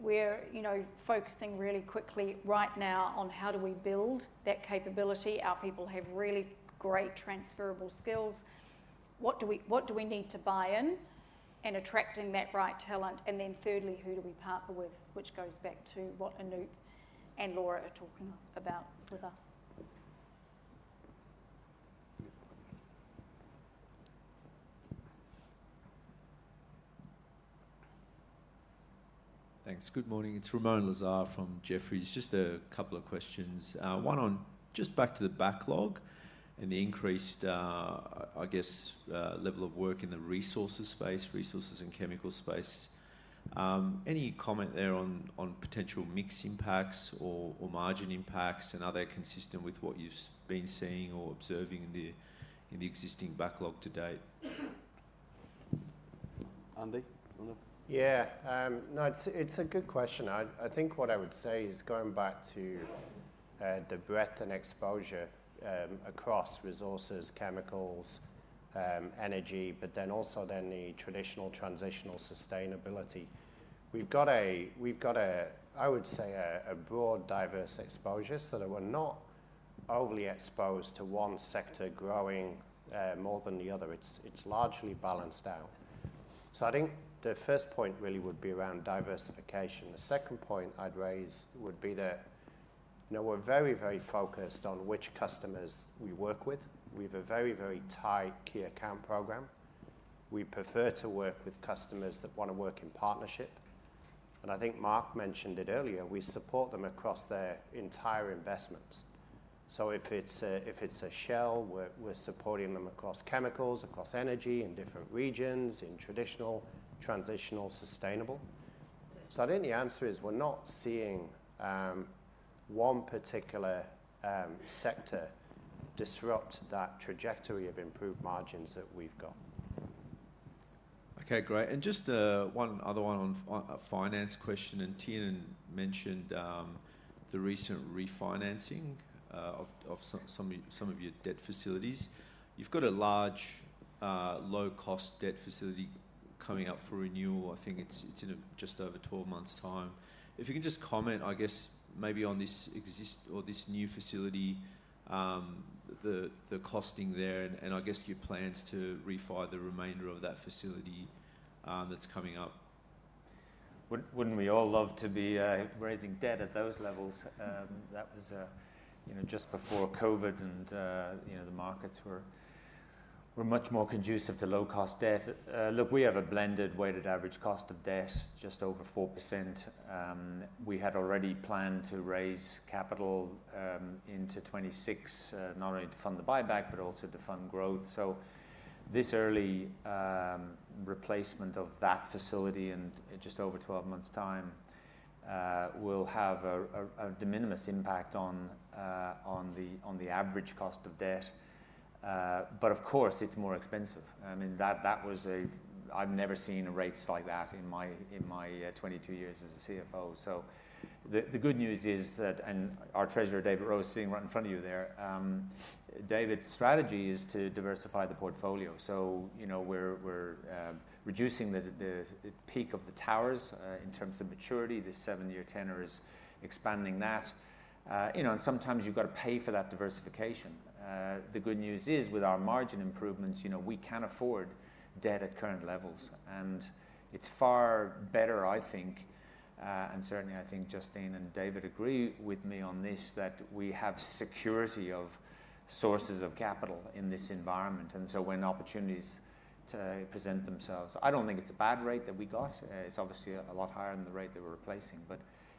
We are focusing really quickly right now on how do we build that capability. Our people have really great transferable skills. What do we need to buy in in attracting that right talent? Thirdly, who do we partner with, which goes back to what Anup and Laura are talking about with us. Thanks. Good morning. It's Ramoun Lazar from Jefferies. Just a couple of questions. One on just back to the backlog and the increased, I guess, level of work in the resources space, resources and chemical space. Any comment there on potential mix impacts or margin impacts? Are they consistent with what you've been seeing or observing in the existing backlog to date? Andy, you want to? Yeah. No, it's a good question. I think what I would say is going back to the breadth and exposure across resources, chemicals, energy, but then also the traditional, transitional, sustainability. We've got, I would say, a broad, diverse exposure so that we're not overly exposed to one sector growing more than the other. It's largely balanced out. I think the first point really would be around diversification. The second point I'd raise would be that we're very, very focused on which customers we work with. We have a very, very tight key account program. We prefer to work with customers that want to work in partnership. I think Mark mentioned it earlier. We support them across their entire investments. If it's Shell, we're supporting them across chemicals, across energy in different regions, in traditional, transitional, sustainable. I think the answer is we're not seeing one particular sector disrupt that trajectory of improved margins that we've got. Okay. Great. Just one other one on a finance question. Tiernan mentioned the recent refinancing of some of your debt facilities. You've got a large low-cost debt facility coming up for renewal. I think it's in just over 12 months' time. If you can just comment, I guess, maybe on this existing or this new facility, the costing there, and I guess your plans to refile the remainder of that facility that's coming up. Wouldn't we all love to be raising debt at those levels? That was just before COVID, and the markets were much more conducive to low-cost debt. Look, we have a blended weighted average cost of debt just over 4%. We had already planned to raise capital into 2026, not only to fund the buyback, but also to fund growth. This early replacement of that facility in just over 12 months' time will have a de minimis impact on the average cost of debt. Of course, it's more expensive. I mean, I've never seen rates like that in my 22 years as a CFO. The good news is that, and our Treasurer, David Rose, sitting right in front of you there, David's strategy is to diversify the portfolio. We're reducing the peak of the towers in terms of maturity. This seven-year tenor is expanding that. Sometimes you've got to pay for that diversification. The good news is with our margin improvements, we can afford debt at current levels. It is far better, I think, and certainly I think Justine and David agree with me on this, that we have security of sources of capital in this environment. When opportunities present themselves, I do not think it is a bad rate that we got. It is obviously a lot higher than the rate that we are replacing.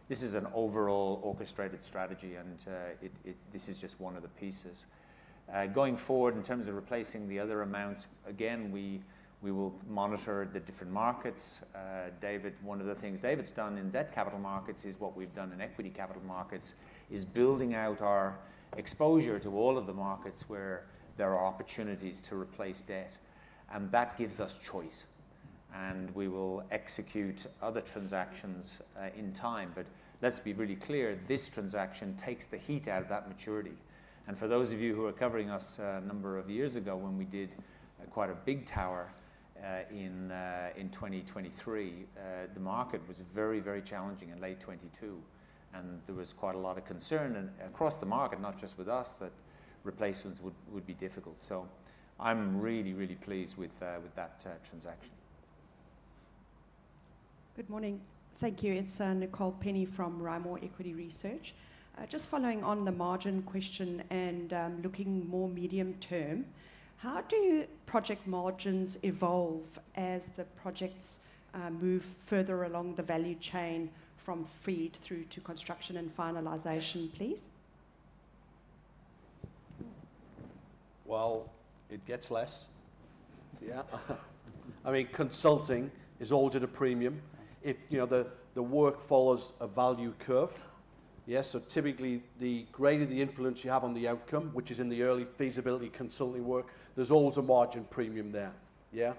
This is an overall orchestrated strategy, and this is just one of the pieces. Going forward in terms of replacing the other amounts, again, we will monitor the different markets. David, one of the things David's done in debt capital markets is what we have done in equity capital markets, is building out our exposure to all of the markets where there are opportunities to replace debt. That gives us choice. We will execute other transactions in time. Let's be really clear. This transaction takes the heat out of that maturity. For those of you who are covering us a number of years ago when we did quite a big tower in 2023, the market was very, very challenging in late 2022. There was quite a lot of concern across the market, not just with us, that replacements would be difficult. I'm really, really pleased with that transaction. Good morning. Thank you. It's Nicole Penny from Rimor Equity Research. Just following on the margin question and looking more medium term, how do project margins evolve as the projects move further along the value chain from FEED through to construction and finalization, please? It gets less. Yeah. I mean, consulting is always at a premium. The work follows a value curve. Yeah. Typically, the greater the influence you have on the outcome, which is in the early feasibility consulting work, there's always a margin premium there. Yeah.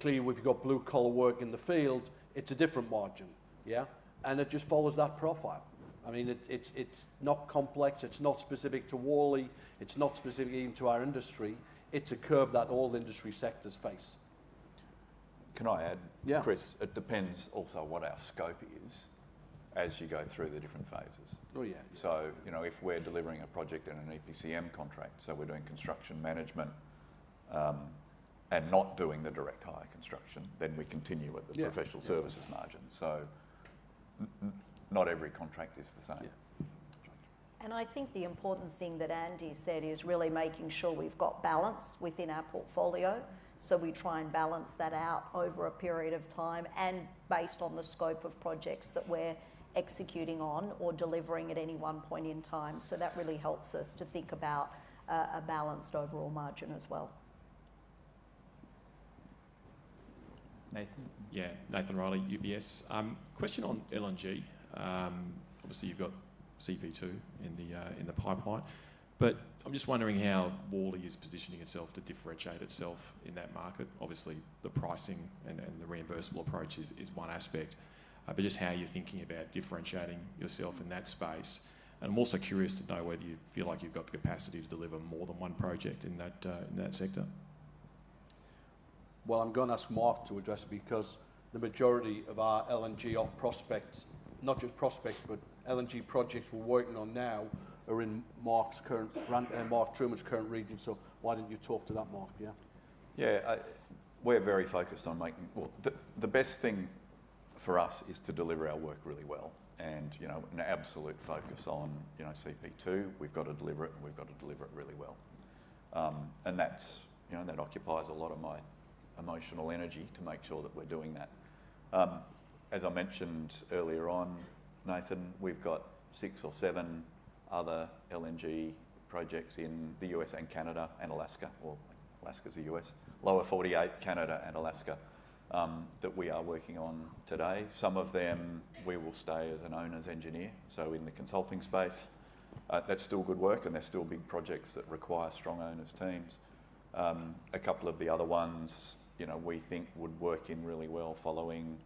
Clearly, we've got blue-collar work in the field. It's a different margin. Yeah. It just follows that profile. I mean, it's not complex. It's not specific to Worley. It's not specific even to our industry. It's a curve that all industry sectors face. Can I add, Chris? Yeah. It depends also what our scope is as you go through the different phases. Oh, yeah. If we're delivering a project in an EPCM contract, so we're doing construction management and not doing the direct-hire construction, then we continue with the professional services margin. Not every contract is the same. Yeah. I think the important thing that Andy said is really making sure we've got balance within our portfolio. We try and balance that out over a period of time and based on the scope of projects that we're executing on or delivering at any one point in time. That really helps us to think about a balanced overall margin as well. Nathan? Yeah. Nathan Reilly, UBS. Question on LNG. Obviously, you've got CP2 in the pipeline. I'm just wondering how Worley is positioning itself to differentiate itself in that market. Obviously, the pricing and the reimbursable approach is one aspect, just how you're thinking about differentiating yourself in that space. I'm also curious to know whether you feel like you've got the capacity to deliver more than one project in that sector. I'm going to ask Mark to address it because the majority of our LNG prospects, not just prospects, but LNG projects we're working on now are in Mark's current, Mark Trueman's current region. Why don't you talk to that, Mark? Yeah. Yeah. We're very focused on making the best thing for us is to deliver our work really well and an absolute focus on CP2. We've got to deliver it, and we've got to deliver it really well. That occupies a lot of my emotional energy to make sure that we're doing that. As I mentioned earlier on, Nathan, we've got six or seven other LNG projects in the U.S. and Canada and Alaska. Alaska's the U.S. Lower 48, Canada, and Alaska that we are working on today. Some of them we will stay as an owner's engineer. In the consulting space, that's still good work, and there's still big projects that require strong owner's teams. A couple of the other ones we think would work in really well following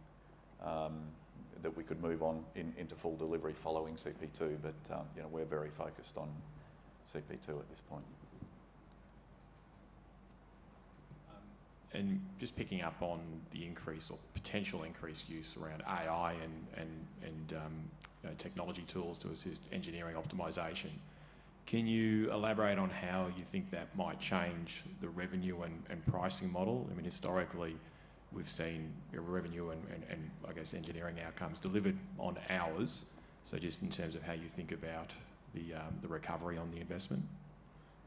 that we could move on into full delivery following CP2, but we're very focused on CP2 at this point. Just picking up on the increase or potential increase use around AI and technology tools to assist engineering optimization, can you elaborate on how you think that might change the revenue and pricing model? I mean, historically, we've seen revenue and, I guess, engineering outcomes delivered on hours. Just in terms of how you think about the recovery on the investment.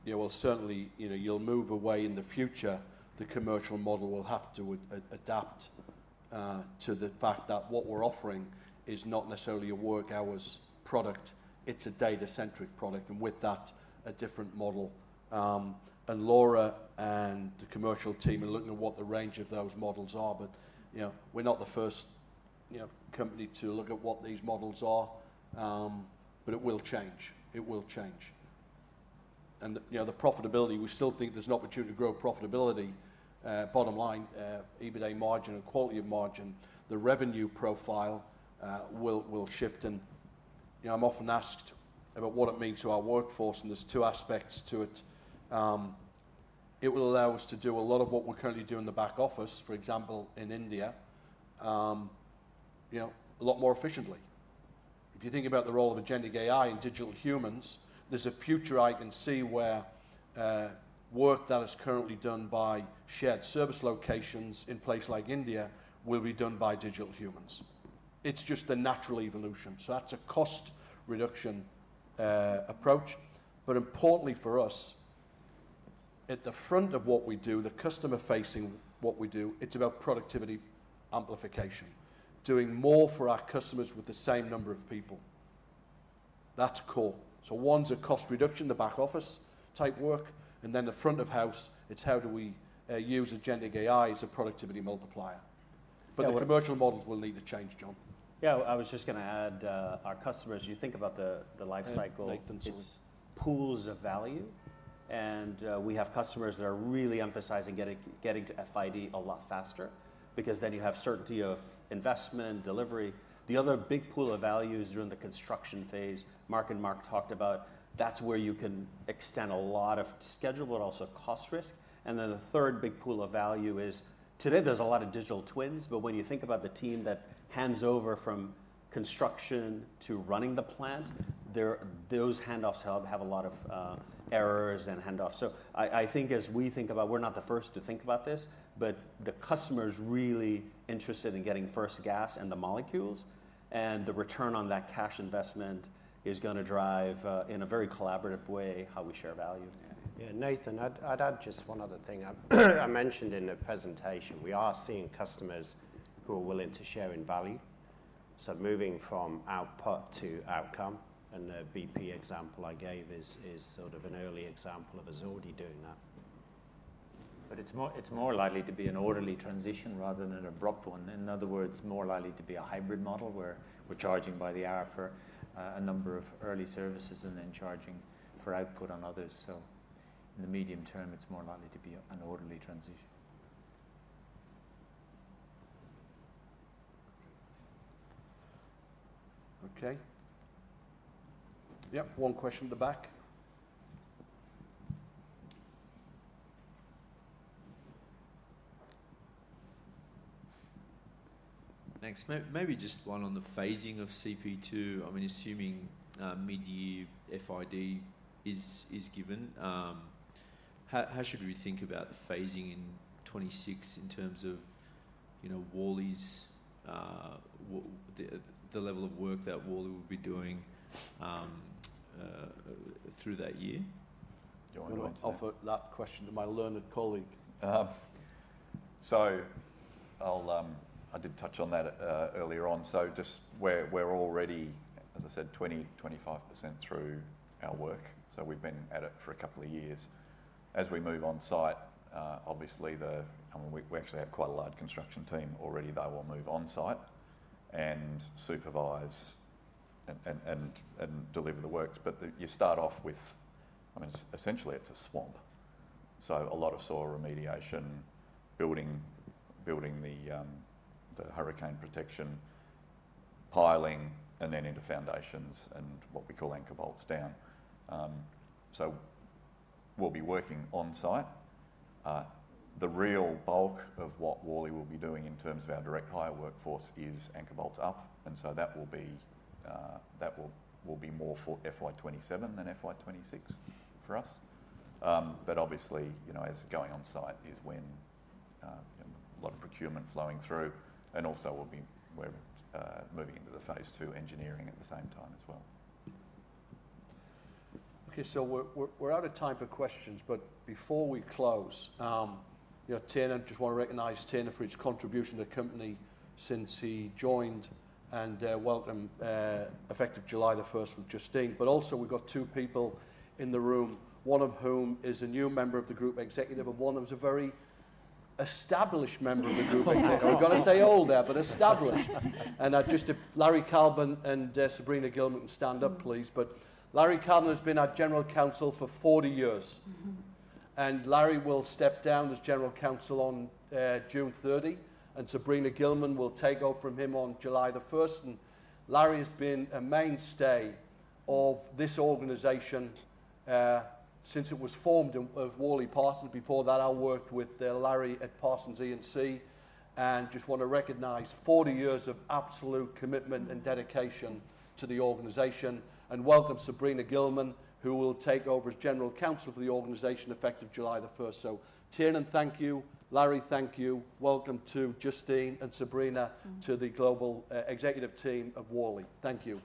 Yeah. Certainly, you'll move away in the future. The commercial model will have to adapt to the fact that what we're offering is not necessarily a work-hours product. It's a data-centric product, and with that, a different model. Laura and the commercial team are looking at what the range of those models are. We're not the first company to look at what these models are, but it will change. It will change. The profitability, we still think there's an opportunity to grow profitability. Bottom line, EBITDA margin and quality of margin, the revenue profile will shift. I'm often asked about what it means to our workforce, and there's two aspects to it. It will allow us to do a lot of what we're currently doing in the back office, for example, in India, a lot more efficiently. If you think about the role of agentic AI and digital humans, there's a future I can see where work that is currently done by shared service locations in places like India will be done by digital humans. It's just the natural evolution. That is a cost reduction approach. Importantly for us, at the front of what we do, the customer-facing what we do, it's about productivity amplification, doing more for our customers with the same number of people. That's core. One is a cost reduction, the back office type work. The front of house, it's how do we use agentic AI as a productivity multiplier. The commercial models will need to change, John. Yeah. I was just going to add our customers, you think about the life cycle. Yeah. It's pools of value. We have customers that are really emphasizing getting to FID a lot faster because then you have certainty of investment delivery. The other big pool of value is during the construction phase. Mark and Mark talked about that's where you can extend a lot of schedule, but also cost risk. The third big pool of value is today, there's a lot of digital twins. When you think about the team that hands over from construction to running the plant, those handoffs have a lot of errors and handoffs. I think as we think about, we're not the first to think about this, but the customer's really interested in getting first gas and the molecules. The return on that cash investment is going to drive in a very collaborative way how we share value. Yeah. Nathan, I'd add just one other thing. I mentioned in the presentation, we are seeing customers who are willing to share in value. Moving from output to outcome. The BP example I gave is sort of an early example of us already doing that. It is more likely to be an orderly transition rather than an abrupt one. In other words, more likely to be a hybrid model where we are charging by the hour for a number of early services and then charging for output on others. In the medium term, it is more likely to be an orderly transition. Okay. Yep. One question at the back. Thanks. Maybe just one on the phasing of CP2. I mean, assuming mid-year FID is given, how should we think about the phasing in 2026 in terms of Worley's, the level of work that Worley will be doing through that year? Do you want to offer that question to my learned colleague? I did touch on that earlier on. Just we're already, as I said, 20-25% through our work. We've been at it for a couple of years. As we move on-site, obviously, we actually have quite a large construction team already. They will move on-site and supervise and deliver the works. You start off with, I mean, essentially, it's a swamp. A lot of soil remediation, building the hurricane protection, piling, and then into foundations and what we call anchor bolts down. We'll be working on-site. The real bulk of what Worley will be doing in terms of our direct-hire workforce is anchor bolts up. That will be more for FY2027 than FY2026 for us. Obviously, as going on-site is when a lot of procurement flowing through. We'll be moving into the phase II engineering at the same time as well. Okay. So we're out of time for questions. Before we close, Tiernan, just want to recognize Tiernan for his contribution to the company since he joined. And welcome effective July the 1st from Justine. Also, we've got two people in the room, one of whom is a new member of the group executive and one that was a very established member of the group executive. We've got to say old there, but established. Just Larry Calbin and Sabrina Gilman can stand up, please. Larry Calbin has been our General Counsel for 40 years. Larry will step down as General Counsel on June 30. Sabrina Gilman will take over from him on July the 1st. Larry has been a mainstay of this organization since it was formed of Worley Parsons. Before that, I worked with Larry at Parsons E&C. I just want to recognize 40 years of absolute commitment and dedication to the organization. I welcome Sabrina Gilman, who will take over as General Counsel for the organization effective July 1. Tiernan, thank you. Larry, thank you. Welcome to Justine and Sabrina to the global executive team of Worley. Thank you.